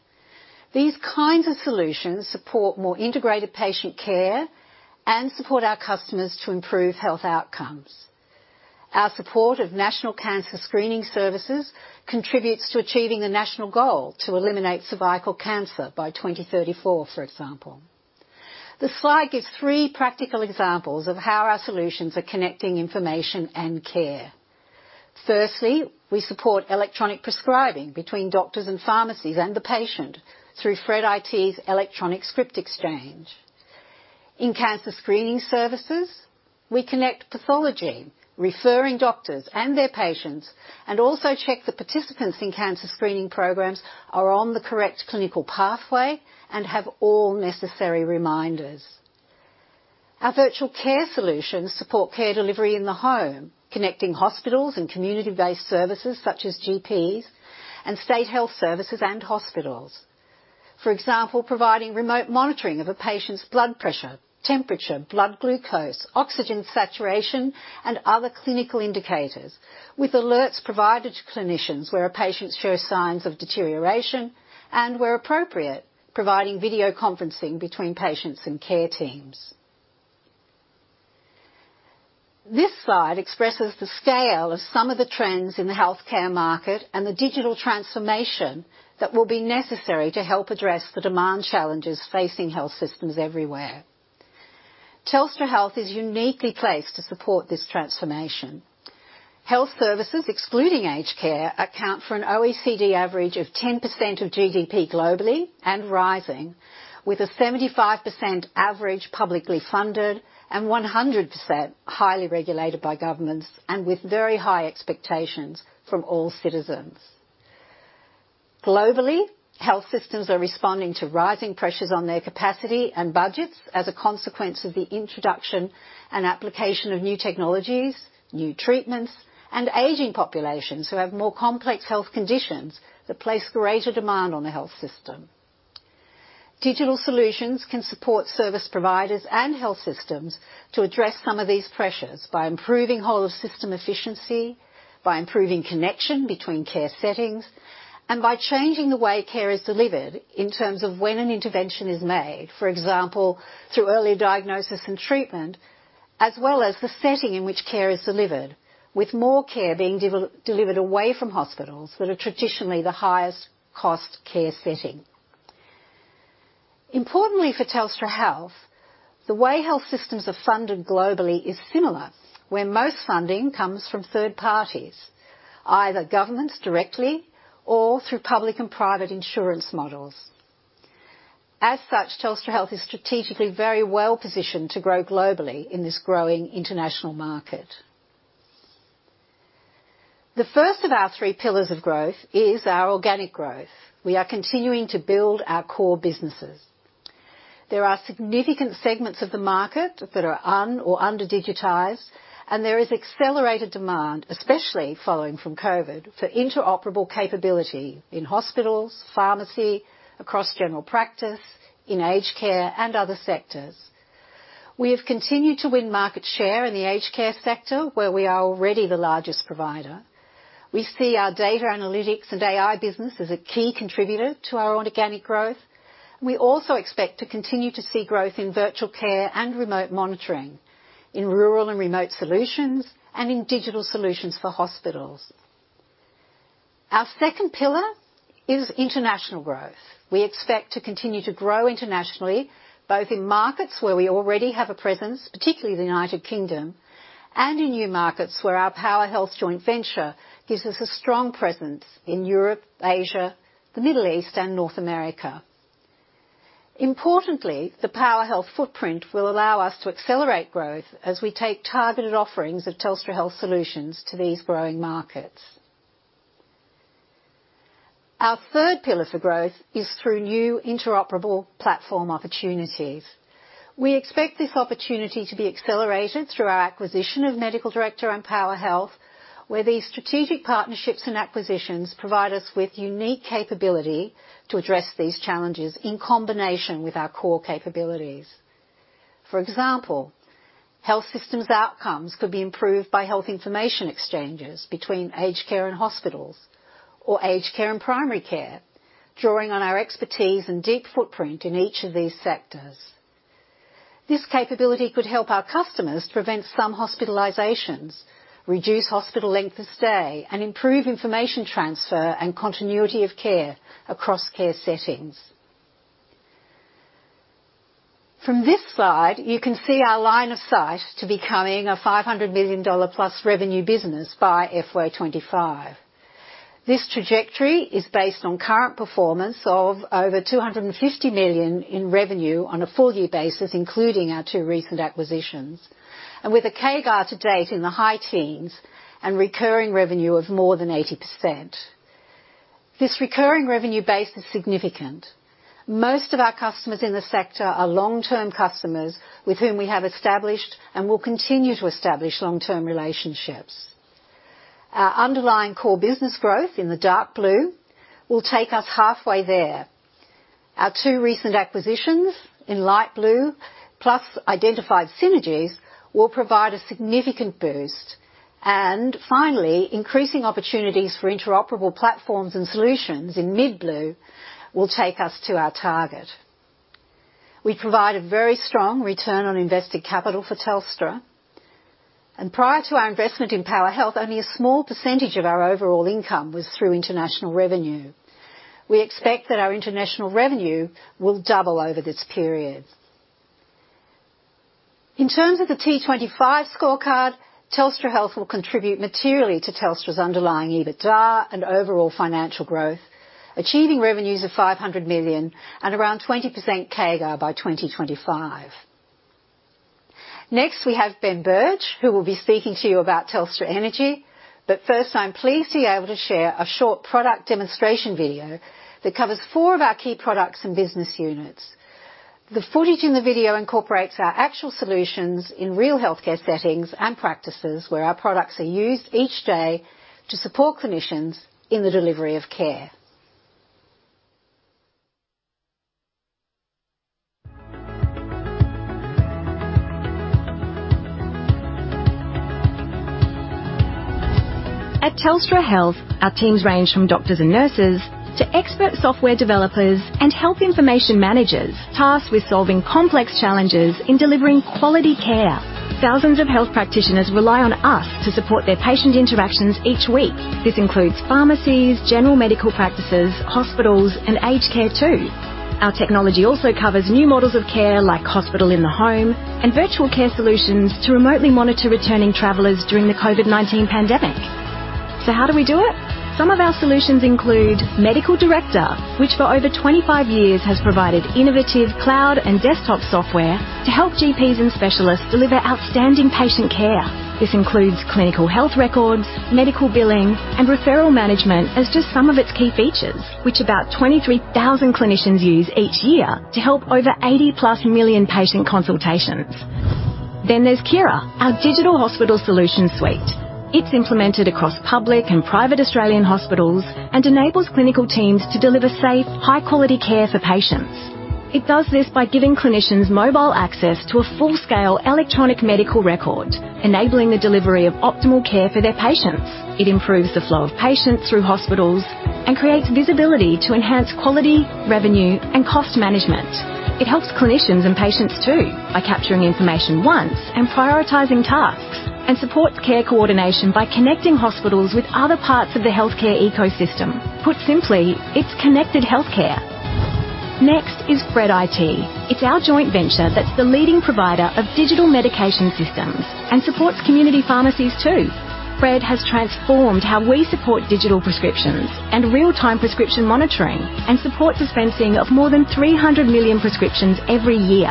These kinds of solutions support more integrated patient care and support our customers to improve health outcomes. Our support of national cancer screening services contributes to achieving the national goal to eliminate cervical cancer by 2034, for example. This slide gives three practical examples of how our solutions are connecting information and care. Firstly, we support electronic prescribing between doctors and pharmacies and the patient through Fred IT's electronic script exchange. In cancer screening services, we connect pathology, referring doctors and their patients, and also check the participants in cancer screening programs are on the correct clinical pathway and have all necessary reminders. Our virtual care solutions support care delivery in the home, connecting hospitals and community-based services such as GPs and state health services and hospitals. For example, providing remote monitoring of a patient's blood pressure, temperature, blood glucose, oxygen saturation, and other clinical indicators, with alerts provided to clinicians where a patient shows signs of deterioration, and, where appropriate, providing video conferencing between patients and care teams. This slide expresses the scale of some of the trends in the healthcare market and the digital transformation that will be necessary to help address the demand challenges facing health systems everywhere. Telstra Health is uniquely placed to support this transformation. Health services, excluding aged care, account for an OECD average of 10% of GDP globally and rising, with a 75% average publicly funded and 100% highly regulated by governments, and with very high expectations from all citizens. Globally, health systems are responding to rising pressures on their capacity and budgets as a consequence of the introduction and application of new technologies, new treatments, and aging populations who have more complex health conditions that place greater demand on the health system. Digital solutions can support service providers and health systems to address some of these pressures by improving whole system efficiency, by improving connection between care settings, and by changing the way care is delivered in terms of when an intervention is made, for example, through early diagnosis and treatment, as well as the setting in which care is delivered, with more care being delivered away from hospitals that are traditionally the highest cost care setting. Importantly, for Telstra Health, the way health systems are funded globally is similar, where most funding comes from third parties, either governments directly or through public and private insurance models. As such, Telstra Health is strategically very well positioned to grow globally in this growing international market. The first of our three pillars of growth is our organic growth. We are continuing to build our core businesses. There are significant segments of the market that are un- or under-digitized, and there is accelerated demand, especially following from COVID, for interoperable capability in hospitals, pharmacy, across general practice, in aged care, and other sectors. We have continued to win market share in the aged care sector, where we are already the largest provider. We see our data analytics and AI business as a key contributor to our own organic growth. We also expect to continue to see growth in virtual care and remote monitoring, in rural and remote solutions, and in digital solutions for hospitals. Our second pillar is international growth. We expect to continue to grow internationally, both in markets where we already have a presence, particularly the United Kingdom, and in new markets where our PowerHealth joint venture gives us a strong presence in Europe, Asia, the Middle East, and North America. Importantly, the PowerHealth footprint will allow us to accelerate growth as we take targeted offerings of Telstra Health solutions to these growing markets. Our third pillar for growth is through new interoperable platform opportunities. We expect this opportunity to be accelerated through our acquisition of MedicaDirector and PowerHealth, where these strategic partnerships and acquisitions provide us with unique capability to address these challenges in combination with our core capabilities. For example, health systems outcomes could be improved by health information exchanges between aged care and hospitals or aged care and primary care, drawing on our expertise and deep footprint in each of these sectors. This capability could help our customers prevent some hospitalizations, reduce hospital length of stay, and improve information transfer and continuity of care across care settings. From this slide, you can see our line of sight to becoming a 500 million dollar+ revenue business by FY 2025. This trajectory is based on current performance of over 250 million in revenue on a full year basis, including our two recent acquisitions, and with a CAGR to date in the high teens and recurring revenue of more than 80%. This recurring revenue base is significant. Most of our customers in the sector are long-term customers with whom we have established and will continue to establish long-term relationships. Our underlying core business growth, in the dark blue, will take us halfway there. Our two recent acquisitions, in light blue, plus identified synergies, will provide a significant boost. And finally, increasing opportunities for interoperable platforms and solutions, in mid blue, will take us to our target.... We provide a very strong return on invested capital for Telstra, and prior to our investment in PowerHealth, only a small percentage of our overall income was through international revenue. We expect that our international revenue will double over this period. In terms of the T25 scorecard, Telstra Health will contribute materially to Telstra's underlying EBITDA and overall financial growth, achieving revenues of 500 million and around 20% CAGR by 2025. Next, we have Ben Burge, who will be speaking to you about Telstra Energy. But first, I'm pleased to be able to share a short product demonstration video that covers 4 of our key products and business units. The footage in the video incorporates our actual solutions in real healthcare settings and practices, where our products are used each day to support clinicians in the delivery of care. At Telstra Health, our teams range from doctors and nurses to expert software developers and health information managers, tasked with solving complex challenges in delivering quality care. Thousands of health practitioners rely on us to support their patient interactions each week. This includes pharmacies, general medical practices, hospitals, and aged care, too. Our technology also covers new models of care, like Hospital in the Home, and virtual care solutions to remotely monitor returning travelers during the COVID-19 pandemic. So how do we do it? Some of our solutions include MedicalDirector, which for over 25 years has provided innovative cloud and desktop software to help GPs and specialists deliver outstanding patient care. This includes clinical health records, medical billing, and referral management as just some of its key features, which about 23,000 clinicians use each year to help over 80+ million patient consultations. Then there's Kyra, our digital hospital solution suite. It's implemented across public and private Australian hospitals and enables clinical teams to deliver safe, high-quality care for patients. It does this by giving clinicians mobile access to a full-scale electronic medical record, enabling the delivery of optimal care for their patients. It improves the flow of patients through hospitals and creates visibility to enhance quality, revenue, and cost management. It helps clinicians and patients, too, by capturing information once and prioritizing tasks, and supports care coordination by connecting hospitals with other parts of the healthcare ecosystem. Put simply, it's connected healthcare. Next is Fred IT. It's our joint venture that's the leading provider of digital medication systems and supports community pharmacies, too. Fred IT has transformed how we support digital prescriptions and real-time prescription monitoring, and supports dispensing of more than 300 million prescriptions every year.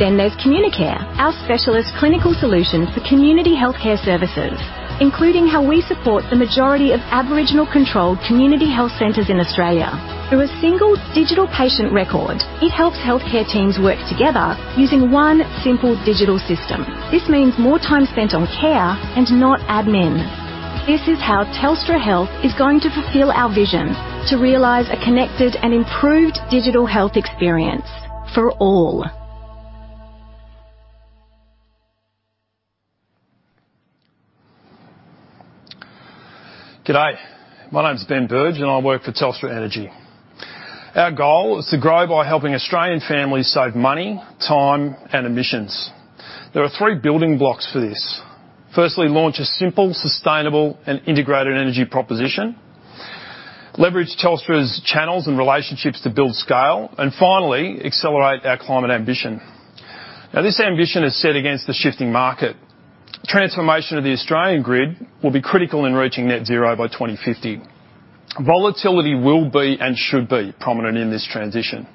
Then there's Communicare, our specialist clinical solution for community healthcare services, including how we support the majority of Aboriginal controlled community health centers in Australia. Through a single digital patient record, it helps healthcare teams work together using one simple digital system. This means more time spent on care and not admin. This is how Telstra Health is going to fulfill our vision to realize a connected and improved digital health experience for all. G'day! My name's Ben Burge, and I work for Telstra Energy. Our goal is to grow by helping Australian families save money, time, and emissions. There are three building blocks for this. Firstly, launch a simple, sustainable, and integrated energy proposition, leverage Telstra's channels and relationships to build scale, and finally, accelerate our climate ambition. Now, this ambition is set against the shifting market. Transformation of the Australian grid will be critical in reaching net zero by 2050. Volatility will be and should be prominent in this transition.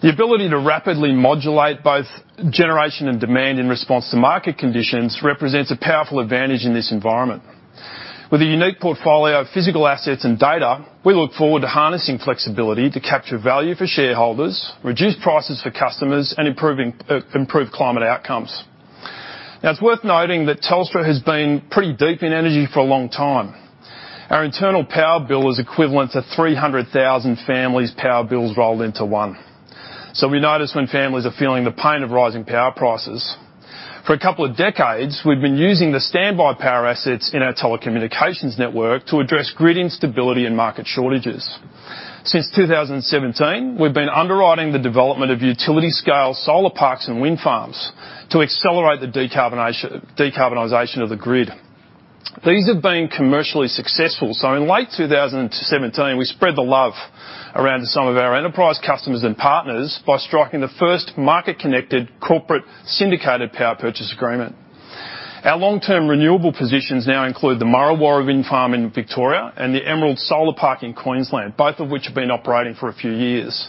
The ability to rapidly modulate both generation and demand in response to market conditions represents a powerful advantage in this environment. With a unique portfolio of physical assets and data, we look forward to harnessing flexibility to capture value for shareholders, reduce prices for customers, and improve climate outcomes. Now, it's worth noting that Telstra has been pretty deep in energy for a long time. Our internal power bill is equivalent to 300,000 families' power bills rolled into one, so we notice when families are feeling the pain of rising power prices. For a couple of decades, we've been using the standby power assets in our telecommunications network to address grid instability and market shortages. Since 2017, we've been underwriting the development of utility-scale solar parks and wind farms to accelerate the decarbonation, decarbonization of the grid. These have been commercially successful, so in late 2017, we spread the love around to some of our enterprise customers and partners by striking the first market-connected corporate syndicated power purchase agreement. Our long-term renewable positions now include the Murra Warra Wind Farm in Victoria and the Emerald Solar Park in Queensland, both of which have been operating for a few years.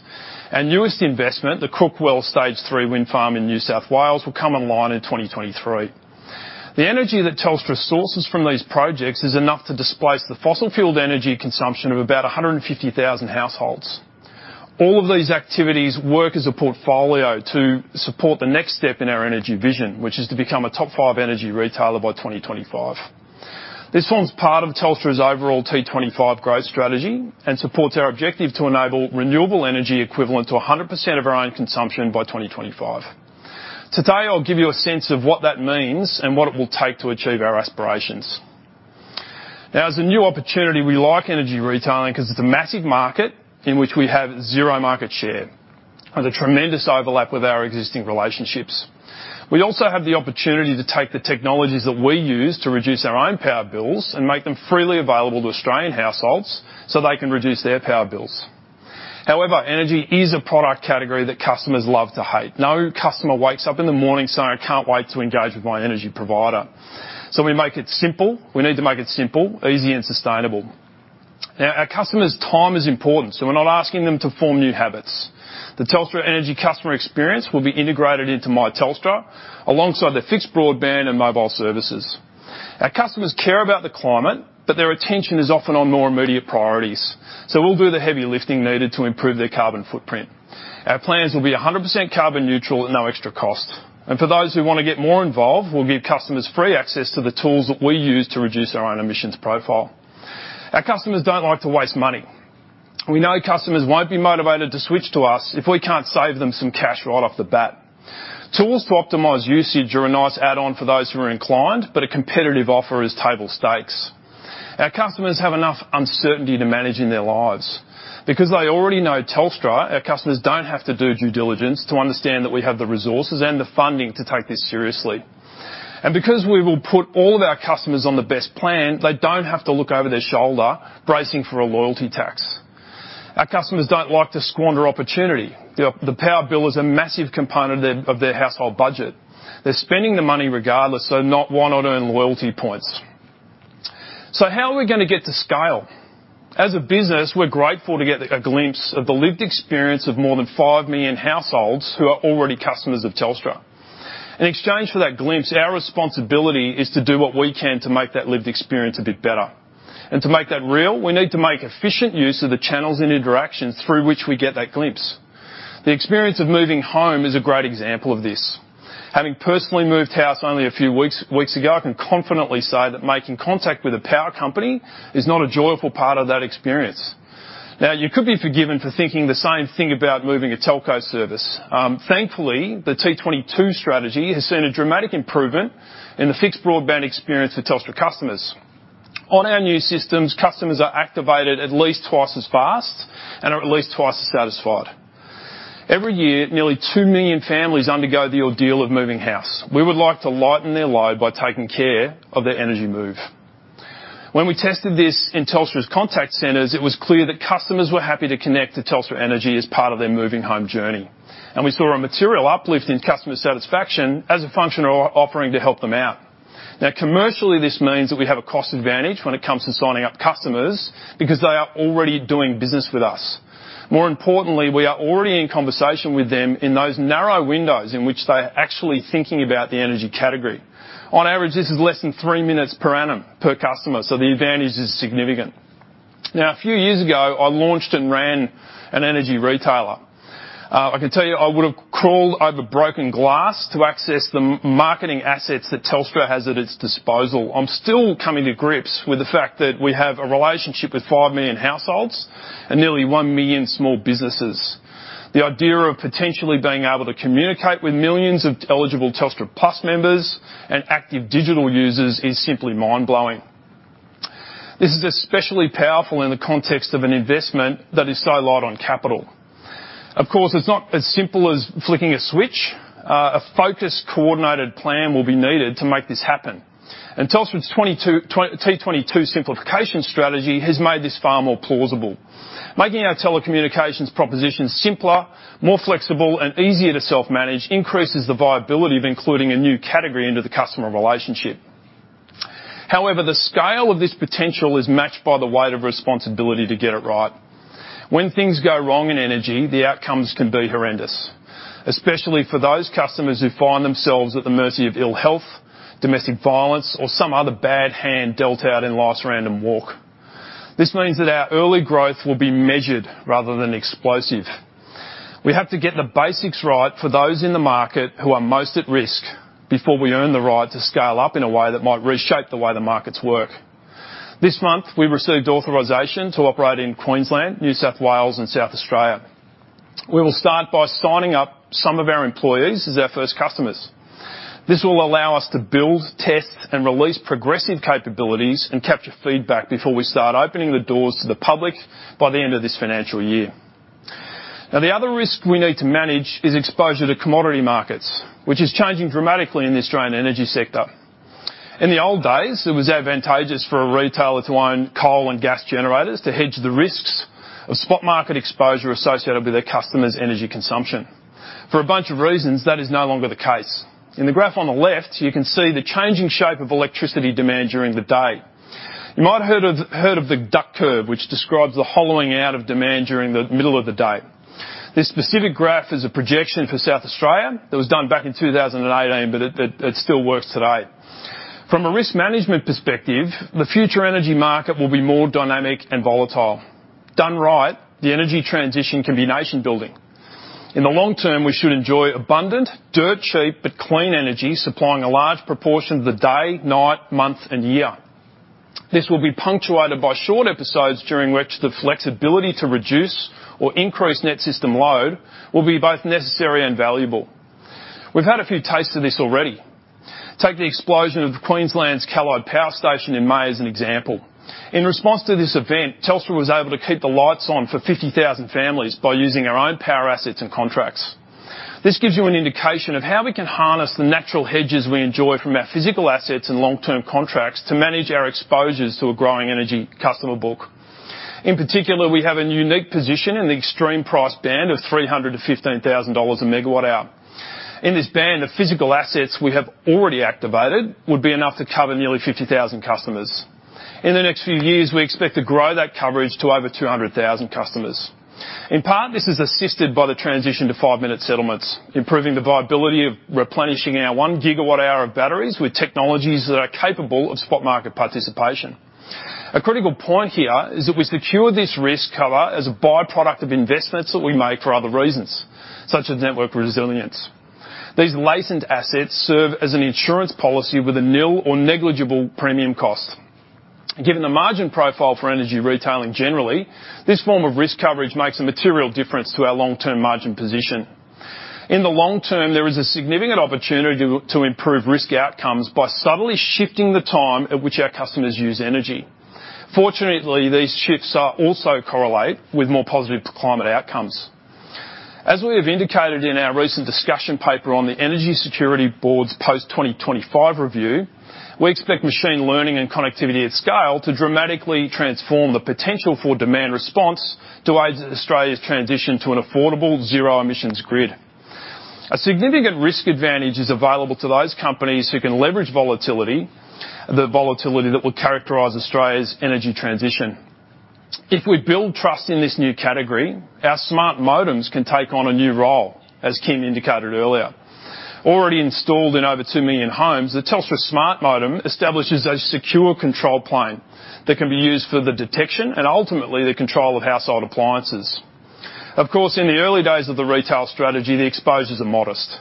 Our newest investment, the Crookwell Stage Three Wind Farm in New South Wales, will come online in 2023. The energy that Telstra sources from these projects is enough to displace the fossil fuel energy consumption of about 150,000 households. All of these activities work as a portfolio to support the next step in our energy vision, which is to become a top five energy retailer by 2025. This forms part of Telstra's overall T25 growth strategy and supports our objective to enable renewable energy equivalent to 100% of our own consumption by 2025. Today, I'll give you a sense of what that means and what it will take to achieve our aspirations... Now, as a new opportunity, we like energy retailing because it's a massive market in which we have zero market share and a tremendous overlap with our existing relationships. We also have the opportunity to take the technologies that we use to reduce our own power bills and make them freely available to Australian households so they can reduce their power bills. However, energy is a product category that customers love to hate. No customer wakes up in the morning saying, "I can't wait to engage with my energy provider." So we make it simple. We need to make it simple, easy, and sustainable. Now, our customers' time is important, so we're not asking them to form new habits. The Telstra Energy customer experience will be integrated into My Telstra, alongside the fixed broadband and mobile services. Our customers care about the climate, but their attention is often on more immediate priorities, so we'll do the heavy lifting needed to improve their carbon footprint. Our plans will be 100% carbon neutral at no extra cost. For those who want to get more involved, we'll give customers free access to the tools that we use to reduce our own emissions profile. Our customers don't like to waste money. We know customers won't be motivated to switch to us if we can't save them some cash right off the bat. Tools to optimize usage are a nice add-on for those who are inclined, but a competitive offer is table stakes. Our customers have enough uncertainty to manage in their lives. Because they already know Telstra, our customers don't have to do due diligence to understand that we have the resources and the funding to take this seriously. And because we will put all of our customers on the best plan, they don't have to look over their shoulder, bracing for a loyalty tax. Our customers don't like to squander opportunity. The power bill is a massive component of their household budget. They're spending the money regardless, so why not earn loyalty points? So how are we gonna get to scale? As a business, we're grateful to get a glimpse of the lived experience of more than 5 million households who are already customers of Telstra. In exchange for that glimpse, our responsibility is to do what we can to make that lived experience a bit better. To make that real, we need to make efficient use of the channels and interactions through which we get that glimpse. The experience of moving home is a great example of this. Having personally moved house only a few weeks ago, I can confidently say that making contact with a power company is not a joyful part of that experience. Now, you could be forgiven for thinking the same thing about moving a telco service. Thankfully, the T22 strategy has seen a dramatic improvement in the fixed broadband experience for Telstra customers. On our new systems, customers are activated at least twice as fast and are at least twice as satisfied. Every year, nearly 2 million families undergo the ordeal of moving house. We would like to lighten their load by taking care of their energy move. When we tested this in Telstra's contact centers, it was clear that customers were happy to connect to Telstra Energy as part of their moving home journey, and we saw a material uplift in customer satisfaction as a function of offering to help them out. Now, commercially, this means that we have a cost advantage when it comes to signing up customers because they are already doing business with us. More importantly, we are already in conversation with them in those narrow windows in which they are actually thinking about the energy category. On average, this is less than three minutes per annum per customer, so the advantage is significant. Now, a few years ago, I launched and ran an energy retailer. I can tell you, I would have crawled over broken glass to access the marketing assets that Telstra has at its disposal. I'm still coming to grips with the fact that we have a relationship with 5 million households and nearly 1 million small businesses. The idea of potentially being able to communicate with millions of eligible Telstra Plus members and active digital users is simply mind-blowing. This is especially powerful in the context of an investment that is so light on capital. Of course, it's not as simple as flicking a switch. A focused, coordinated plan will be needed to make this happen. Telstra's 22... T22 simplification strategy has made this far more plausible. Making our telecommunications proposition simpler, more flexible, and easier to self-manage increases the viability of including a new category into the customer relationship. However, the scale of this potential is matched by the weight of responsibility to get it right. When things go wrong in energy, the outcomes can be horrendous, especially for those customers who find themselves at the mercy of ill health, domestic violence, or some other bad hand dealt out in life's random walk. This means that our early growth will be measured rather than explosive. We have to get the basics right for those in the market who are most at risk before we earn the right to scale up in a way that might reshape the way the markets work. This month, we received authorization to operate in Queensland, New South Wales, and South Australia. We will start by signing up some of our employees as our first customers. This will allow us to build, test, and release progressive capabilities and capture feedback before we start opening the doors to the public by the end of this financial year. Now, the other risk we need to manage is exposure to commodity markets, which is changing dramatically in the Australian energy sector. In the old days, it was advantageous for a retailer to own coal and gas generators to hedge the risks of spot market exposure associated with their customers' energy consumption. For a bunch of reasons, that is no longer the case. In the graph on the left, you can see the changing shape of electricity demand during the day. You might have heard of the duck curve, which describes the hollowing out of demand during the middle of the day. This specific graph is a projection for South Australia that was done back in 2018, but it still works today. From a risk management perspective, the future energy market will be more dynamic and volatile. Done right, the energy transition can be nation-building. In the long term, we should enjoy abundant, dirt-cheap, but clean energy, supplying a large proportion of the day, night, month, and year. This will be punctuated by short episodes during which the flexibility to reduce or increase net system load will be both necessary and valuable. We've had a few tastes of this already. Take the explosion of Queensland's Callide Power Station in May as an example. In response to this event, Telstra was able to keep the lights on for 50,000 families by using our own power assets and contracts. This gives you an indication of how we can harness the natural hedges we enjoy from our physical assets and long-term contracts to manage our exposures to a growing energy customer book. In particular, we have a unique position in the extreme price band of 300-15,000 dollars a megawatt hour. In this band, the physical assets we have already activated would be enough to cover nearly 50,000 customers. In the next few years, we expect to grow that coverage to over 200,000 customers. In part, this is assisted by the transition to 5-minute settlements, improving the viability of replenishing our 1 GWh of batteries with technologies that are capable of spot market participation. A critical point here is that we secure this risk cover as a by-product of investments that we make for other reasons, such as network resilience. These licensed assets serve as an insurance policy with a nil or negligible premium cost. Given the margin profile for energy retailing generally, this form of risk coverage makes a material difference to our long-term margin position. In the long term, there is a significant opportunity to improve risk outcomes by subtly shifting the time at which our customers use energy. Fortunately, these shifts are also correlate with more positive climate outcomes. As we have indicated in our recent discussion paper on the Energy Security Board's post-2025 review, we expect machine learning and connectivity at scale to dramatically transform the potential for demand response to aid Australia's transition to an affordable zero-emissions grid. A significant risk advantage is available to those companies who can leverage volatility, the volatility that will characterize Australia's energy transition. If we build trust in this new category, our Smart Modems can take on a new role, as Kim indicated earlier. Already installed in over 2 million homes, the Telstra Smart Modem establishes a secure control plane that can be used for the detection and ultimately, the control of household appliances. Of course, in the early days of the retail strategy, the exposures are modest.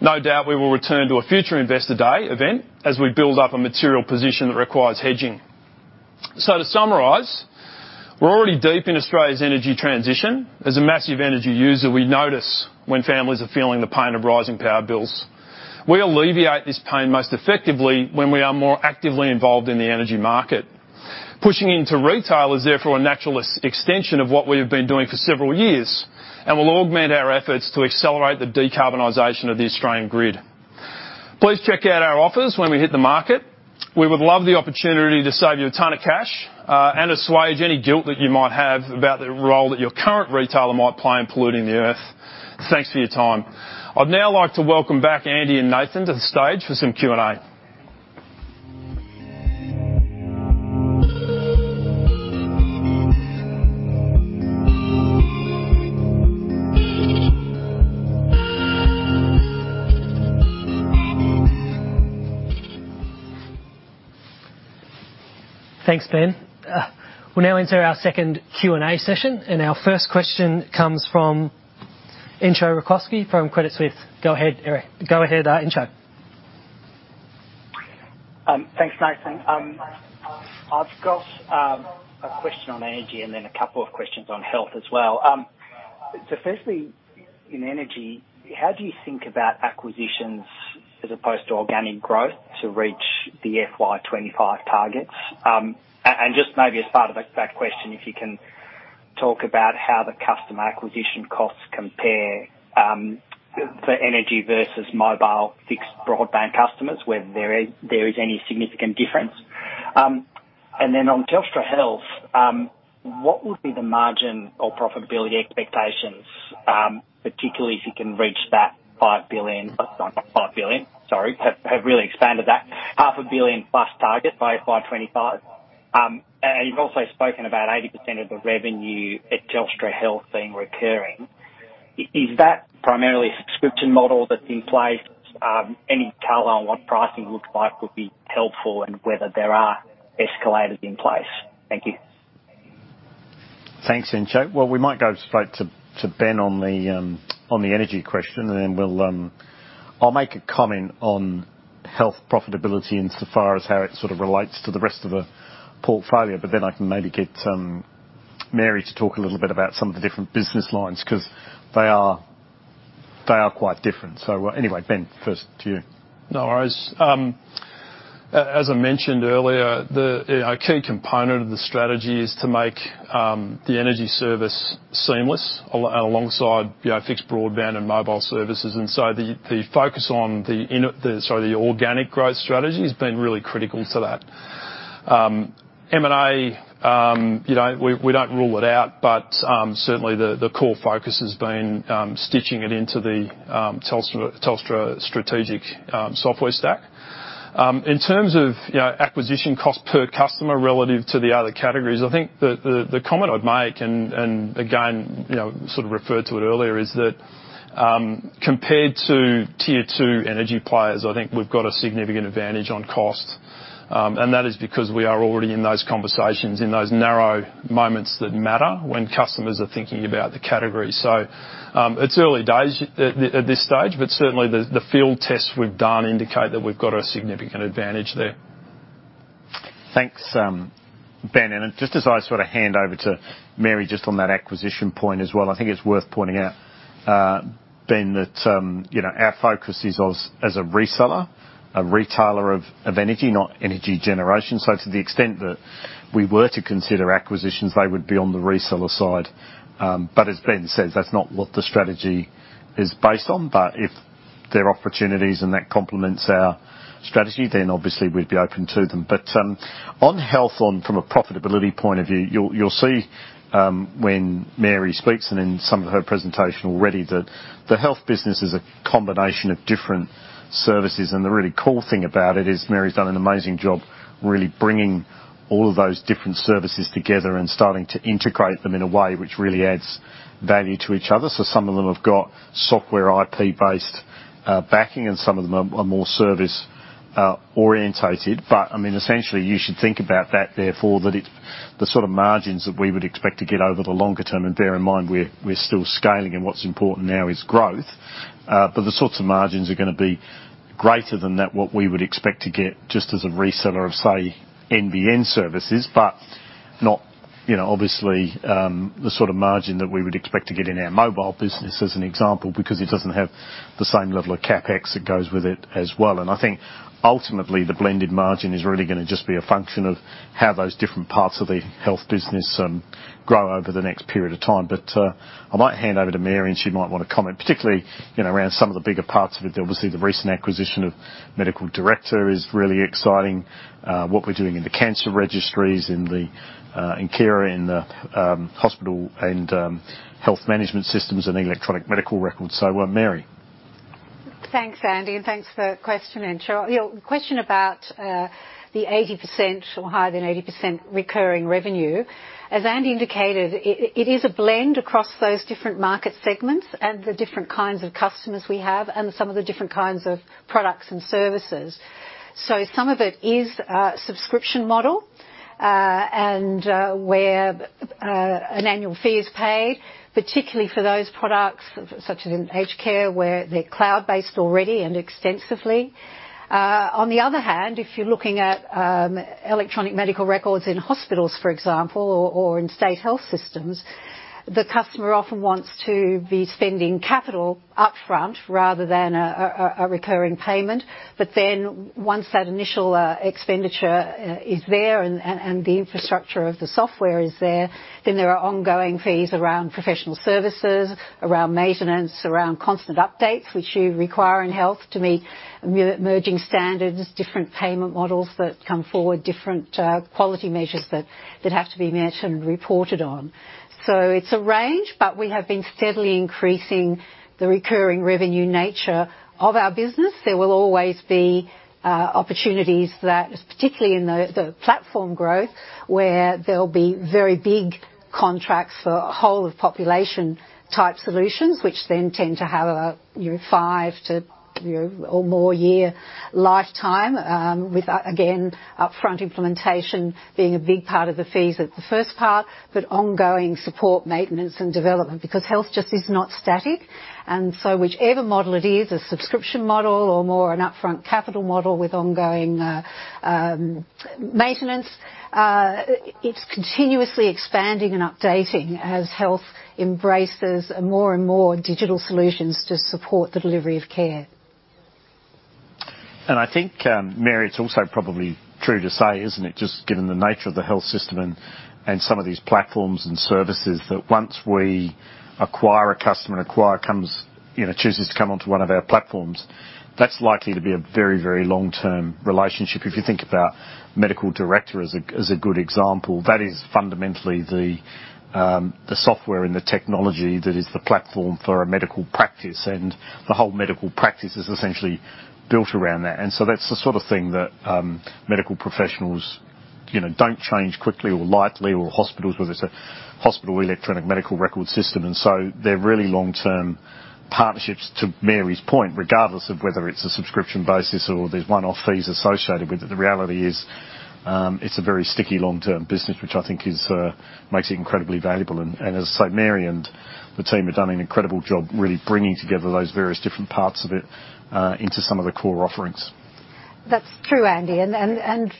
No doubt, we will return to a future Investor Day event as we build up a material position that requires hedging. So to summarize, we're already deep in Australia's energy transition. As a massive energy user, we notice when families are feeling the pain of rising power bills. We alleviate this pain most effectively when we are more actively involved in the energy market. Pushing into retail is therefore a natural extension of what we have been doing for several years, and will augment our efforts to accelerate the decarbonization of the Australian grid. Please check out our offers when we hit the market. We would love the opportunity to save you a ton of cash, and assuage any guilt that you might have about the role that your current retailer might play in polluting the Earth. Thanks for your time. I'd now like to welcome back Andy and Nathan to the stage for some Q&A. Thanks, Ben. We'll now enter our second Q&A session, and our first question comes from Entcho Raykovski from Credit Suisse. Go ahead, Eric. Go ahead, Entcho. Thanks, Nathan. I've got a question on energy and then a couple of questions on health as well. So firstly, in energy, how do you think about acquisitions as opposed to organic growth to reach the FY 25 targets? And just maybe as part of that question, if you can talk about how the customer acquisition costs compare for energy versus mobile fixed broadband customers, whether there is any significant difference. And then on Telstra Health, what would be the margin or profitability expectations, particularly if you can reach that 5 billion, not 5 billion, sorry, have really expanded that. 0.5 billion+ target by FY 25. And you've also spoken about 80% of the revenue at Telstra Health being recurring. Is that primarily a subscription model that's in place? Any color on what pricing looks like would be helpful, and whether there are escalators in place. Thank you. Thanks, Entcho. Well, we might go straight to Ben on the energy question, and then we'll... I'll make a comment on health profitability insofar as how it sort of relates to the rest of the portfolio, but then I can maybe get Mary to talk a little bit about some of the different business lines, 'cause they are quite different. So anyway, Ben, first to you. No worries. As I mentioned earlier, you know, a key component of the strategy is to make the energy service seamless alongside, you know, fixed broadband and mobile services. And so the focus on the organic growth strategy has been really critical to that. M&A, you know, we don't rule it out, but certainly the core focus has been stitching it into the Telstra strategic software stack. In terms of, you know, acquisition cost per customer relative to the other categories, I think the comment I'd make and again, you know, sort of referred to it earlier, is that compared to tier two energy players, I think we've got a significant advantage on cost. And that is because we are already in those conversations, in those narrow moments that matter when customers are thinking about the category. So, it's early days at this stage, but certainly the field tests we've done indicate that we've got a significant advantage there.... Thanks, Ben. And then just as I sort of hand over to Mary, just on that acquisition point as well, I think it's worth pointing out, Ben, that, you know, our focus is as, as a reseller, a retailer of, of energy, not energy generation. So to the extent that we were to consider acquisitions, they would be on the reseller side. But as Ben says, that's not what the strategy is based on. But if there are opportunities and that complements our strategy, then obviously we'd be open to them. But, on health, from a profitability point of view, you'll, you'll see, when Mary speaks and in some of her presentation already, that the health business is a combination of different services. And the really cool thing about it is Mary's done an amazing job really bringing all of those different services together and starting to integrate them in a way which really adds value to each other. So some of them have got software, IP-based backing, and some of them are more service oriented. But, I mean, essentially, you should think about that. Therefore, the sort of margins that we would expect to get over the longer term, and bear in mind, we're still scaling, and what's important now is growth. But the sorts of margins are gonna be greater than that, what we would expect to get just as a reseller of, say, NBN services, but not, you know, obviously, the sort of margin that we would expect to get in our mobile business, as an example, because it doesn't have the same level of CapEx that goes with it as well. And I think ultimately, the blended margin is really gonna just be a function of how those different parts of the health business grow over the next period of time. But I might hand over to Mary, and she might want to comment, particularly, you know, around some of the bigger parts of it. Obviously, the recent acquisition of MedicalDirector is really exciting. What we're doing in the cancer registries, in Kyra, in the hospital and health management systems and electronic medical records. So, Mary. Thanks, Andy, and thanks for the question. Sure, you know, the question about the 80% or higher than 80% recurring revenue. As Andy indicated, it is a blend across those different market segments and the different kinds of customers we have and some of the different kinds of products and services. So some of it is a subscription model, and where an annual fee is paid, particularly for those products, such as in aged care, where they're cloud-based already and extensively. On the other hand, if you're looking at electronic medical records in hospitals, for example, or in state health systems, the customer often wants to be spending capital upfront rather than a recurring payment. But then once that initial expenditure is there and the infrastructure of the software is there, then there are ongoing fees around professional services, around maintenance, around constant updates, which you require in health to meet emerging standards, different payment models that come forward, different quality measures that have to be met and reported on. So it's a range, but we have been steadily increasing the recurring revenue nature of our business. There will always be opportunities that, particularly in the platform growth, where there'll be very big contracts for whole-of-population-type solutions, which then tend to have a, you know, five to, you know, or more year lifetime, with again, upfront implementation being a big part of the fees at the first part, but ongoing support, maintenance, and development, because health just is not static. And so whichever model it is, a subscription model or more an upfront capital model with ongoing, maintenance, it's continuously expanding and updating as health embraces more and more digital solutions to support the delivery of care. I think, Mary, it's also probably true to say, isn't it, just given the nature of the health system and some of these platforms and services, that once we acquire a customer, you know, chooses to come onto one of our platforms, that's likely to be a very, very long-term relationship. If you think about MedicalDirector as a good example, that is fundamentally the software and the technology that is the platform for a medical practice, and the whole medical practice is essentially built around that. And so that's the sort of thing that medical professionals, you know, don't change quickly or lightly, or hospitals, whether it's a hospital electronic medical record system. And so they're really long-term partnerships, to Mary's point, regardless of whether it's a subscription basis or there's one-off fees associated with it. The reality is, it's a very sticky long-term business, which I think is makes it incredibly valuable. And as I say, Mary and the team have done an incredible job really bringing together those various different parts of it into some of the core offerings. That's true, Andy. And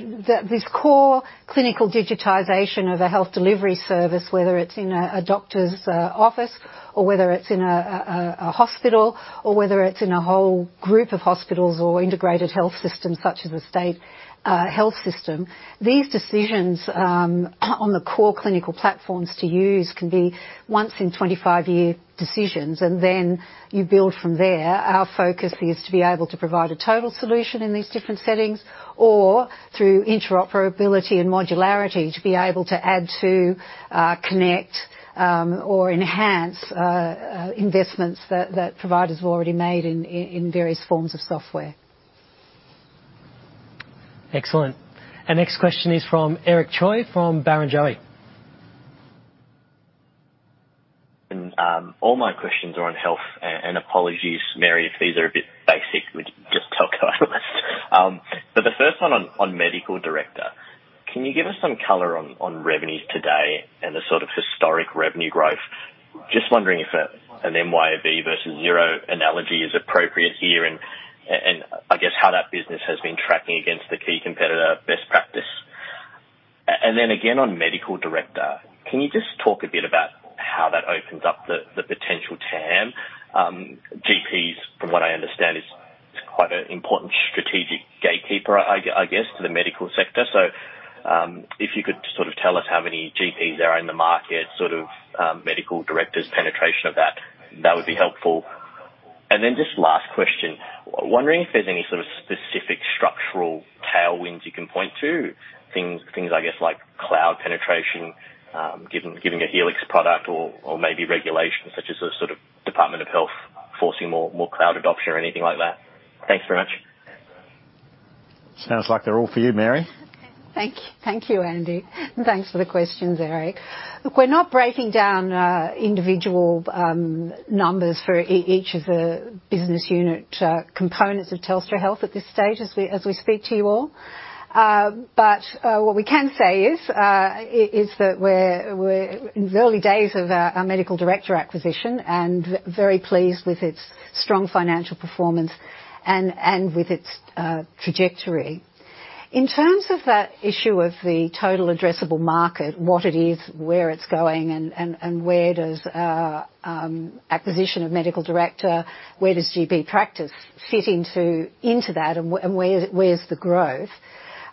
this core clinical digitization of a health delivery service, whether it's in a doctor's office or whether it's in a hospital, or whether it's in a whole group of hospitals or integrated health system, such as a state health system, these decisions on the core clinical platforms to use can be once-in-25-year decisions, and then you build from there. Our focus is to be able to provide a total solution in these different settings or through interoperability and modularity, to be able to add to, connect, or enhance investments that providers have already made in various forms of software. Excellent. Our next question is from Eric Choi, from Barrenjoey. All my questions are on health, and apologies, Mary, if these are a bit basic. Would you just tell go ahead? But the first one on MedicalDirector: Can you give us some color on revenues today and the sort of historic revenue growth? Just wondering if a MYOB versus Xero analogy is appropriate here, and I guess how that business has been tracking against the key competitor best practice? And then again, on MedicalDirector, can you just talk a bit about how that opens up the potential TAM? GPs, from what I understand, is quite an important strategic gatekeeper, I guess, to the medical sector. So, if you could sort of tell us how many GPs are in the market, sort of MedicalDirector's penetration of that, that would be helpful. And then just last question, wondering if there's any sort of specific structural tailwinds you can point to? Things, I guess, like cloud penetration, giving a Helix product or maybe regulation, such as a sort of Department of Health forcing more cloud adoption or anything like that. Thanks very much. Sounds like they're all for you, Mary. Thank you, Andy. Thanks for the questions, Eric. Look, we're not breaking down individual numbers for each of the business unit components of Telstra Health at this stage, as we speak to you all. But what we can say is that we're in the early days of our MedicalDirector acquisition, and very pleased with its strong financial performance and with its trajectory. In terms of that issue of the total addressable market, what it is, where it's going, and where does acquisition of MedicalDirector, where does GP practice fit into that, and where's the growth?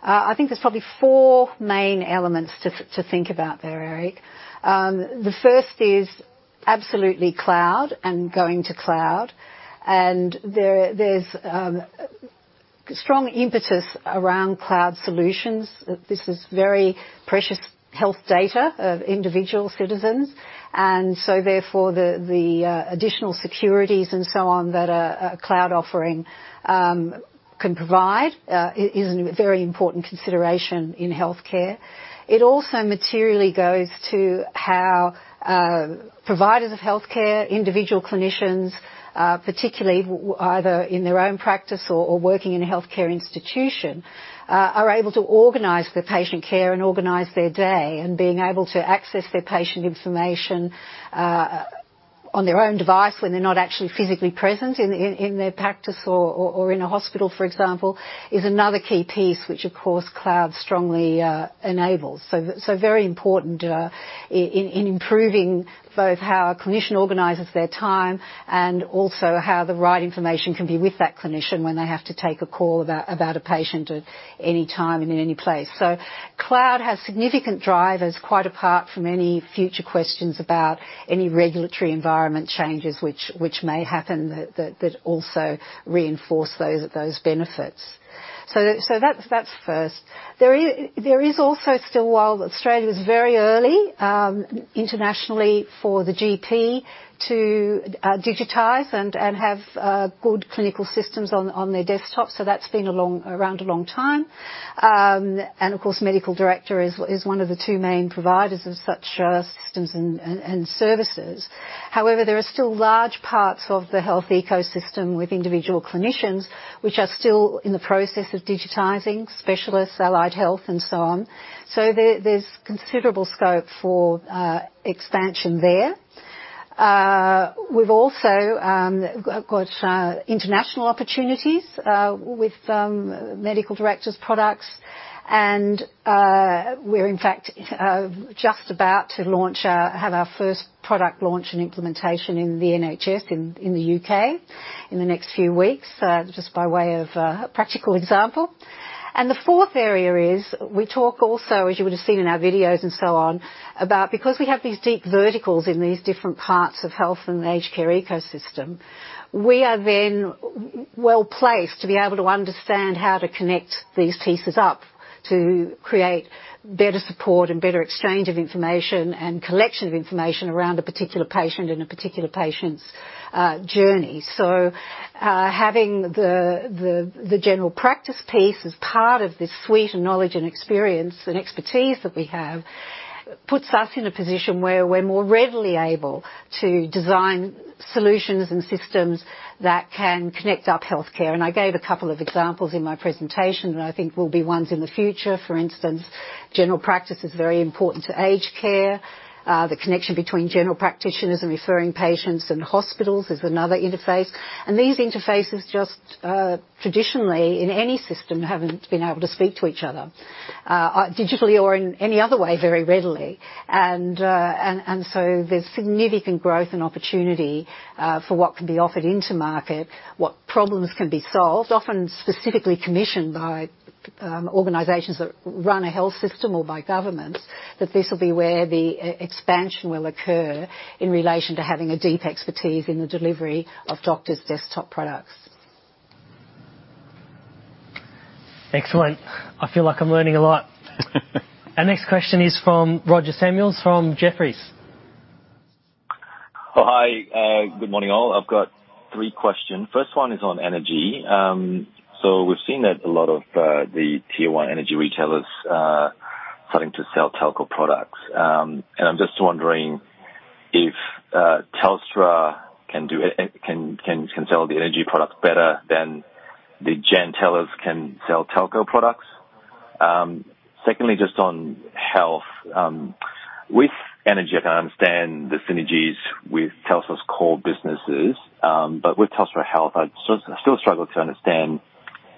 I think there's probably four main elements to think about there, Eric. The first is absolutely cloud and going to cloud. There's strong impetus around cloud solutions. This is very precious health data of individual citizens, and so therefore, the additional securities and so on, that a cloud offering can provide, is a very important consideration in healthcare. It also materially goes to how providers of healthcare, individual clinicians, particularly whether either in their own practice or working in a healthcare institution, are able to organize the patient care and organize their day, and being able to access their patient information on their own device when they're not actually physically present in their practice or in a hospital, for example, is another key piece, which of course, cloud strongly enables. So very important in improving both how a clinician organizes their time and also how the right information can be with that clinician when they have to take a call about a patient at any time and in any place. So cloud has significant drivers, quite apart from any future questions about any regulatory environment changes which may happen, that also reinforce those benefits. So that's first. There is also still... While Australia is very early internationally for the GP to digitize and have good clinical systems on their desktop, so that's been around a long time. And of course, MedicalDirector is one of the two main providers of such systems and services. However, there are still large parts of the health ecosystem with individual clinicians which are still in the process of digitizing specialists, allied health, and so on. So there, there's considerable scope for expansion there. We've also got international opportunities with MedicalDirector's products, and we're in fact just about to launch our—have our first product launch and implementation in the NHS in the U.K. in the next few weeks, just by way of a practical example. The fourth area is, we talk also, as you would have seen in our videos and so on, about because we have these deep verticals in these different parts of health and aged care ecosystem, we are then well placed to be able to understand how to connect these pieces up, to create better support and better exchange of information and collection of information around a particular patient in a particular patient's journey. So, having the general practice piece as part of this suite of knowledge and experience and expertise that we have, puts us in a position where we're more readily able to design solutions and systems that can connect up healthcare. I gave a couple of examples in my presentation that I think will be ones in the future. For instance, general practice is very important to aged care. The connection between general practitioners and referring patients and hospitals is another interface. And these interfaces, just, traditionally, in any system, haven't been able to speak to each other, digitally or in any other way, very readily. And so there's significant growth and opportunity, for what can be offered into market, what problems can be solved, often specifically commissioned by, organizations that run a health system or by government, that this will be where the e-expansion will occur in relation to having a deep expertise in the delivery of doctors' desktop products. Excellent. I feel like I'm learning a lot. Our next question is from Roger Samuel, from Jefferies. Oh, hi. Good morning, all. I've got three questions. First one is on energy. So we've seen that a lot of the tier one energy retailers starting to sell telco products. And I'm just wondering if Telstra can do it, can sell the energy products better than the gentailers can sell telco products? Secondly, just on health. With energy, I can understand the synergies with Telstra's core businesses, but with Telstra Health, I still struggle to understand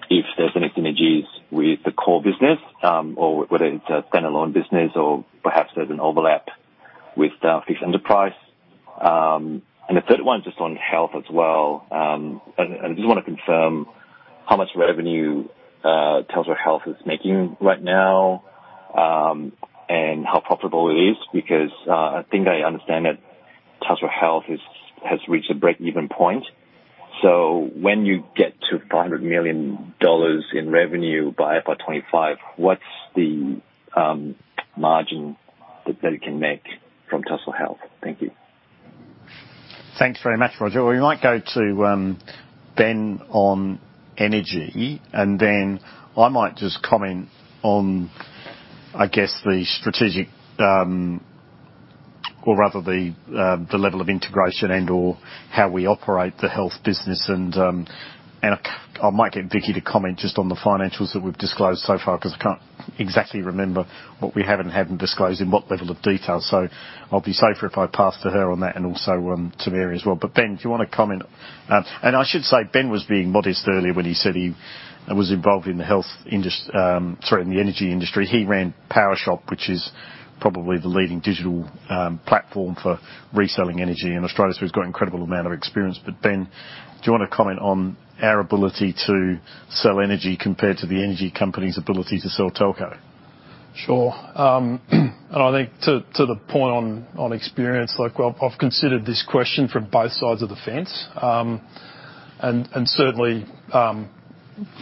if there's any synergies with the core business, or whether it's a standalone business or perhaps there's an overlap with fixed enterprise. The third one, just on health as well, and I just want to confirm how much revenue Telstra Health is making right now, and how profitable it is, because I think I understand that Telstra Health has reached a breakeven point. So when you get to 500 million dollars in revenue by 2025, what's the margin that you can make from Telstra Health? Thank you. Thanks very much, Roger. We might go to Ben on energy, and then I might just comment on, I guess, the strategic, or rather the level of integration and/or how we operate the health business. And I might get Vicki to comment just on the financials that we've disclosed so far, because I can't exactly remember what we have and haven't disclosed in what level of detail. So I'll be safer if I pass to her on that and also to Mary as well. But Ben, do you want to comment? And I should say, Ben was being modest earlier when he said he was involved in the energy industry. He ran Powershop, which is probably the leading digital platform for reselling energy in Australia, so he's got an incredible amount of experience. Ben, do you want to comment on our ability to sell energy compared to the energy company's ability to sell telco? Sure. And I think to the point on experience, look, I've considered this question from both sides of the fence, and certainly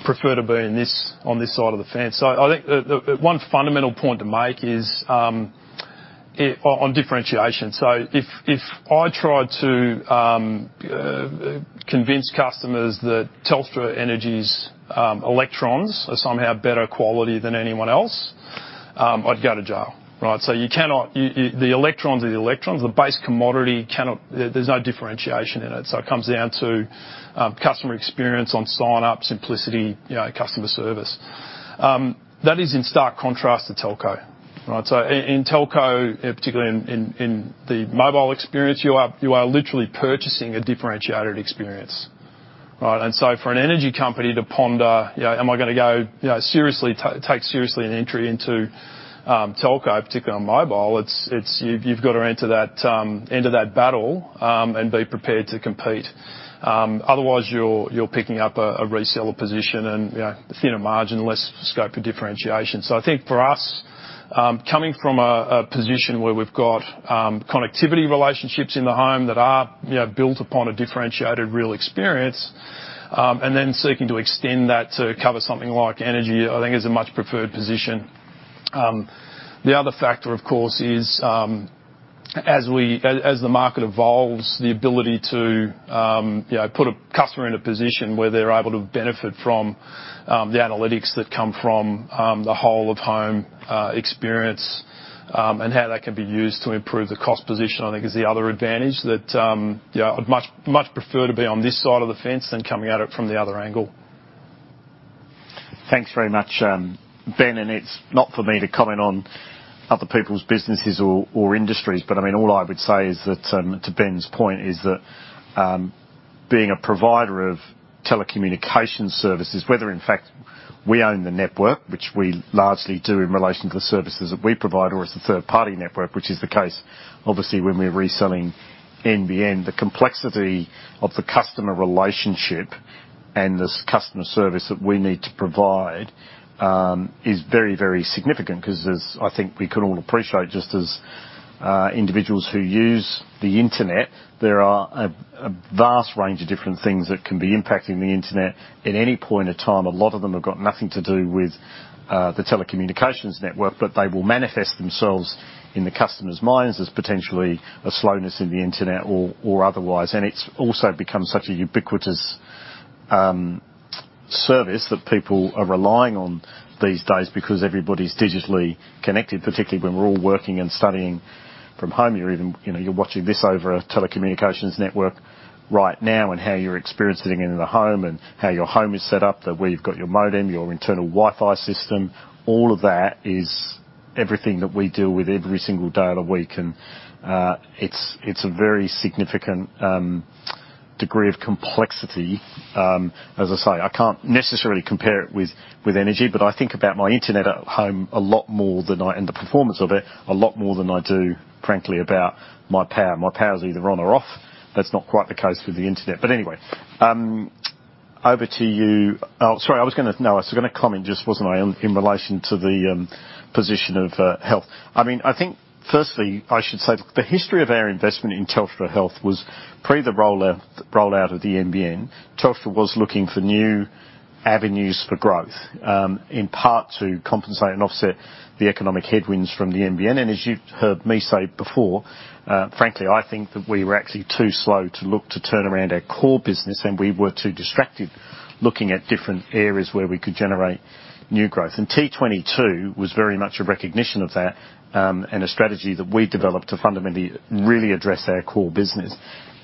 prefer to be in this, on this side of the fence. So I think the one fundamental point to make is. On differentiation. So if I tried to convince customers that Telstra Energy's electrons are somehow better quality than anyone else, I'd go to jail, right? So you cannot. You, the electrons are the electrons. The base commodity cannot. There's no differentiation in it. So it comes down to customer experience on sign-up, simplicity, you know, customer service. That is in stark contrast to telco, right? So in telco, particularly in the mobile experience, you are literally purchasing a differentiated experience, right? So for an energy company to ponder, you know, am I going to go, you know, seriously take seriously an entry into telco, particularly on mobile, it's you've got to enter that battle and be prepared to compete. Otherwise, you're picking up a reseller position and, you know, a thinner margin, less scope for differentiation. So I think for us, coming from a position where we've got connectivity relationships in the home that are, you know, built upon a differentiated real experience, and then seeking to extend that to cover something like energy, I think is a much preferred position. The other factor, of course, is, as the market evolves, the ability to, you know, put a customer in a position where they're able to benefit from, the analytics that come from, the whole of home experience, and how that can be used to improve the cost position, I think is the other advantage that, you know, I'd much, much prefer to be on this side of the fence than coming at it from the other angle. Thanks very much, Ben, and it's not for me to comment on other people's businesses or, or industries, but I mean, all I would say is that, to Ben's point, is that, being a provider of telecommunications services, whether in fact we own the network, which we largely do in relation to the services that we provide, or it's a third-party network, which is the case obviously, when we're reselling NBN, the complexity of the customer relationship and this customer service that we need to provide, is very, very significant. Because as I think we can all appreciate, just as, individuals who use the internet, there are a vast range of different things that can be impacting the internet at any point in time. A lot of them have got nothing to do with the telecommunications network, but they will manifest themselves in the customer's minds as potentially a slowness in the internet or otherwise. It's also become such a ubiquitous service that people are relying on these days because everybody's digitally connected, particularly when we're all working and studying from home. You're even, you know, you're watching this over a telecommunications network right now, and how you're experiencing it in the home, and how your home is set up, that where you've got your modem, your internal Wi-Fi system, all of that is everything that we deal with every single day of the week. It's a very significant degree of complexity. As I say, I can't necessarily compare it with energy, but I think about my internet at home a lot more than I—and the performance of it, a lot more than I do, frankly, about my power. My power is either on or off. That's not quite the case with the internet. But anyway, over to you. Oh, sorry, I was gonna. No, I was gonna comment, just, wasn't I, in relation to the position of health. I mean, I think firstly, I should say the history of our investment in Telstra Health was pre the roll out of the NBN. Telstra was looking for new avenues for growth, in part to compensate and offset the economic headwinds from the NBN. And as you've heard me say before, frankly, I think that we were actually too slow to look to turn around our core business, and we were too distracted looking at different areas where we could generate new growth. And T22 was very much a recognition of that, and a strategy that we developed to fundamentally really address our core business.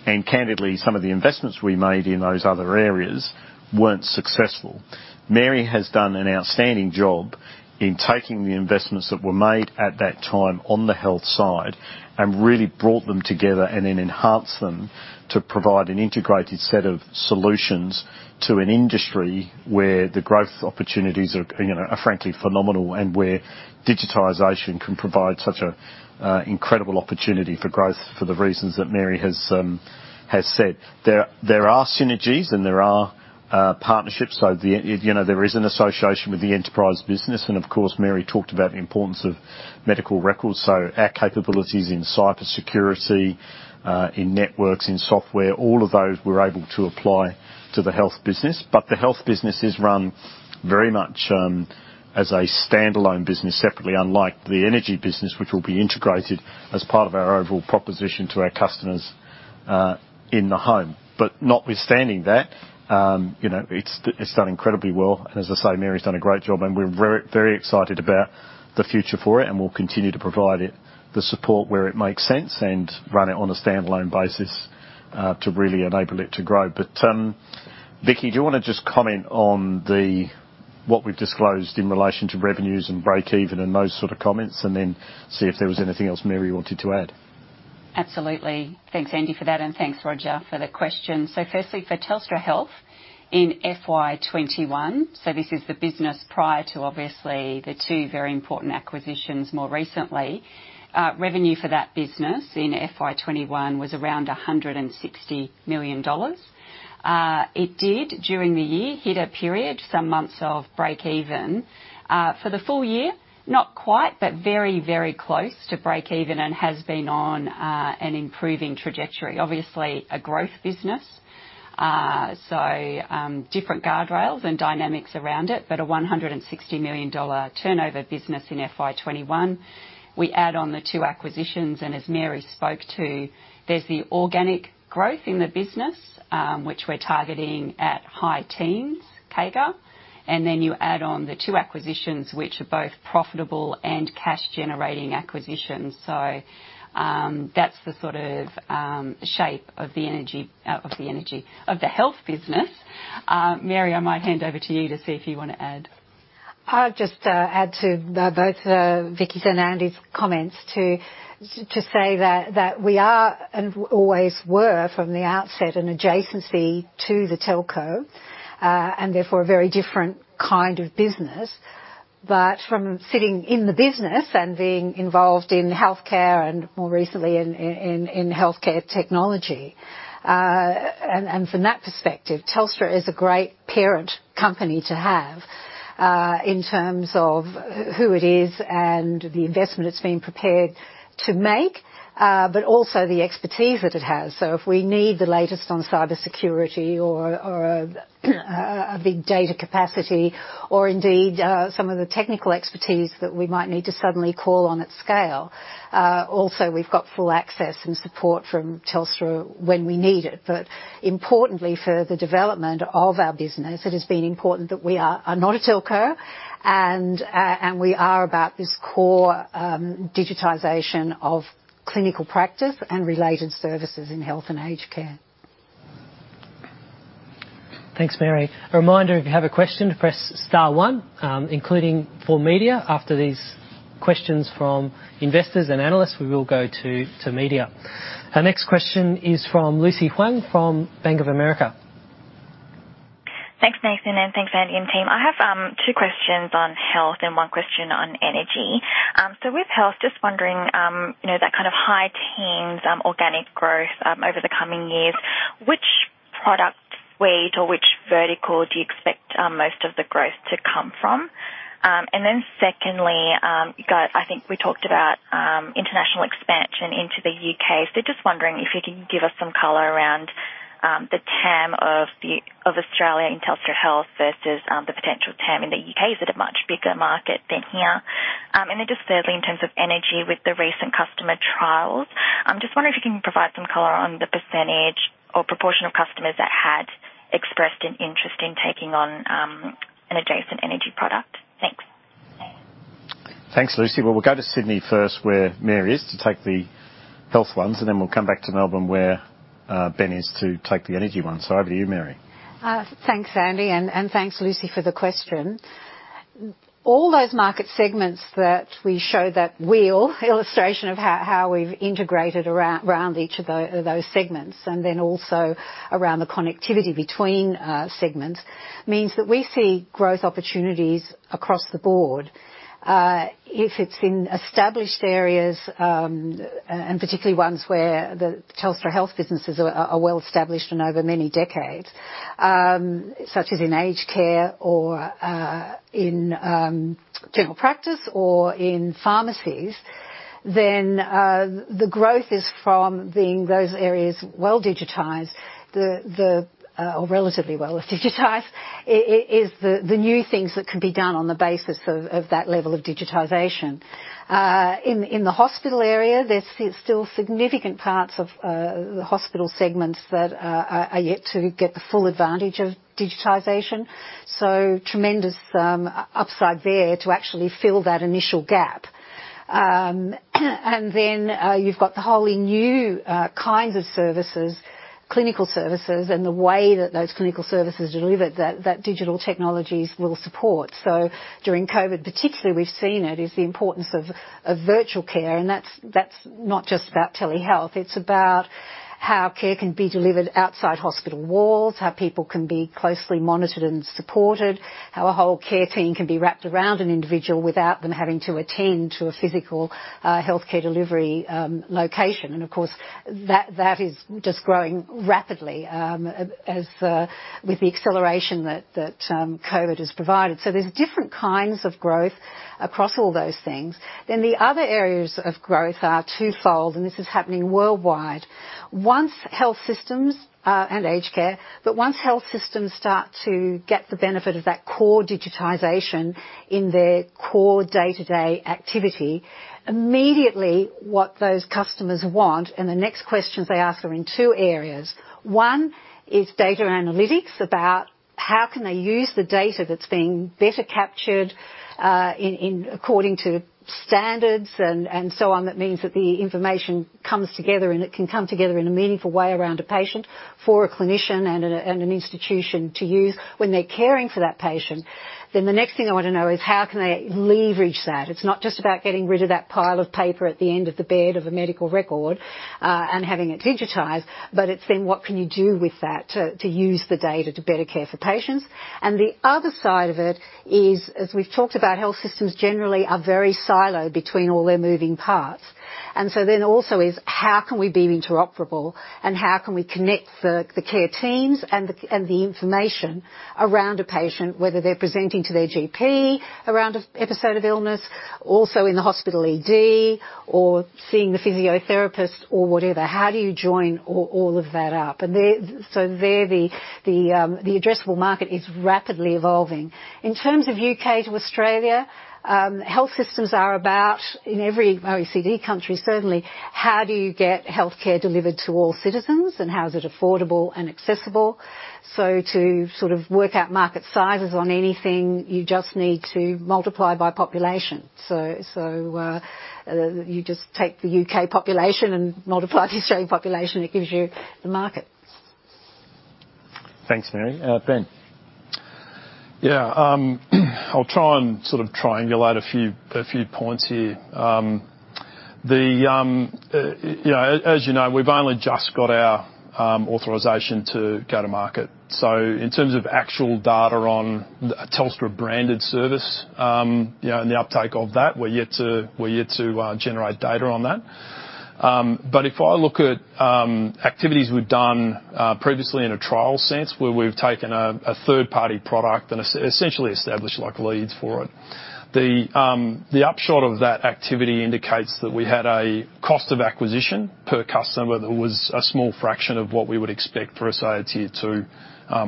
And candidly, some of the investments we made in those other areas weren't successful. Mary has done an outstanding job in taking the investments that were made at that time on the health side and really brought them together and then enhanced them to provide an integrated set of solutions to an industry where the growth opportunities are, you know, are frankly phenomenal, and where digitization can provide such an incredible opportunity for growth for the reasons that Mary has, has said. There, there are synergies, and there are, partnerships. So the, you know, there is an association with the enterprise business. And of course, Mary talked about the importance of medical records. So our capabilities in cybersecurity, in networks, in software, all of those we're able to apply to the health business. But the health business is run very much, as a standalone business separately, unlike the energy business, which will be integrated as part of our overall proposition to our customers, in the home. But notwithstanding that, you know, it's, it's done incredibly well. And as I say, Mary's done a great job, and we're very, very excited about the future for it, and we'll continue to provide it the support where it makes sense and run it on a standalone basis, to really enable it to grow. Vicki, do you want to just comment on what we've disclosed in relation to revenues and breakeven and those sort of comments, and then see if there was anything else Mary wanted to add? Absolutely. Thanks, Andy, for that, and thanks, Roger, for the question. So firstly, for Telstra Health, in FY 21, so this is the business prior to obviously, the two very important acquisitions more recently. Revenue for that business in FY 21 was around 160 million dollars. It did, during the year, hit a period, some months of breakeven. For the full year, not quite, but very, very close to breakeven and has been on an improving trajectory. Obviously, a growth business. So, different guardrails and dynamics around it, but a 160 million dollar turnover business in FY 21. We add on the two acquisitions, and as Mary spoke to, there's the organic growth in the business, which we're targeting at high teens CAGR. And then you add on the two acquisitions, which are both profitable and cash-generating acquisitions. So, that's the sort of shape of the energy of the health business. Mary, I might hand over to you to see if you want to add. I'll just add to both Vicki's and Andy's comments to say that we are and always were, from the outset, an adjacency to the telco, and therefore a very different kind of business. But from sitting in the business and being involved in healthcare and more recently in healthcare technology, and from that perspective, Telstra is a great parent company to have, in terms of who it is and the investment it's been prepared to make, but also the expertise that it has. So if we need the latest on cybersecurity or a big data capacity or indeed some of the technical expertise that we might need to suddenly call on at scale, also, we've got full access and support from Telstra when we need it. Importantly, for the development of our business, it has been important that we are not a telco, and we are about this core digitization of clinical practice and related services in health and aged care. Thanks, Mary. A reminder, if you have a question, press star one, including for media. After these questions from investors and analysts, we will go to media. Our next question is from Lucy Huang from Bank of America. Thanks, Nathan, and thanks, Andy and team. I have two questions on health and one question on energy. So with health, just wondering, you know, that kind of high teens organic growth over the coming years, which product weight or which vertical do you expect most of the growth to come from? And then secondly, you got... I think we talked about international expansion into the U.K.. So just wondering if you can give us some color around the TAM of Australia in Telstra Health versus the potential TAM in the U.K.. Is it a much bigger market than here? And then just thirdly, in terms of energy with the recent customer trials, I'm just wondering if you can provide some color on the percentage or proportion of customers that had expressed an interest in taking on an adjacent energy product? Thanks. Thanks, Lucy. Well, we'll go to Sydney first, where Mary is, to take the health ones, and then we'll come back to Melbourne, where Ben is to take the energy ones. So over to you, Mary. Thanks, Andy, and thanks, Lucy, for the question. All those market segments that we show, that wheel illustration of how we've integrated around each of those segments and then also around the connectivity between segments, means that we see growth opportunities across the board. If it's in established areas, and particularly ones where the Telstra Health businesses are well-established and over many decades, such as in aged care or in general practice or in pharmacies, then the growth is from being those areas well-digitized. Or relatively well digitized is the new things that can be done on the basis of that level of digitization. In the hospital area, there's still significant parts of the hospital segments that are yet to get the full advantage of digitization. So tremendous upside there to actually fill that initial gap. And then you've got the wholly new kinds of services, clinical services, and the way that those clinical services deliver that digital technologies will support. So during COVID, particularly, we've seen it, is the importance of virtual care, and that's not just about telehealth. It's about how care can be delivered outside hospital walls, how people can be closely monitored and supported, how a whole care team can be wrapped around an individual without them having to attend to a physical healthcare delivery location. And of course, that is just growing rapidly as with the acceleration that COVID has provided. So there's different kinds of growth across all those things. Then the other areas of growth are twofold, and this is happening worldwide. Once health systems and aged care, but once health systems start to get the benefit of that core digitization in their core day-to-day activity, immediately, what those customers want, and the next questions they ask are in two areas. One is data analytics, about how can they use the data that's being better captured in according to standards and so on. That means that the information comes together, and it can come together in a meaningful way around a patient, for a clinician and an institution to use when they're caring for that patient. Then the next thing I want to know is how can they leverage that? It's not just about getting rid of that pile of paper at the end of the bed of a medical record, and having it digitized, but it's then what can you do with that to use the data to better care for patients? And the other side of it is, as we've talked about, health systems generally are very siloed between all their moving parts. And so then also is how can we be interoperable, and how can we connect the care teams and the information around a patient, whether they're presenting to their GP around an episode of illness, also in the hospital ED, or seeing the physiotherapist or whatever. How do you join all of that up? The addressable market is rapidly evolving. In terms of U.K. to Australia, health systems are about, in every OECD country, certainly, how do you get healthcare delivered to all citizens, and how is it affordable and accessible? So to sort of work out market sizes on anything, you just need to multiply by population. So you just take the U.K. population and multiply the Australian population, it gives you the market. Thanks, Mary. Ben. Yeah, I'll try and sort of triangulate a few points here. You know, as you know, we've only just got our authorization to go to market. So in terms of actual data on a Telstra-branded service, you know, and the uptake of that, we're yet to generate data on that. But if I look at activities we've done previously in a trial sense, where we've taken a third-party product and essentially established, like, leads for it, the upshot of that activity indicates that we had a cost of acquisition per customer that was a small fraction of what we would expect for a Tier Two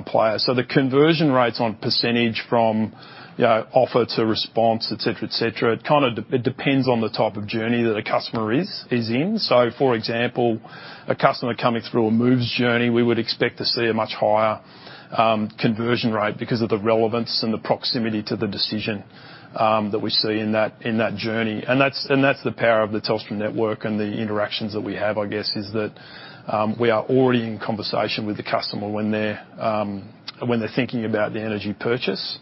player. So the conversion rates on percentage from, you know, offer to response, et cetera, et cetera, it kind of depends on the type of journey that a customer is in. So for example, a customer coming through a moves journey, we would expect to see a much higher conversion rate because of the relevance and the proximity to the decision that we see in that journey. And that's the power of the Telstra network and the interactions that we have, I guess, is that we are already in conversation with the customer when they're thinking about the energy purchase.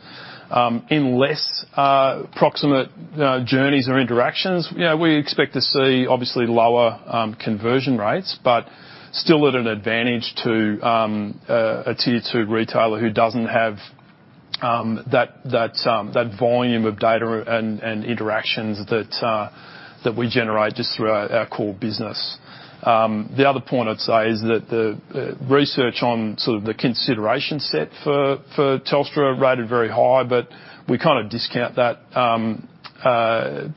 In less proximate journeys or interactions, you know, we expect to see obviously lower conversion rates, but still at an advantage to a Tier Two retailer who doesn't have that volume of data and interactions that we generate just through our core business. The other point I'd say is that the research on sort of the consideration set for Telstra rated very high, but we kind of discount that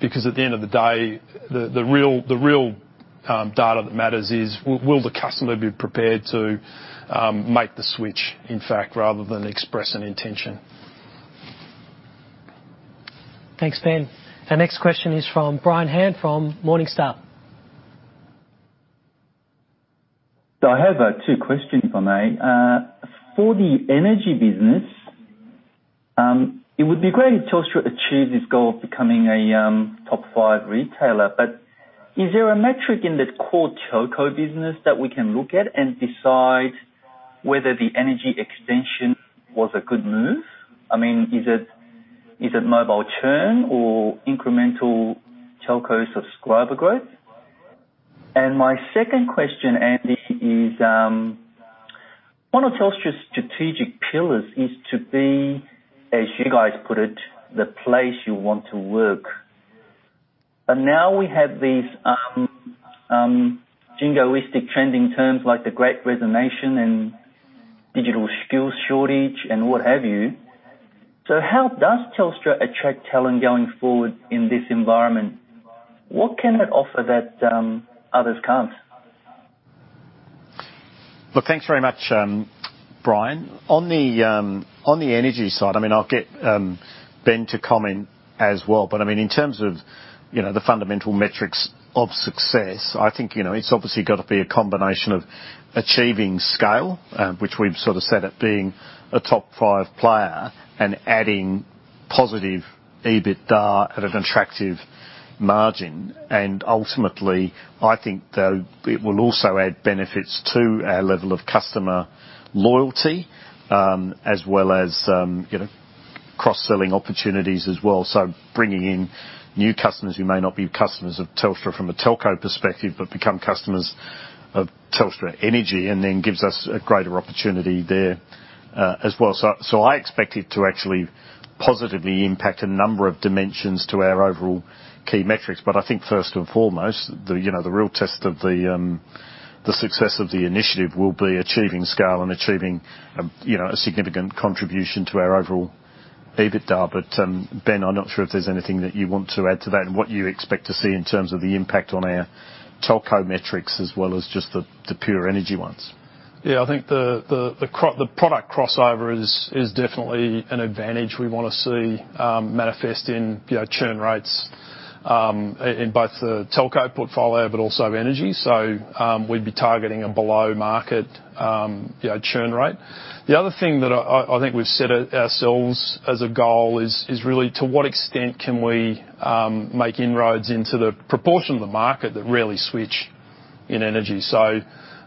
because at the end of the day, the real data that matters is, will the customer be prepared to make the switch, in fact, rather than express an intention? Thanks, Ben. Our next question is from Brian Han, from Morningstar. So I have two questions, if I may. For the energy business, it would be great if Telstra achieved its goal of becoming a top five retailer, but is there a metric in that core telco business that we can look at and decide whether the energy extension was a good move? I mean, is it mobile churn or incremental telco subscriber growth? And my second question, Andy, is one of Telstra's strategic pillars is to be, as you guys put it, "The place you want to work." But now we have these jingoistic trending terms like the Great Resignation and digital skills shortage and what have you.... So how does Telstra attract talent going forward in this environment? What can it offer that, others can't? Well, thanks very much, Brian. On the energy side, I mean, I'll get Ben to comment as well. But, I mean, in terms of, you know, the fundamental metrics of success, I think, you know, it's obviously got to be a combination of achieving scale, which we've sort of set at being a top five player, and adding positive EBITDA at an attractive margin. And ultimately, I think, though, it will also add benefits to our level of customer loyalty, as well as, you know, cross-selling opportunities as well. So bringing in new customers who may not be customers of Telstra from a telco perspective, but become customers of Telstra Energy, and then gives us a greater opportunity there, as well. So, I expect it to actually positively impact a number of dimensions to our overall key metrics. I think first and foremost, you know, the real test of the success of the initiative will be achieving scale and achieving, you know, a significant contribution to our overall EBITDA. Ben, I'm not sure if there's anything that you want to add to that and what you expect to see in terms of the impact on our telco metrics as well as just the pure energy ones. Yeah, I think the product crossover is definitely an advantage we want to see manifest in, you know, churn rates in both the telco portfolio, but also energy. So, we'd be targeting a below-market, yeah, churn rate. The other thing that I think we've set ourselves as a goal is really to what extent can we make inroads into the proportion of the market that rarely switch in energy?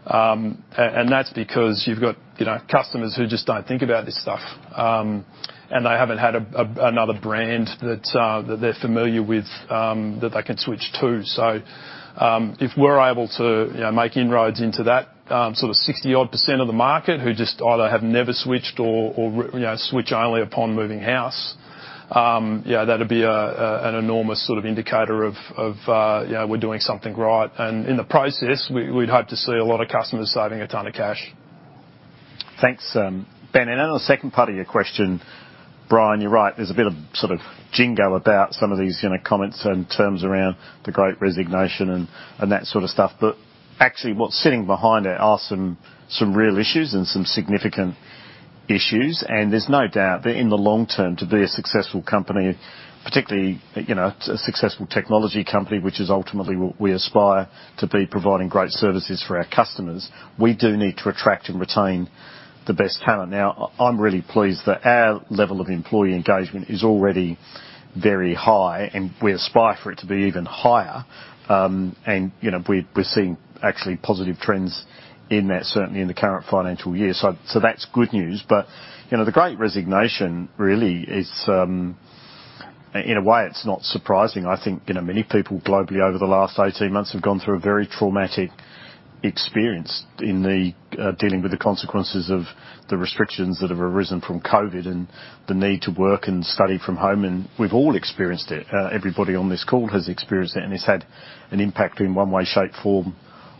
And that's because you've got, you know, customers who just don't think about this stuff, and they haven't had a another brand that they're familiar with that they can switch to. If we're able to, you know, make inroads into that sort of 60-odd% of the market who just either have never switched or you know switch only upon moving house, yeah, that'd be an enormous sort of indicator of you know we're doing something right. And in the process, we'd hope to see a lot of customers saving a ton of cash. Thanks, Ben. And on the second part of your question, Brian, you're right. There's a bit of sort of jingo about some of these, you know, comments and terms around the Great Resignation and, and that sort of stuff. But actually, what's sitting behind it are some, some real issues and some significant issues. And there's no doubt that in the long term, to be a successful company, particularly, you know, a successful technology company, which is ultimately what we aspire to be, providing great services for our customers, we do need to attract and retain the best talent. Now, I'm really pleased that our level of employee engagement is already very high, and we aspire for it to be even higher. And, you know, we're, we're seeing actually positive trends in that, certainly in the current financial year. So, so that's good news. But, you know, the Great Resignation really is. In a way, it's not surprising. I think, you know, many people globally over the last 18 months have gone through a very traumatic experience in the dealing with the consequences of the restrictions that have arisen from COVID and the need to work and study from home. And we've all experienced it. Everybody on this call has experienced it, and it's had an impact in one way, shape, form,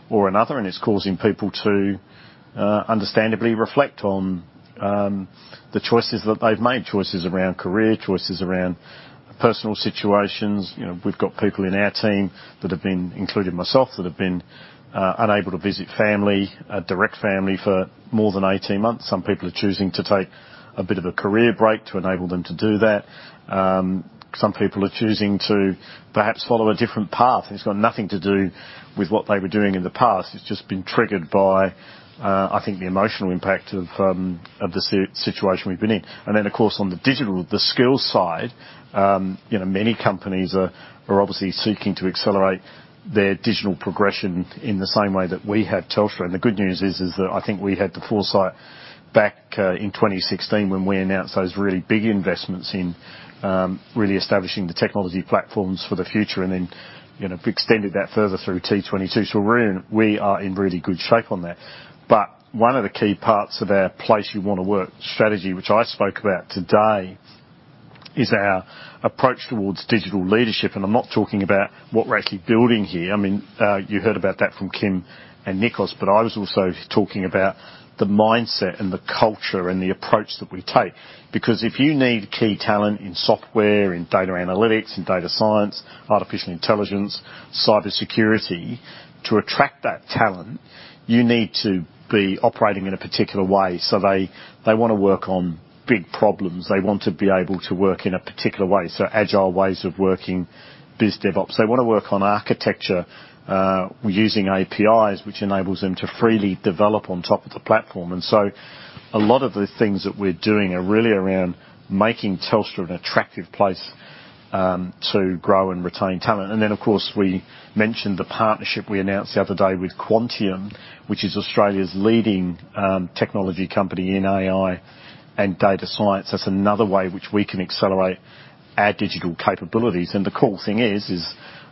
or another, and it's causing people to understandably reflect on the choices that they've made, choices around career, choices around personal situations. You know, we've got people in our team that have been, including myself, that have been unable to visit family, direct family, for more than 18 months. Some people are choosing to take a bit of a career break to enable them to do that. Some people are choosing to perhaps follow a different path, and it's got nothing to do with what they were doing in the past. It's just been triggered by, I think, the emotional impact of, of the situation we've been in. And then, of course, on the digital, the skills side, you know, many companies are obviously seeking to accelerate their digital progression in the same way that we had Telstra. And the good news is that I think we had the foresight back, in 2016, when we announced those really big investments in, really establishing the technology platforms for the future, and then, you know, extended that further through T22. So we are in really good shape on that. One of the key parts of our Place You Want to Work strategy, which I spoke about today, is our approach towards digital leadership. I'm not talking about what we're actually building here. I mean, you heard about that from Kim and Nikos, but I was also talking about the mindset and the culture and the approach that we take. Because if you need key talent in software, in data analytics, in data science, artificial intelligence, cybersecurity, to attract that talent, you need to be operating in a particular way. So they, they want to work on big problems. They want to be able to work in a particular way, so agile ways of working, BizDevOps. They want to work on architecture, using APIs, which enables them to freely develop on top of the platform. A lot of the things that we're doing are really around making Telstra an attractive place to grow and retain talent. And then, of course, we mentioned the partnership we announced the other day with Quantium, which is Australia's leading technology company in AI and data science. That's another way which we can accelerate our digital capabilities. And the cool thing is,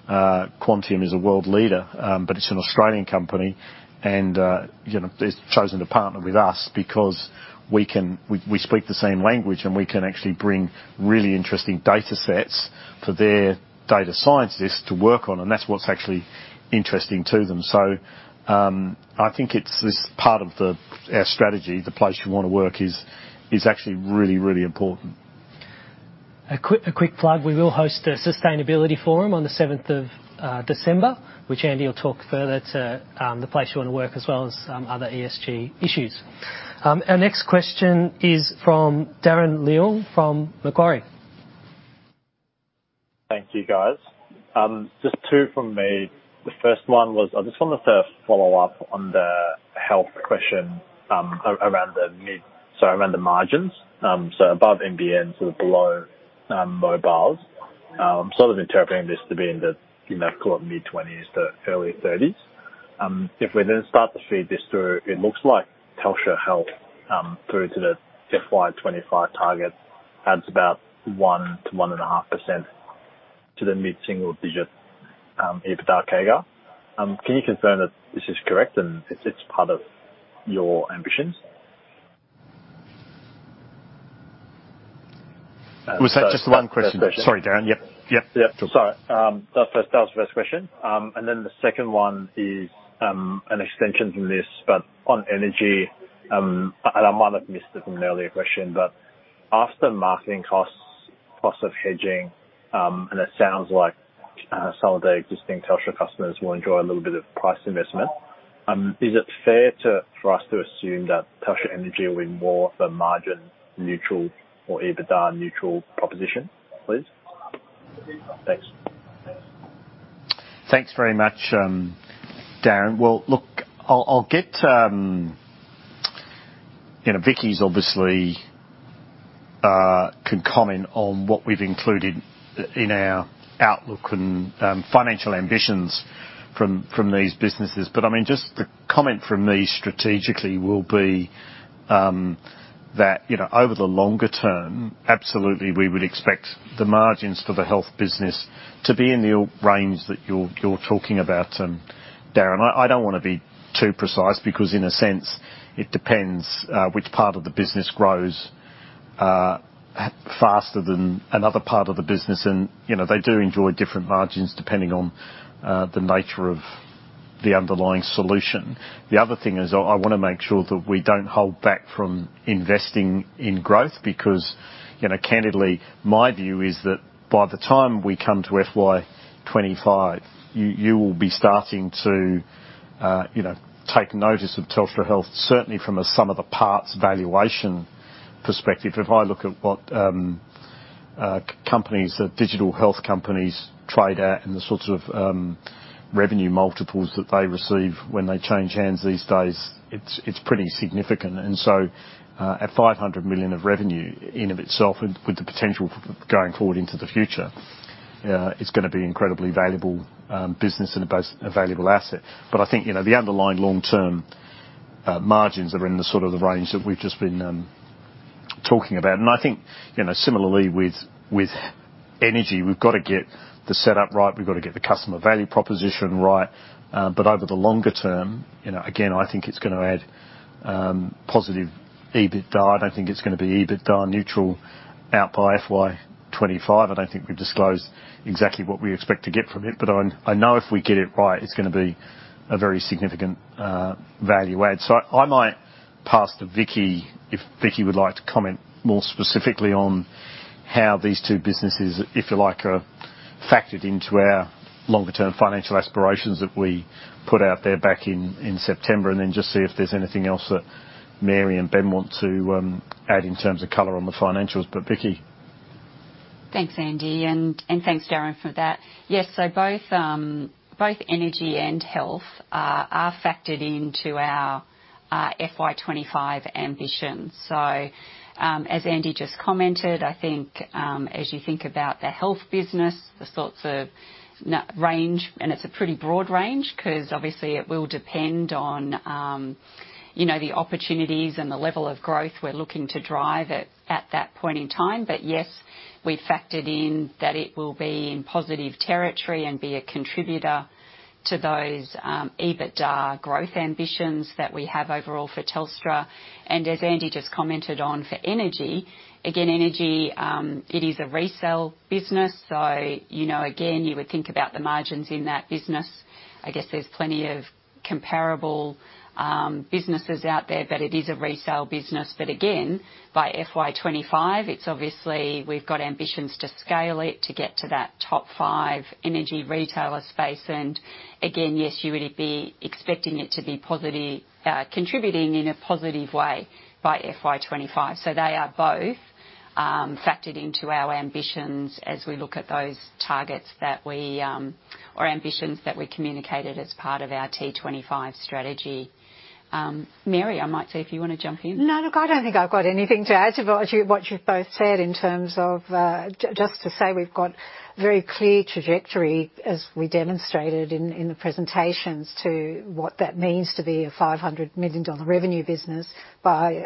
Quantium is a world leader, but it's an Australian company, and, you know, they've chosen to partner with us because we speak the same language, and we can actually bring really interesting data sets for their data scientists to work on, and that's what's actually interesting to them. So, I think it's this part of our strategy, the place you want to work is actually really, really important. A quick, a quick plug. We will host a sustainability forum on the seventh of December, which Andy will talk further to, the place you want to work, as well as some other ESG issues. Our next question is from Darren Leung from Macquarie. Thank you, guys. Just two from me. The first one was, I just wanted to follow up on the health question, around the margins. So above NBN, sort of below, mobiles. Sort of interpreting this to be in the, you know, call it mid-20s to early 30s. If we then start to feed this through, it looks like Telstra Health, through to the FY 2025 target, adds about 1-1.5% to the mid-single digit, EBITDA CAGR. Can you confirm that this is correct and it's, it's part of your ambitions? Was that just one question? Sorry, Darren. Yep. Yep. Yep. Sorry. That was the first question. And then the second one is an extension from this, but on energy, and I might have missed it from an earlier question, but after marketing costs, costs of hedging, and it sounds like some of the existing Telstra customers will enjoy a little bit of price investment. Is it fair for us to assume that Telstra Energy will be more of a margin-neutral or EBITDA-neutral proposition, please? Thanks. Thanks very much, Darren. Well, look, I'll get... You know, Vicki's obviously can comment on what we've included in our outlook and financial ambitions from these businesses. But, I mean, just the comment from me strategically will be that, you know, over the longer term, absolutely, we would expect the margins for the health business to be in the range that you're talking about, Darren. I don't want to be too precise, because in a sense, it depends which part of the business grows faster than another part of the business. And, you know, they do enjoy different margins, depending on the nature of the underlying solution. The other thing is, I want to make sure that we don't hold back from investing in growth, because, you know, candidly, my view is that by the time we come to FY 25, you will be starting to, you know, take notice of Telstra Health, certainly from a sum of the parts valuation perspective. If I look at what companies, the digital health companies trade at and the sorts of revenue multiples that they receive when they change hands these days, it's pretty significant. And so, at 500 million of revenue, in of itself, and with the potential going forward into the future, it's going to be incredibly valuable business and a valuable asset. But I think, you know, the underlying long-term margins are in the sort of the range that we've just been talking about. And I think, you know, similarly with energy, we've got to get the setup right, we've got to get the customer value proposition right. But over the longer term, you know, again, I think it's going to add positive EBITDA. I don't think it's going to be EBITDA neutral out by FY 25. I don't think we've disclosed exactly what we expect to get from it, but I know if we get it right, it's going to be a very significant value add. So I might pass to Vicki, if Vicki would like to comment more specifically on how these two businesses, if you like, are factored into our longer-term financial aspirations that we put out there back in September, and then just see if there's anything else that Mary and Ben want to add in terms of color on the financials. But Vicki? Thanks, Andy, and thanks, Darren, for that. Yes, so both energy and health are factored into our FY25 ambitions. So, as Andy just commented, I think, as you think about the health business, the sorts of range, and it's a pretty broad range, 'cause obviously it will depend on, you know, the opportunities and the level of growth we're looking to drive at that point in time. But yes, we've factored in that it will be in positive territory and be a contributor to those EBITDA growth ambitions that we have overall for Telstra. And as Andy just commented on for energy, again, energy, it is a resale business. So, you know, again, you would think about the margins in that business. I guess there's plenty of comparable businesses out there, but it is a resale business. But again, by FY 25, it's obviously we've got ambitions to scale it to get to that top five energy retailer space. And again, yes, you would be expecting it to be positive contributing in a positive way by FY 25. So they are both factored into our ambitions as we look at those targets that we or ambitions that we communicated as part of our T25 strategy. Mary, I might see if you want to jump in. No, look, I don't think I've got anything to add to what you, what you've both said in terms of, just to say, we've got very clear trajectory, as we demonstrated in, in the presentations, to what that means to be an 500 million dollar revenue business by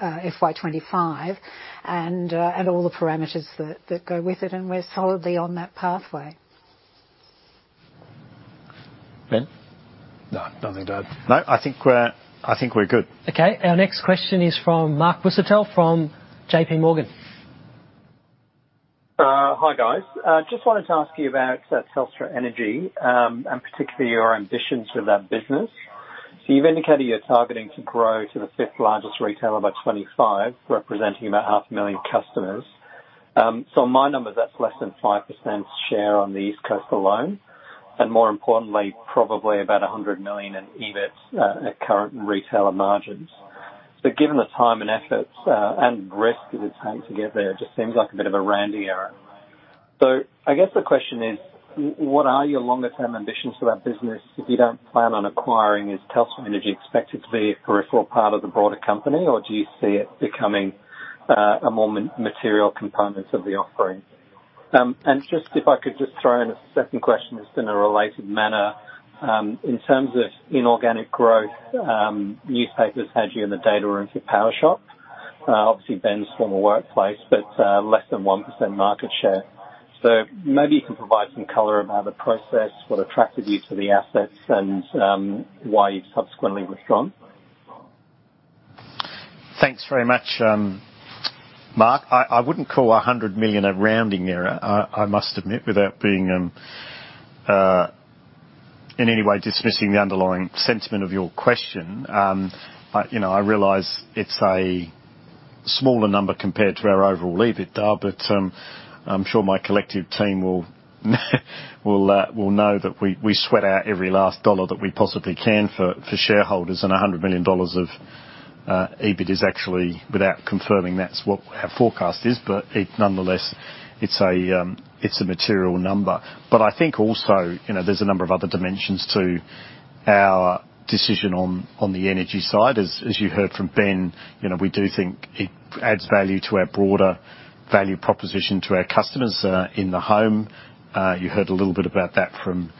FY 2025, and, and all the parameters that, that go with it, and we're solidly on that pathway.... Ben? No, nothing to add. No, I think we're, I think we're good. Okay, our next question is from Mark Busuttil from JP Morgan. Hi, guys. Just wanted to ask you about Telstra Energy, and particularly your ambitions for that business. So you've indicated you're targeting to grow to the fifth largest retailer by 2025, representing about 500,000 customers. So in my numbers, that's less than 5% share on the East Coast alone, and more importantly, probably about 100 million in EBIT at current retailer margins. But given the time and efforts, and risk that it's taken to get there, it just seems like a bit of a rounding error. So I guess the question is: what are your longer-term ambitions for that business? If you don't plan on acquiring, is Telstra Energy expected to be a peripheral part of the broader company, or do you see it becoming a more material component of the offering? And just if I could just throw in a second question just in a related manner, in terms of inorganic growth, newspapers had you in the data room for Powershop, obviously Ben's former workplace, but, less than 1% market share. So maybe you can provide some color about the process, what attracted you to the assets, and, why you've subsequently withdrawn. Thanks very much, Mark. I wouldn't call 100 million a rounding error. I must admit, without being in any way dismissing the underlying sentiment of your question. I, you know, I realize it's a smaller number compared to our overall EBITDA, but I'm sure my collective team will know that we sweat out every last dollar that we possibly can for shareholders, and 100 million dollars of EBIT is actually, without confirming, that's what our forecast is, but it nonetheless, it's a material number. But I think also, you know, there's a number of other dimensions to our decision on the energy side. As you heard from Ben, you know, we do think it adds value to our broader value proposition to our customers in the home. You heard a little bit about that from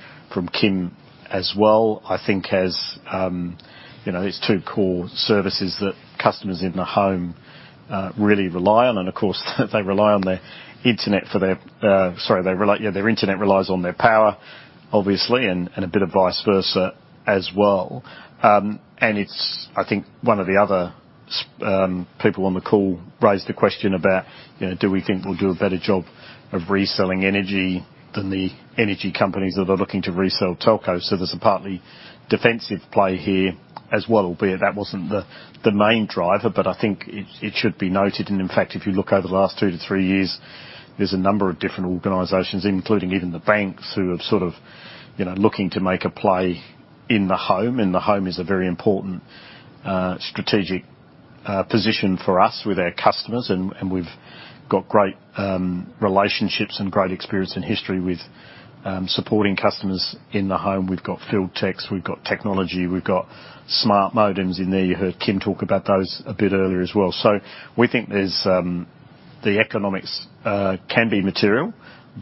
Kim as well. I think as you know, there's two core services that customers in the home really rely on, and of course, they rely on their internet for their... Sorry, they rely, yeah, their internet relies on their power, obviously, and a bit of vice versa as well. And it's, I think, one of the other people on the call raised the question about, you know, do we think we'll do a better job of reselling energy than the energy companies that are looking to resell telco? So there's a partly defensive play here as well, albeit that wasn't the main driver, but I think it should be noted. In fact, if you look over the last two to three years, there's a number of different organizations, including even the banks, who have sort of, you know, looking to make a play in the home, and the home is a very important strategic position for us with our customers, and we've got great relationships and great experience and history with supporting customers in the home. We've got field techs, we've got technology, we've got Smart Modems in there. You heard Kim talk about those a bit earlier as well. So we think there's the economics can be material,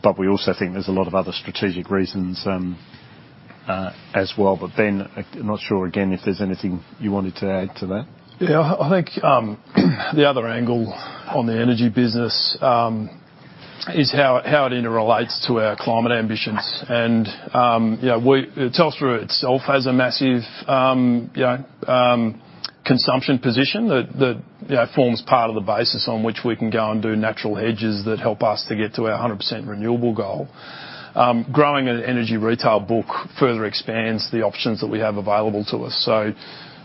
but we also think there's a lot of other strategic reasons as well. But Ben, I'm not sure, again, if there's anything you wanted to add to that. Yeah, I think the other angle on the energy business is how it interrelates to our climate ambitions. And yeah, we-- Telstra itself has a massive you know consumption position that you know forms part of the basis on which we can go and do natural hedges that help us to get to our 100% renewable goal. Growing an energy retail book further expands the options that we have available to us. So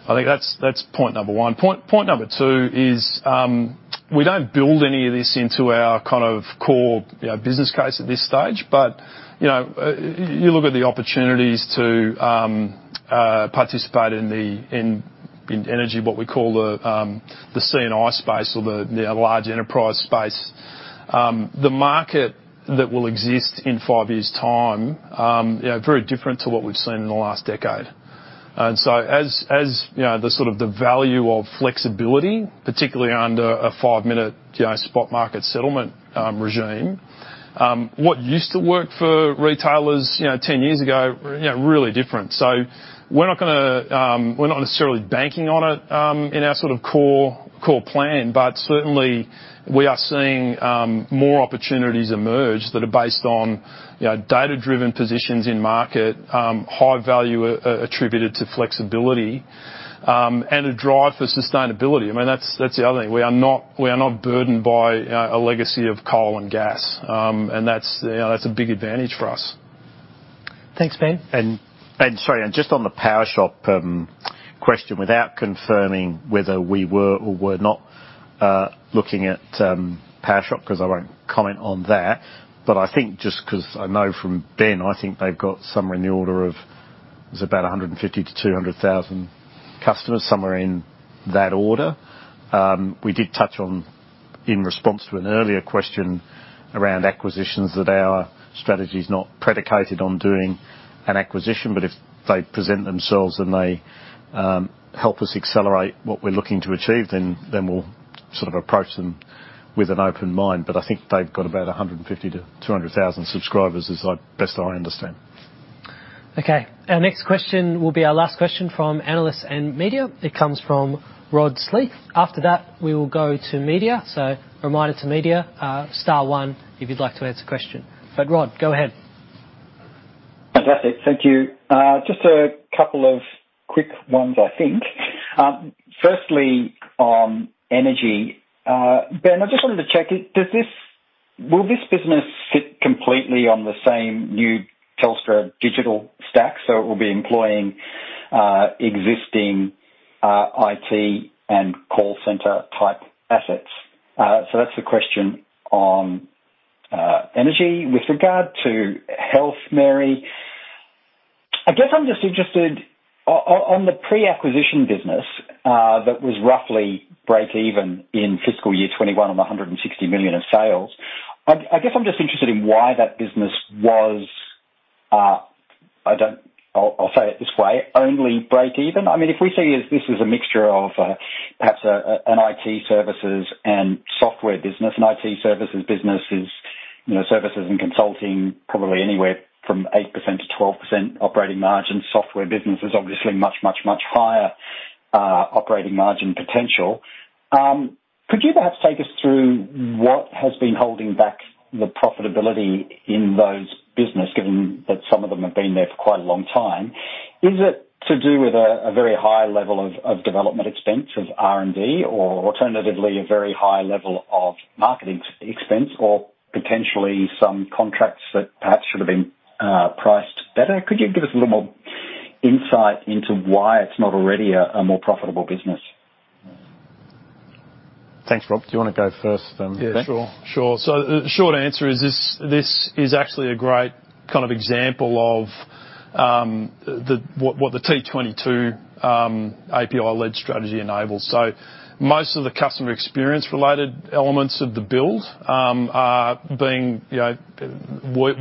I think that's point number one. Point number two is we don't build any of this into our kind of core you know business case at this stage, but you know you look at the opportunities to participate in the energy, what we call the C&I space or the large enterprise space. The market that will exist in five years' time, you know, very different to what we've seen in the last decade. And so as you know, the sort of value of flexibility, particularly under a five-minute, you know, spot market settlement regime, what used to work for retailers, you know, ten years ago, you know, really different. So we're not gonna, we're not necessarily banking on it, in our sort of core plan, but certainly, we are seeing more opportunities emerge that are based on, you know, data-driven positions in market, high value attributed to flexibility, and a drive for sustainability. I mean, that's the other thing. We are not burdened by a legacy of coal and gas. And that's a big advantage for us. Thanks, Ben. Sorry, and just on the Powershop question, without confirming whether we were or were not looking at Powershop, 'cause I won't comment on that, but I think just 'cause I know from Ben, I think they've got somewhere in the order of, it's about 150-200 thousand customers, somewhere in that order. We did touch on, in response to an earlier question around acquisitions, that our strategy is not predicated on doing an acquisition, but if they present themselves, and they help us accelerate what we're looking to achieve, then we'll sort of approach them with an open mind. But I think they've got about 150-200 thousand subscribers, as I best understand. Okay, our next question will be our last question from analysts and media. It comes from Rod Sleath. After that, we will go to media. So reminder to media, star one if you'd like to ask a question. But Rod, go ahead.... Fantastic. Thank you. Just a couple of quick ones, I think. Firstly, on energy, Ben, I just wanted to check, will this business sit completely on the same new Telstra digital stack, so it will be employing existing IT and call center-type assets? So that's the question on energy. With regard to health, Mary, I guess I'm just interested on the pre-acquisition business that was roughly break even in fiscal year 2021 on 160 million in sales. I guess I'm just interested in why that business was, I don't... I'll say it this way: only break even? I mean, if we see it, this is a mixture of perhaps an IT services and software business. An IT services business is, you know, services and consulting, probably anywhere from 8%-12% operating margin. Software business is obviously much, much, much higher operating margin potential. Could you perhaps take us through what has been holding back the profitability in those businesses, given that some of them have been there for quite a long time? Is it to do with a very high level of development expense of R&D, or alternatively, a very high level of marketing expense, or potentially some contracts that perhaps should have been priced better? Could you give us a little more insight into why it's not already a more profitable business? Thanks, Rob. Do you want to go first, then, Ben? Yeah, sure. Sure. So the short answer is this, this is actually a great kind of example of the what the T22 API-led strategy enables. So most of the customer experience-related elements of the build are being, you know,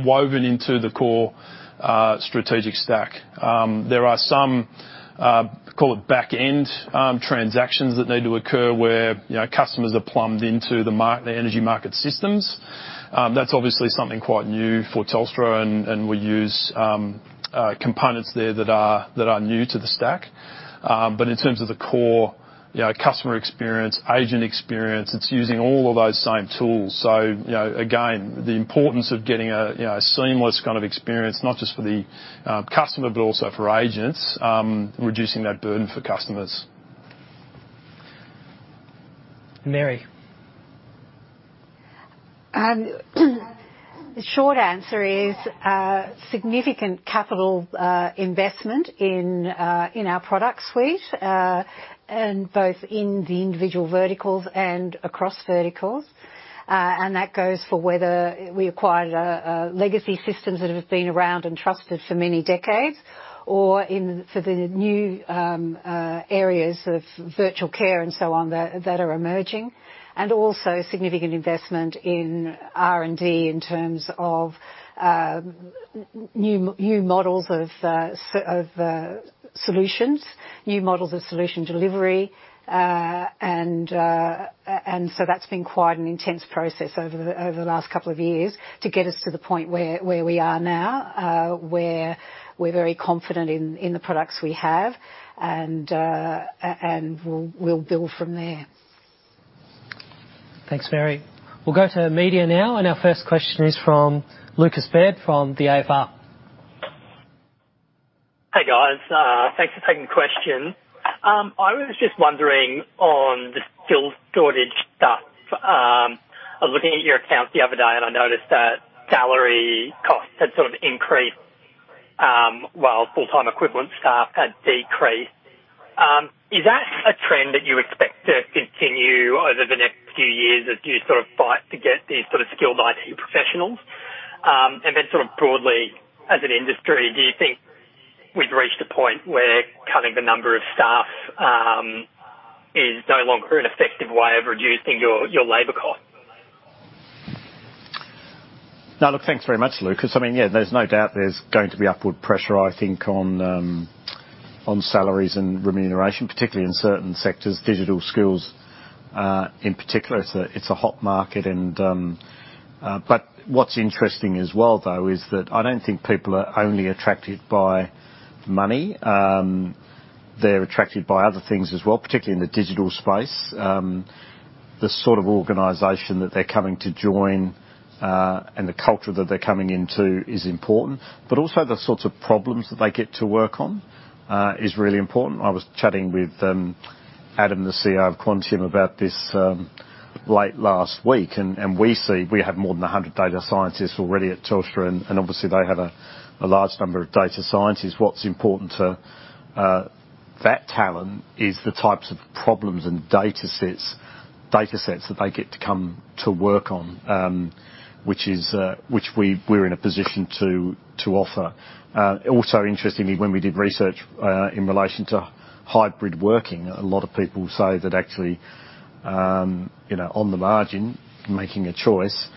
woven into the core strategic stack. There are some call it back-end transactions that need to occur where, you know, customers are plumbed into the market the energy market systems. That's obviously something quite new for Telstra, and we use components there that are that are new to the stack. But in terms of the core, you know, customer experience, agent experience, it's using all of those same tools. So, you know, again, the importance of getting a, you know, a seamless kind of experience, not just for the customer, but also for agents, reducing that burden for customers. Mary? The short answer is significant capital investment in our product suite, and both in the individual verticals and across verticals. And that goes for whether we acquired legacy systems that have been around and trusted for many decades, or in for the new areas of virtual care and so on that are emerging. And also significant investment in R&D in terms of new models of solutions, new models of solution delivery. And so that's been quite an intense process over the last couple of years to get us to the point where we are now, where we're very confident in the products we have, and we'll build from there. Thanks, Mary. We'll go to media now, and our first question is from Lucas Baird from the AFR. Hey, guys. Thanks for taking the question. I was just wondering on the skills shortage stuff. I was looking at your accounts the other day, and I noticed that salary costs had sort of increased, while full-time equivalent staff had decreased. Is that a trend that you expect to continue over the next few years as you sort of fight to get these sort of skilled IT professionals? And then sort of broadly, as an industry, do you think we've reached a point where cutting the number of staff is no longer an effective way of reducing your, your labor cost? Now, look, thanks very much, Lucas. I mean, yeah, there's no doubt there's going to be upward pressure, I think, on salaries and remuneration, particularly in certain sectors. Digital skills in particular. It's a hot market and... But what's interesting as well, though, is that I don't think people are only attracted by money. They're attracted by other things as well, particularly in the digital space. The sort of organization that they're coming to join and the culture that they're coming into is important, but also the sorts of problems that they get to work on is really important. I was chatting with Adam, the CEO of Quantium, about this late last week, and we see we have more than 100 data scientists already at Telstra, and obviously they have a large number of data scientists. What's important to that talent is the types of problems and data sets that they get to come to work on, which we're in a position to offer. Also interestingly, when we did research in relation to hybrid working, a lot of people say that actually you know, on the margin, making a choice,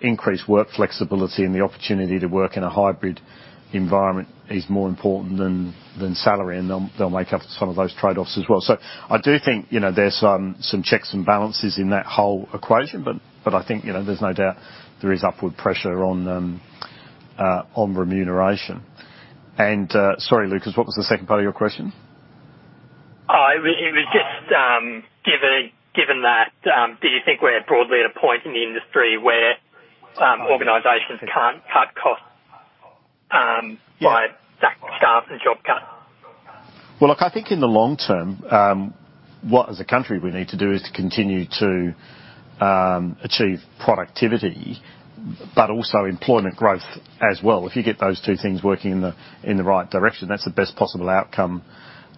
increased work flexibility and the opportunity to work in a hybrid environment is more important than salary, and they'll make up some of those trade-offs as well. So I do think, you know, there's some checks and balances in that whole equation, but I think, you know, there's no doubt there is upward pressure on remuneration. And sorry, Lucas, what was the second part of your question?... Oh, it was just given that, do you think we're broadly at a point in the industry where organizations can't cut costs by staff and job cuts? Well, look, I think in the long term, what as a country we need to do is to continue to achieve productivity, but also employment growth as well. If you get those two things working in the right direction, that's the best possible outcome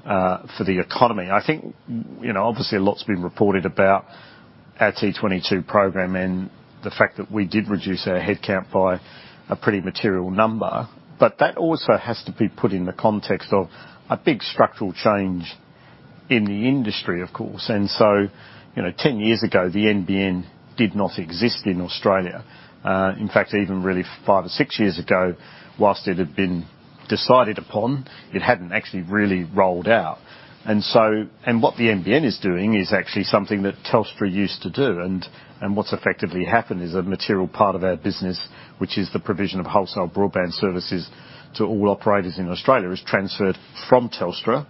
for the economy. I think, you know, obviously, a lot's been reported about our T22 program and the fact that we did reduce our headcount by a pretty material number. But that also has to be put in the context of a big structural change in the industry, of course. And so, you know, 10 years ago, the NBN did not exist in Australia. In fact, even really 5 or 6 years ago, whilst it had been decided upon, it hadn't actually really rolled out. What the NBN is doing is actually something that Telstra used to do, and what's effectively happened is a material part of our business, which is the provision of wholesale broadband services to all operators in Australia, is transferred from Telstra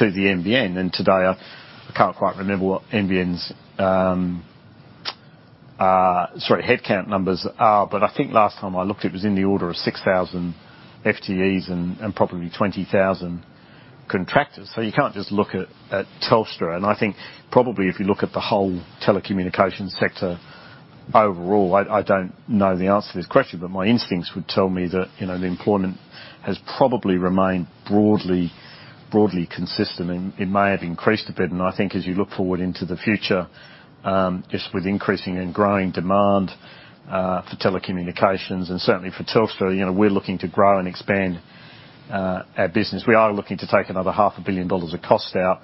to the NBN. And today, I can't quite remember what NBN's headcount numbers are, but I think last time I looked, it was in the order of 6,000 FTEs and probably 20,000 contractors. So you can't just look at Telstra. And I think probably if you look at the whole telecommunications sector overall, I don't know the answer to this question, but my instincts would tell me that, you know, the employment has probably remained broadly, broadly consistent, and it may have increased a bit. I think as you look forward into the future, just with increasing and growing demand for telecommunications, and certainly for Telstra, you know, we're looking to grow and expand our business. We are looking to take another 500 million dollars of costs out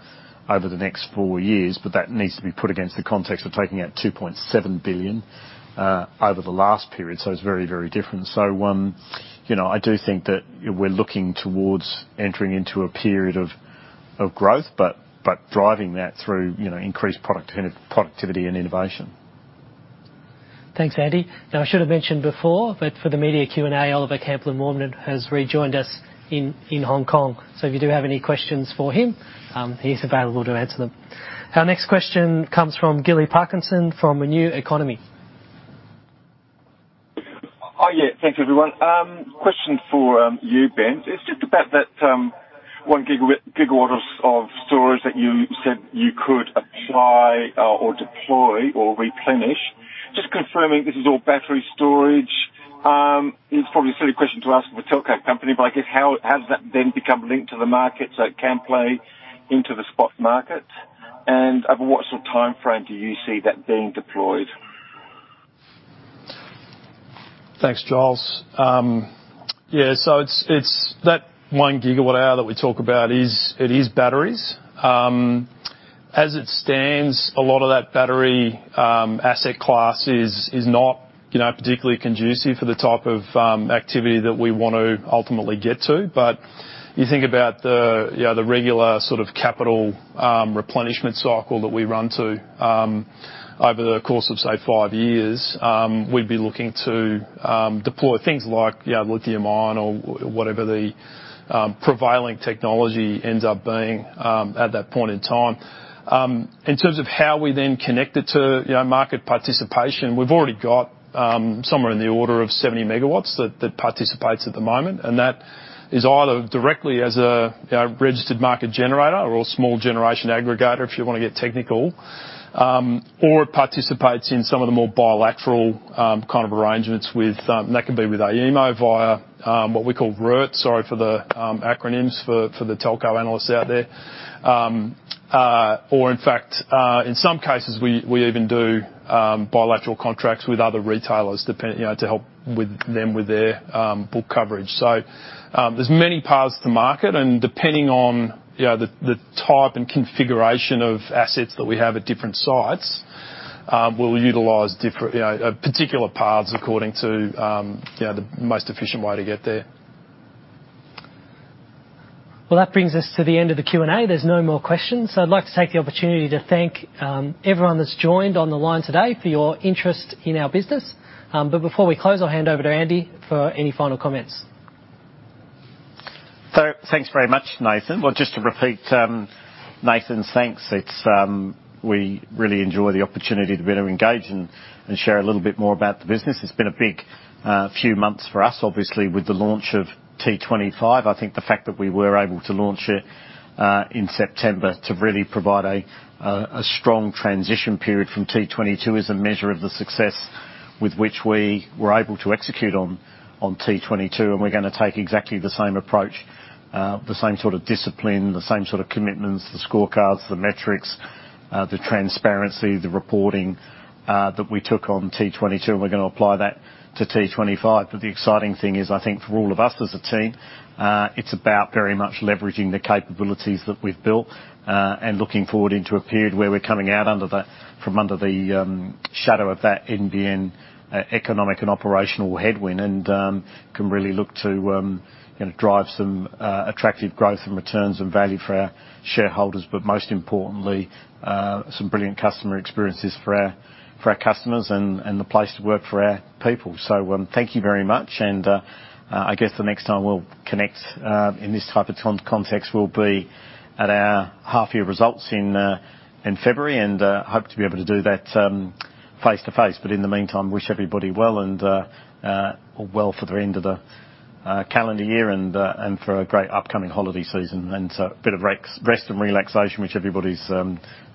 over the next four years, but that needs to be put against the context of taking out 2.7 billion over the last period. So it's very, very different. You know, I do think that we're looking towards entering into a period of growth, but driving that through, you know, increased product, productivity and innovation. Thanks, Andy. Now, I should have mentioned before, but for the media Q&A, Oliver Camplin-Warner has rejoined us in Hong Kong. So if you do have any questions for him, he's available to answer them. Our next question comes from Giles Parkinson, from Renew Economy. Oh, yeah. Thank you, everyone. Question for you, Ben. It's just about that 1 gigawatt of storage that you said you could apply, or deploy or replenish. Just confirming this is all battery storage? It's probably a silly question to ask of a telco company, but I guess how, how does that then become linked to the market so it can play into the spot market? And over what sort of time frame do you see that being deployed? Thanks, Giles. Yeah, so it's that 1 gigawatt hour that we talk about is, it is batteries. As it stands, a lot of that battery asset class is not, you know, particularly conducive for the type of activity that we want to ultimately get to. But you think about the, you know, the regular sort of capital replenishment cycle that we run to over the course of, say, 5 years, we'd be looking to deploy things like, yeah, lithium-ion or whatever the prevailing technology ends up being at that point in time. In terms of how we then connect it to, you know, market participation, we've already got somewhere in the order of 70 MW that participates at the moment, and that is either directly as a registered market generator or a small generation aggregator, if you want to get technical. Or it participates in some of the more bilateral kind of arrangements with... That could be with AEMO via what we call RT. Sorry for the acronyms for the telco analysts out there. Or in fact, in some cases, we even do bilateral contracts with other retailers, depend-- you know, to help them with their book coverage. So, there's many paths to market, and depending on, you know, the type and configuration of assets that we have at different sites, we'll utilize different, you know, particular paths according to, you know, the most efficient way to get there. Well, that brings us to the end of the Q&A. There's no more questions. So I'd like to take the opportunity to thank everyone that's joined on the line today for your interest in our business. But before we close, I'll hand over to Andy for any final comments. So thanks very much, Nathan. Well, just to repeat, Nathan's thanks. It's, we really enjoy the opportunity to be able to engage and share a little bit more about the business. It's been a big few months for us, obviously, with the launch of T25. I think the fact that we were able to launch it in September to really provide a strong transition period from T22 is a measure of the success with which we were able to execute on T22, and we're gonna take exactly the same approach, the same sort of discipline, the same sort of commitments, the scorecards, the metrics, the transparency, the reporting that we took on T22, and we're gonna apply that to T25. But the exciting thing is, I think for all of us as a team, it's about very much leveraging the capabilities that we've built, and looking forward into a period where we're coming out from under the shadow of that NBN economic and operational headwind, and can really look to, you know, drive some attractive growth and returns and value for our shareholders, but most importantly, some brilliant customer experiences for our, for our customers and, and the place to work for our people. So, thank you very much, and I guess the next time we'll connect in this type of context will be at our half-year results in February, and hope to be able to do that face-to-face. But in the meantime, wish everybody well and well for the end of the calendar year and for a great upcoming holiday season, and so a bit of rest and relaxation, which everybody's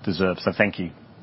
deserves. So thank you.